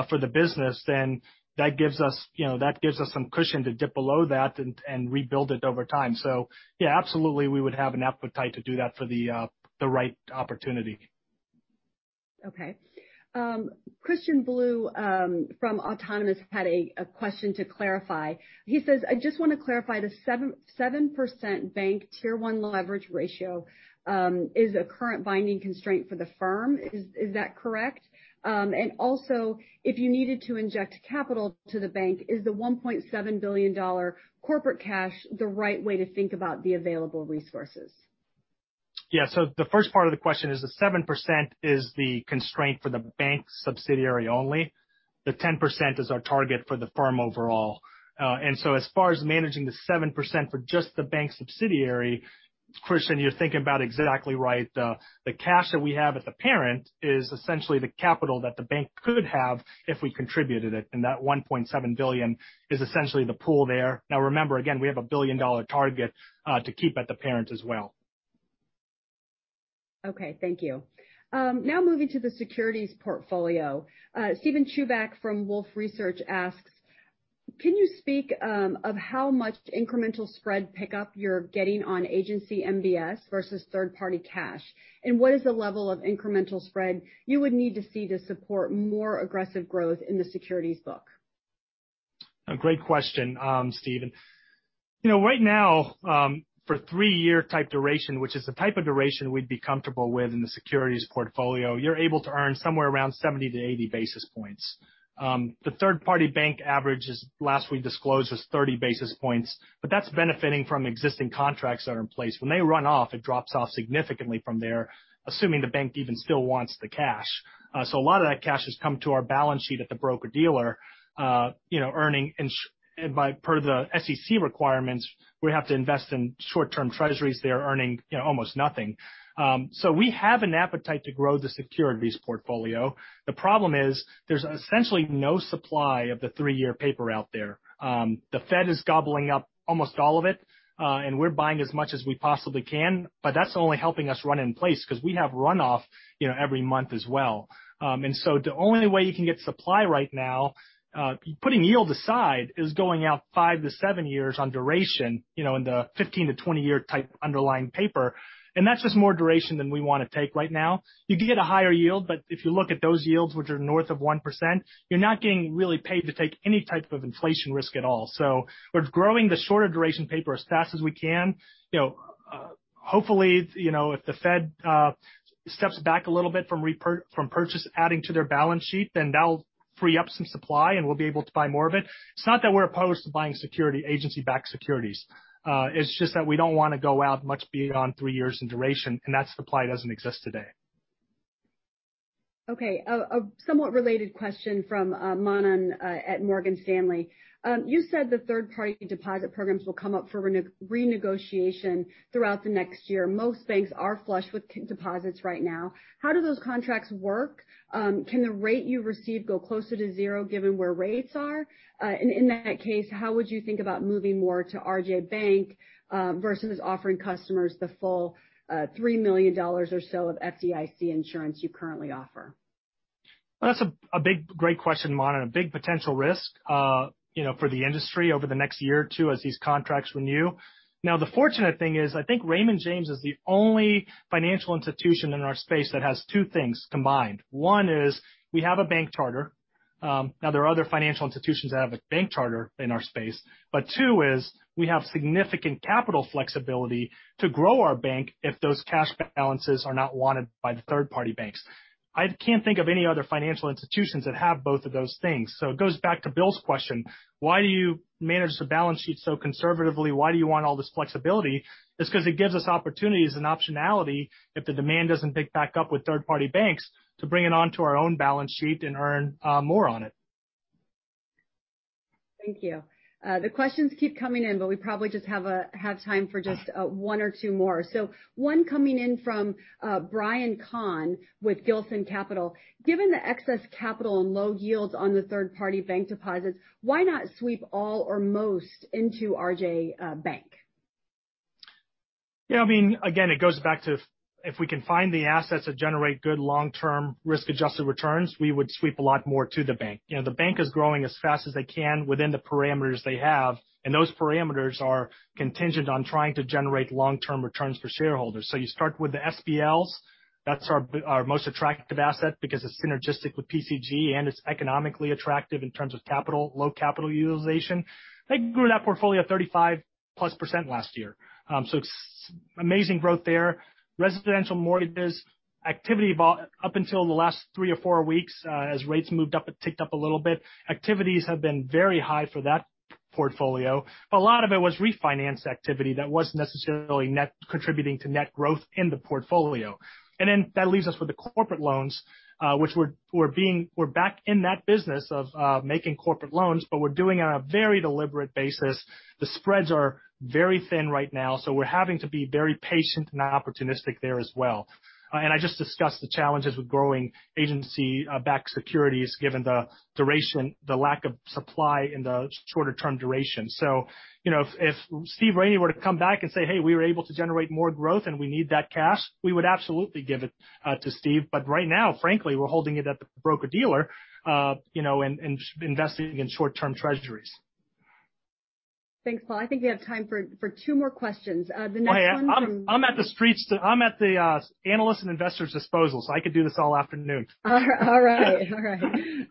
for the business, then that gives us some cushion to dip below that and rebuild it over time. Yeah, absolutely we would have an appetite to do that for the right opportunity. Okay. Christian Bolu from Autonomous had a question to clarify. He says, "I just want to clarify the 7% bank Tier 1 leverage ratio is a current binding constraint for the firm. Is that correct? Also, if you needed to inject capital to the bank, is the $1.7 billion corporate cash the right way to think about the available resources? Yeah. The first part of the question is the 7% is the constraint for the bank subsidiary only. The 10% is our target for the firm overall. As far as managing the 7% for just the bank subsidiary, Christian, you're thinking about it exactly right. The cash that we have as a parent is essentially the capital that the bank could have if we contributed it. That $1.7 billion is essentially the pool there. Remember again, we have a $1 billion target to keep at the parent as well. Okay. Thank you. Now moving to the securities portfolio. Steven Chubak from Wolfe Research asks, "Can you speak of how much incremental spread pickup you're getting on Agency MBS versus third-party cash, and what is the level of incremental spread you would need to see to support more aggressive growth in the securities book? A great question, Steven. Right now for 3-year type duration, which is the type of duration we'd be comfortable with in the securities portfolio, you're able to earn somewhere around 70-80 basis points. The third-party bank average as last we disclosed is 30 basis points, but that's benefiting from existing contracts that are in place. When they run off, it drops off significantly from there, assuming the bank even still wants the cash. A lot of that cash has come to our balance sheet at the broker-dealer earning per the SEC requirements, we have to invest in short-term treasuries. They're earning almost nothing. We have an appetite to grow the securities portfolio. The problem is there's essentially no supply of the three-year paper out there. The Fed is gobbling up almost all of it, and we're buying as much as we possibly can, but that's only helping us run in place because we have runoff every month as well. The only way you can get supply right now putting yield aside is going out five to seven years on duration in the 15 to 20-year type underlying paper. That's just more duration than we want to take right now. You can get a higher yield, but if you look at those yields which are north of 1%, you're not getting really paid to take any type of inflation risk at all. We're growing the shorter duration paper as fast as we can. Hopefully, if the Fed steps back a little bit from purchase adding to their balance sheet, then that'll free up some supply, and we'll be able to buy more of it. It's not that we're opposed to buying Agency Mortgage-Backed Securities. It's just that we don't want to go out much beyond three years in duration, and that supply doesn't exist today. Okay. A somewhat related question from Manan at Morgan Stanley. You said the third-party deposit programs will come up for renegotiation throughout the next year. Most banks are flush with deposits right now. How do those contracts work? Can the rate you receive go closer to zero given where rates are? In that case, how would you think about moving more to Raymond James Bank versus offering customers the full $3 million or so of FDIC insurance you currently offer? That's a great question, Manan. A big potential risk for the industry over the next year or two as these contracts renew. Now, the fortunate thing is I think Raymond James is the only financial institution in our space that has two things combined. One is we have a bank charter. Now there are other financial institutions that have a bank charter in our space. Two is we have significant capital flexibility to grow our bank if those cash balances are not wanted by the third-party banks. I can't think of any other financial institutions that have both of those things. It goes back to William's question, why do you manage the balance sheet so conservatively? Why do you want all this flexibility? It's because it gives us opportunities and optionality if the demand doesn't pick back up with third-party banks to bring it onto our own balance sheet and earn more on it. Thank you. The questions keep coming in, but we probably just have time for just one or two more. One coming in from Brian Conn with Griffin Capital. Given the excess capital and low yields on the third-party bank deposits, why not sweep all or most into RJ Bank? It goes back to if we can find the assets that generate good long-term risk-adjusted returns, we would sweep a lot more to the bank. The bank is growing as fast as they can within the parameters they have. Those parameters are contingent on trying to generate long-term returns for shareholders. You start with the SBLs. That's our most attractive asset because it's synergistic with PCG and it's economically attractive in terms of low capital utilization. They grew that portfolio 35%+ last year. It's amazing growth there. Residential mortgage activity up until the last three or four weeks as rates moved up and ticked up a little bit, activities have been very high for that portfolio. A lot of it was refinance activity that wasn't necessarily contributing to net growth in the portfolio. That leaves us with the corporate loans, which we're back in that business of making corporate loans, but we're doing it on a very deliberate basis. The spreads are very thin right now. We're having to be very patient and opportunistic there as well. I just discussed the challenges with growing agency-backed securities, given the duration, the lack of supply in the shorter-term duration. If Steve Raney were to come back and say, "Hey, we were able to generate more growth and we need that cash," we would absolutely give it to Steve. Right now, frankly, we're holding it at the broker-dealer and investing in short-term treasuries. Thanks, Paul. I think we have time for two more questions. The next one from- I'm at the analyst and investor's disposal, so I could do this all afternoon. All right.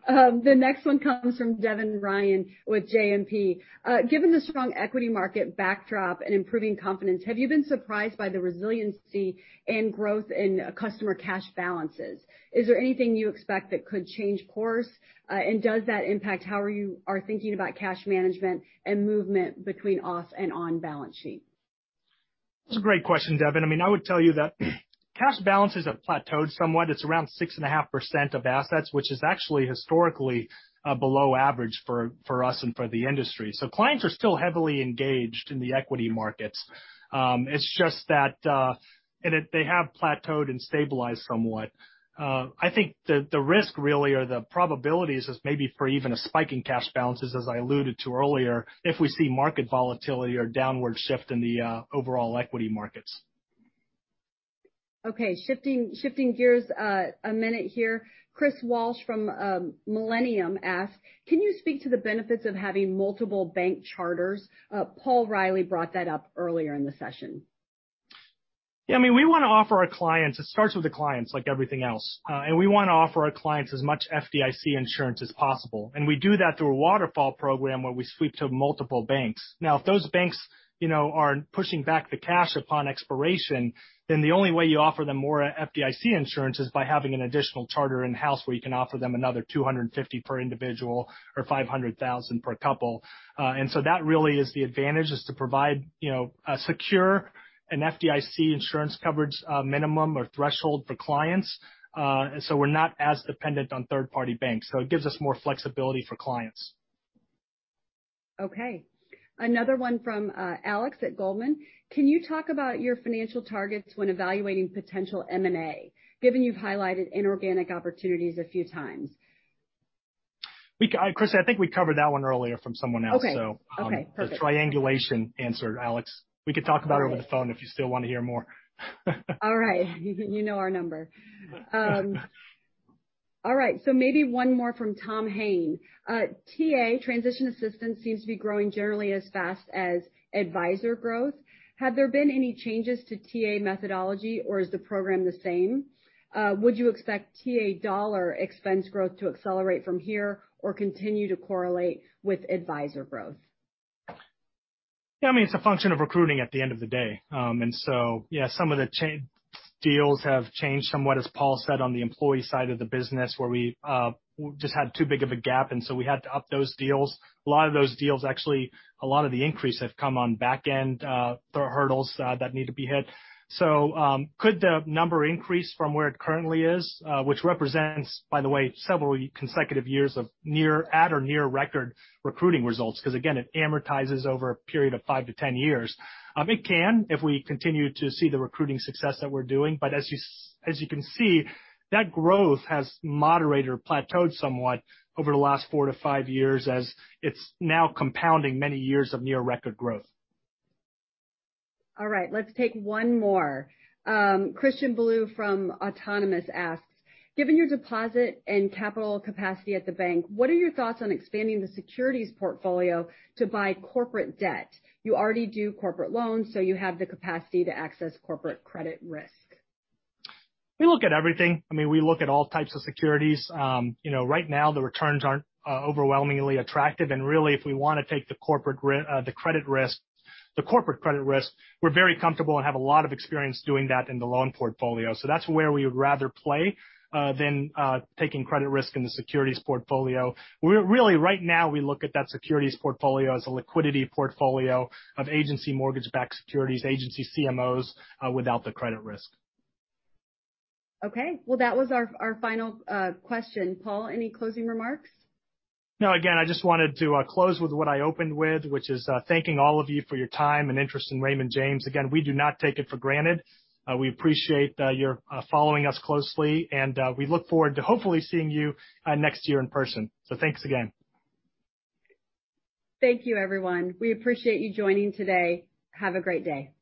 The next one comes from Devin Ryan with JMP. Given the strong equity market backdrop and improving confidence, have you been surprised by the resiliency in growth in customer cash balances? Is there anything you expect that could change course, and does that impact how you are thinking about cash management and movement between off and on balance sheet? That's a great question, Devin. I would tell you that cash balances have plateaued somewhat. It's around 6.5% of assets, which is actually historically below average for us and for the industry. Clients are still heavily engaged in the equity markets. It's just that they have plateaued and stabilized somewhat. I think the risk really or the probabilities is maybe for even a spike in cash balances, as I alluded to earlier, if we see market volatility or downward shift in the overall equity markets. Okay, shifting gears a minute here. Chris Walsh from Millennium asks, can you speak to the benefits of having multiple bank charters? Paul Reilly brought that up earlier in the session. Yeah, we want to offer our clients. It starts with the clients like everything else. We want to offer our clients as much FDIC insurance as possible. We do that through a waterfall program where we speak to multiple banks. Now, if those banks are pushing back the cash upon expiration, the only way you offer them more FDIC insurance is by having an additional charter in-house where you can offer them another 250 per individual or 500,000 for a couple. That really is the advantage is to provide a secure and FDIC insurance coverage minimum or threshold for clients. We're not as dependent on third-party banks. It gives us more flexibility for clients. Okay. Another one from Alex at Goldman. Can you talk about your financial targets when evaluating potential M&A, given you've highlighted inorganic opportunities a few times? Kristina, I think we covered that one earlier from someone else. Okay. A triangulation answer, Alex. We can talk about it over the phone if you still want to hear more. All right. You know our number. All right. Maybe one more from Tom Hayne. TA, transition assistance, seems to be growing generally as fast as advisor growth. Have there been any changes to TA methodology or is the program the same? Would you expect TA dollar expense growth to accelerate from here or continue to correlate with advisor growth? Yeah, it's a function of recruiting at the end of the day. Yeah, some of the deals have changed somewhat, as Paul said, on the employee side of the business where we just had too big of a gap, and so we had to up those deals. A lot of those deals actually, a lot of the increase have come on back end for hurdles that need to be hit. Could the number increase from where it currently is, which represents, by the way, several consecutive years of at or near record recruiting results because, again, it amortizes over a period of five to 10 years. It can if we continue to see the recruiting success that we're doing. As you can see, net growth has moderated or plateaued somewhat over the last four to five years as it's now compounding many years of near record growth. All right. Let's take one more. Christian Bolu from Autonomous asks, given your deposit and capital capacity at the bank, what are your thoughts on expanding the securities portfolio to buy corporate debt? You already do corporate loans, you have the capacity to access corporate credit risk. We look at everything. We look at all types of securities. Right now the returns aren't overwhelmingly attractive. Really if we want to take the corporate credit risk, we're very comfortable and have a lot of experience doing that in the loan portfolio. That's where we would rather play than taking credit risk in the securities portfolio. Really right now we look at that securities portfolio as a liquidity portfolio of agency mortgage-backed securities, agency CMOs without the credit risk. Okay. Well, that was our final question. Paul, any closing remarks? No. Again, I just wanted to close with what I opened with, which is thanking all of you for your time and interest in Raymond James. Again, we do not take it for granted. We appreciate that you're following us closely, and we look forward to hopefully seeing you next year in person. Thanks again. Thank you everyone. We appreciate you joining today. Have a great day.